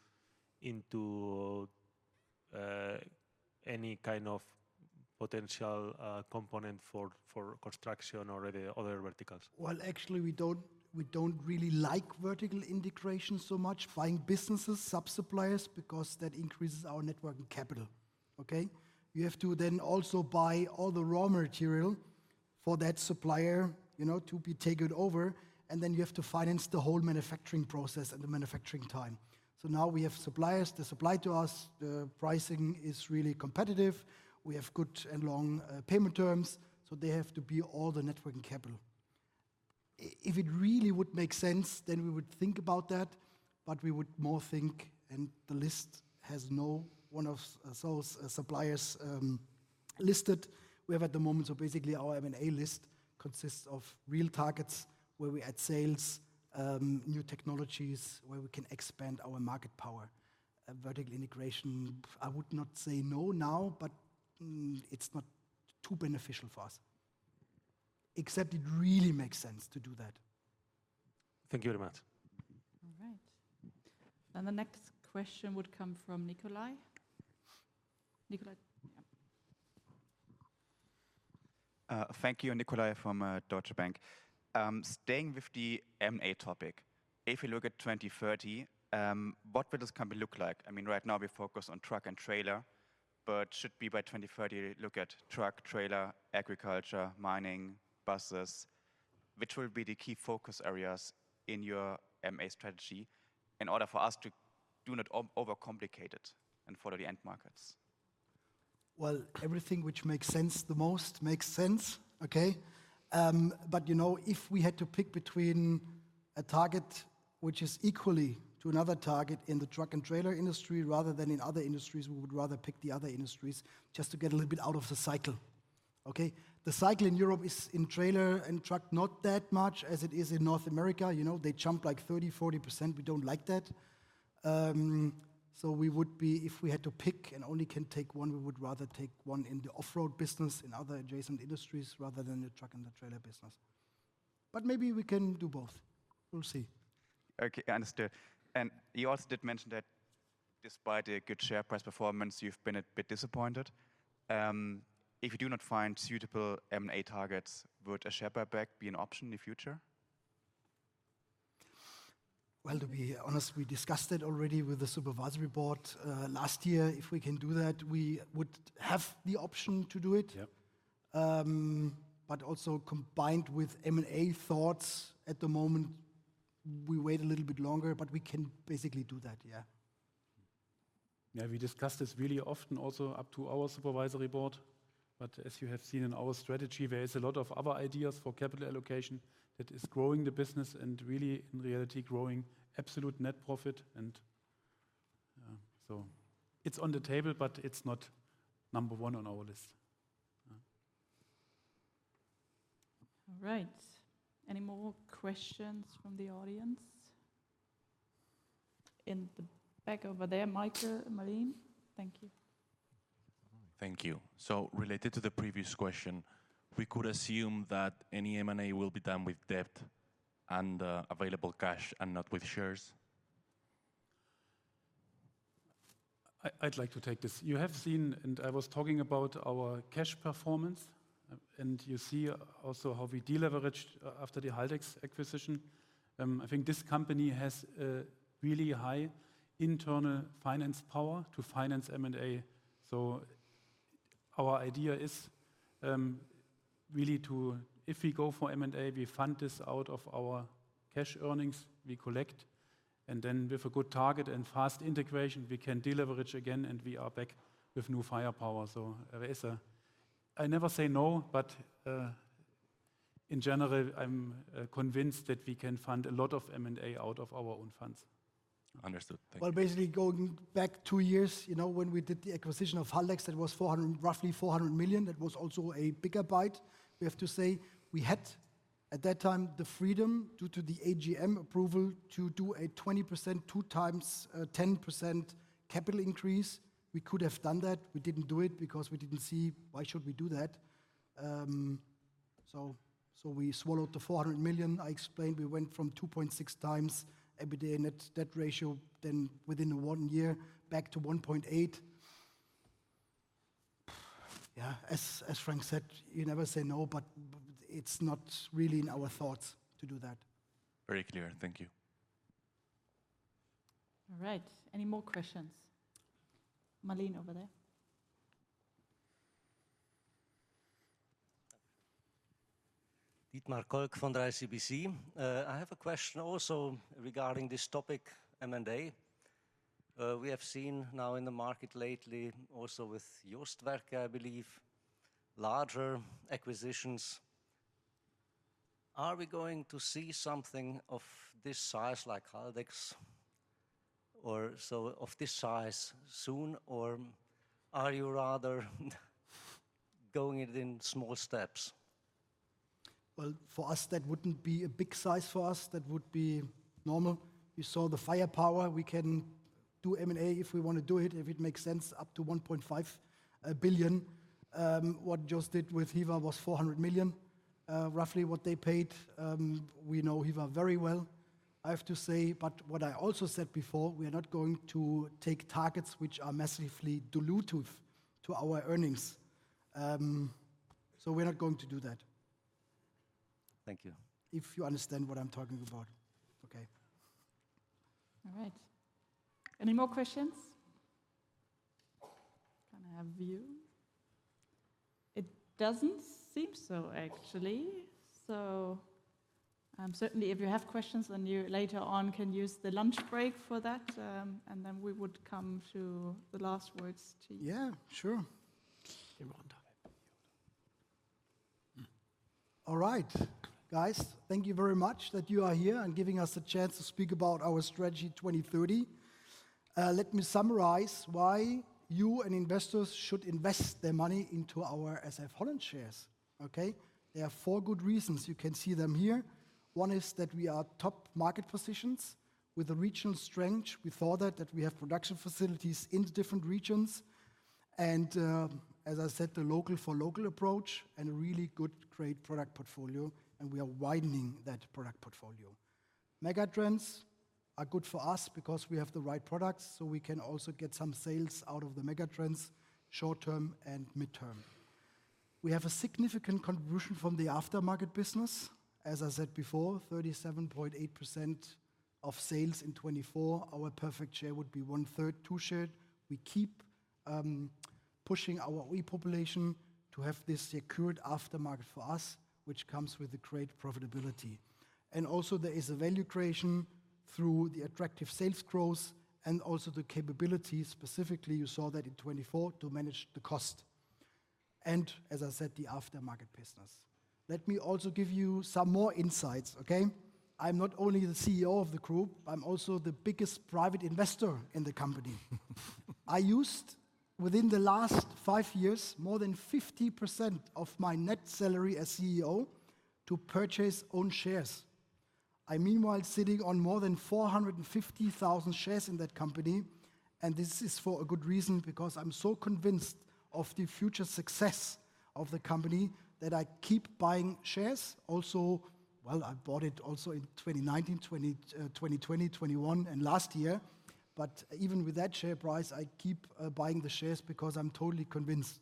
any kind of potential component for construction or other verticals? Actually, we don't really like vertical integration so much. Buying businesses, sub-suppliers, because that increases our working capital. You have to then also buy all the raw material for that supplier to be taken over, and then you have to finance the whole manufacturing process and the manufacturing time. So now we have suppliers that supply to us. The pricing is really competitive. We have good and long payment terms. So they have to be all the working capital. If it really would make sense, then we would think about that, but we would more think, and the list has no one of those suppliers listed. We have at the moment, so basically our M&A list consists of real targets where we add sales, new technologies where we can expand our market power, vertical integration. I would not say no now, but it's not too beneficial for us, except it really makes sense to do that. Thank you very much. All right. The next question would come from Nikolai. Nikolai, yeah. Thank you, Nikolai from Deutsche Bank. Staying with the M&A topic, if you look at 2030, what will this company look like? I mean, right now we focus on truck and trailer, but should we by 2030 look at truck, trailer, agriculture, mining, buses, which will be the key focus areas in your M&A strategy in order for us to not overcomplicate it and follow the end markets? Everything which makes sense the most makes sense, okay? But you know, if we had to pick between a target which is equally to another target in the truck and trailer industry rather than in other industries, we would rather pick the other industries just to get a little bit out of the cycle. Okay? The cycle in Europe is in trailer and truck not that much as it is in North America. You know, they jump like 30%, 40%. We don't like that. So we would be, if we had to pick and only can take one, we would rather take one in the off-road business, in other adjacent industries rather than the truck and the trailer business. But maybe we can do both. We'll see. Okay, understood. You also did mention that despite a good share price performance, you've been a bit disappointed. If you do not find suitable M&A targets, would a share buyback be an option in the future? Well, to be honest, we discussed it already with the supervisory board last year. If we can do that, we would have the option to do it. But also combined with M&A thoughts at the moment, we wait a little bit longer, but we can basically do that, yeah. We discussed this really often also up to our supervisory board. As you have seen in our strategy, there is a lot of other ideas for capital allocation that is growing the business and really in reality growing absolute net profit. So it's on the table, but it's not number one on our list. All right. Any more questions from the audience? In the back over there, Michael and Marlene, thank you. So related to the previous question, we could assume that any M&A will be done with debt and available cash and not with shares? I'd like to take this. You have seen, and I was talking about our cash performance, and you see also how we deleveraged after the Haldes acquisition. I think this company has a really high internal finance power to finance M&A. Our idea is really to, if we go for M&A, we fund this out of our cash earnings we collect. With a good target and fast integration, we can deleverage again and we are back with new firepower. I never say no, but in general, I'm convinced that we can fund a lot of M&A out of our own funds. Understood. Thank you. Basically going back two years, when we did the acquisition of Haldes, that was roughly $400 million. That was also a bigger bite. We have to say we had at that time the freedom due to the AGM approval to do a 20%, two times 10% capital increase. We could have done that. We didn't do it because we didn't see why should we do that. So we swallowed the $400 million. I explained we went from 2.6 times EBITDA net debt ratio then within one year back to 1.8. Yeah, as Frank said, you never say no, but it's not really in our thoughts to do that. Very clear. Thank you. All right. Any more questions? Marlene over there. Dietmar Kolk von der ICBC. I have a question also regarding this topic, M&A. We have seen now in the market lately, also with Jostwerke, I believe, larger acquisitions. Are we going to see something of this size like Haldes or of this size soon, or are you rather going in small steps? Well, for us, that wouldn't be a big size for us. That would be normal. We saw the firepower. We can do M&A if we want to do it, if it makes sense up to $1.5 billion. What Jost did with Hiva was $400 million. Roughly what they paid. We know Hiva very well, I have to say. But what I also said before, we are not going to take targets which are massively dilutive to our earnings. We're not going to do that. Thank you. If you understand what I'm talking about. Okay. All right. Any more questions? Can I have you? It doesn't seem so, actually. Certainly if you have questions, then you later on can use the lunch break for that. Then we would come to the last words to you. Yeah, sure. All right, guys, thank you very much that you are here and giving us the chance to speak about our strategy 2030. Let me summarize why you and investors should invest their money into our SF Holland shares. Okay? There are four good reasons. You can see them here. One is that we are top market positions with a regional strength. We thought that we have production facilities in different regions. As I said, the local for local approach and a really good, great product portfolio. We are widening that product portfolio. Megatrends are good for us because we have the right products. So we can also get some sales out of the megatrends short term and mid term. We have a significant contribution from the aftermarket business. As I said before, 37.8% of sales in 2024. Our perfect share would be one third, two thirds. We keep pushing our OE population to have this secured aftermarket for us, which comes with a great profitability. There is also value creation through the attractive sales growth and also the capability specifically. You saw that in 2024 to manage the cost. As I said, the aftermarket business. Let me also give you some more insights, okay? I'm not only the CEO of the group, I'm also the biggest private investor in the company. I used within the last five years more than 50% of my net salary as CEO to purchase own shares. I meanwhile sitting on more than 450,000 shares in that company. This is for a good reason because I'm so convinced of the future success of the company that I keep buying shares. Also, I bought it also in 2019, 2020, 2021, and last year. Even with that share price, I keep buying the shares because I'm totally convinced.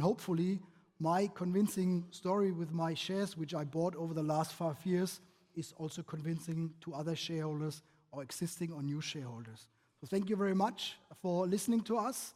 Hopefully my convincing story with my shares, which I bought over the last five years, is also convincing to other shareholders or existing or new shareholders. Thank you very much for listening to us.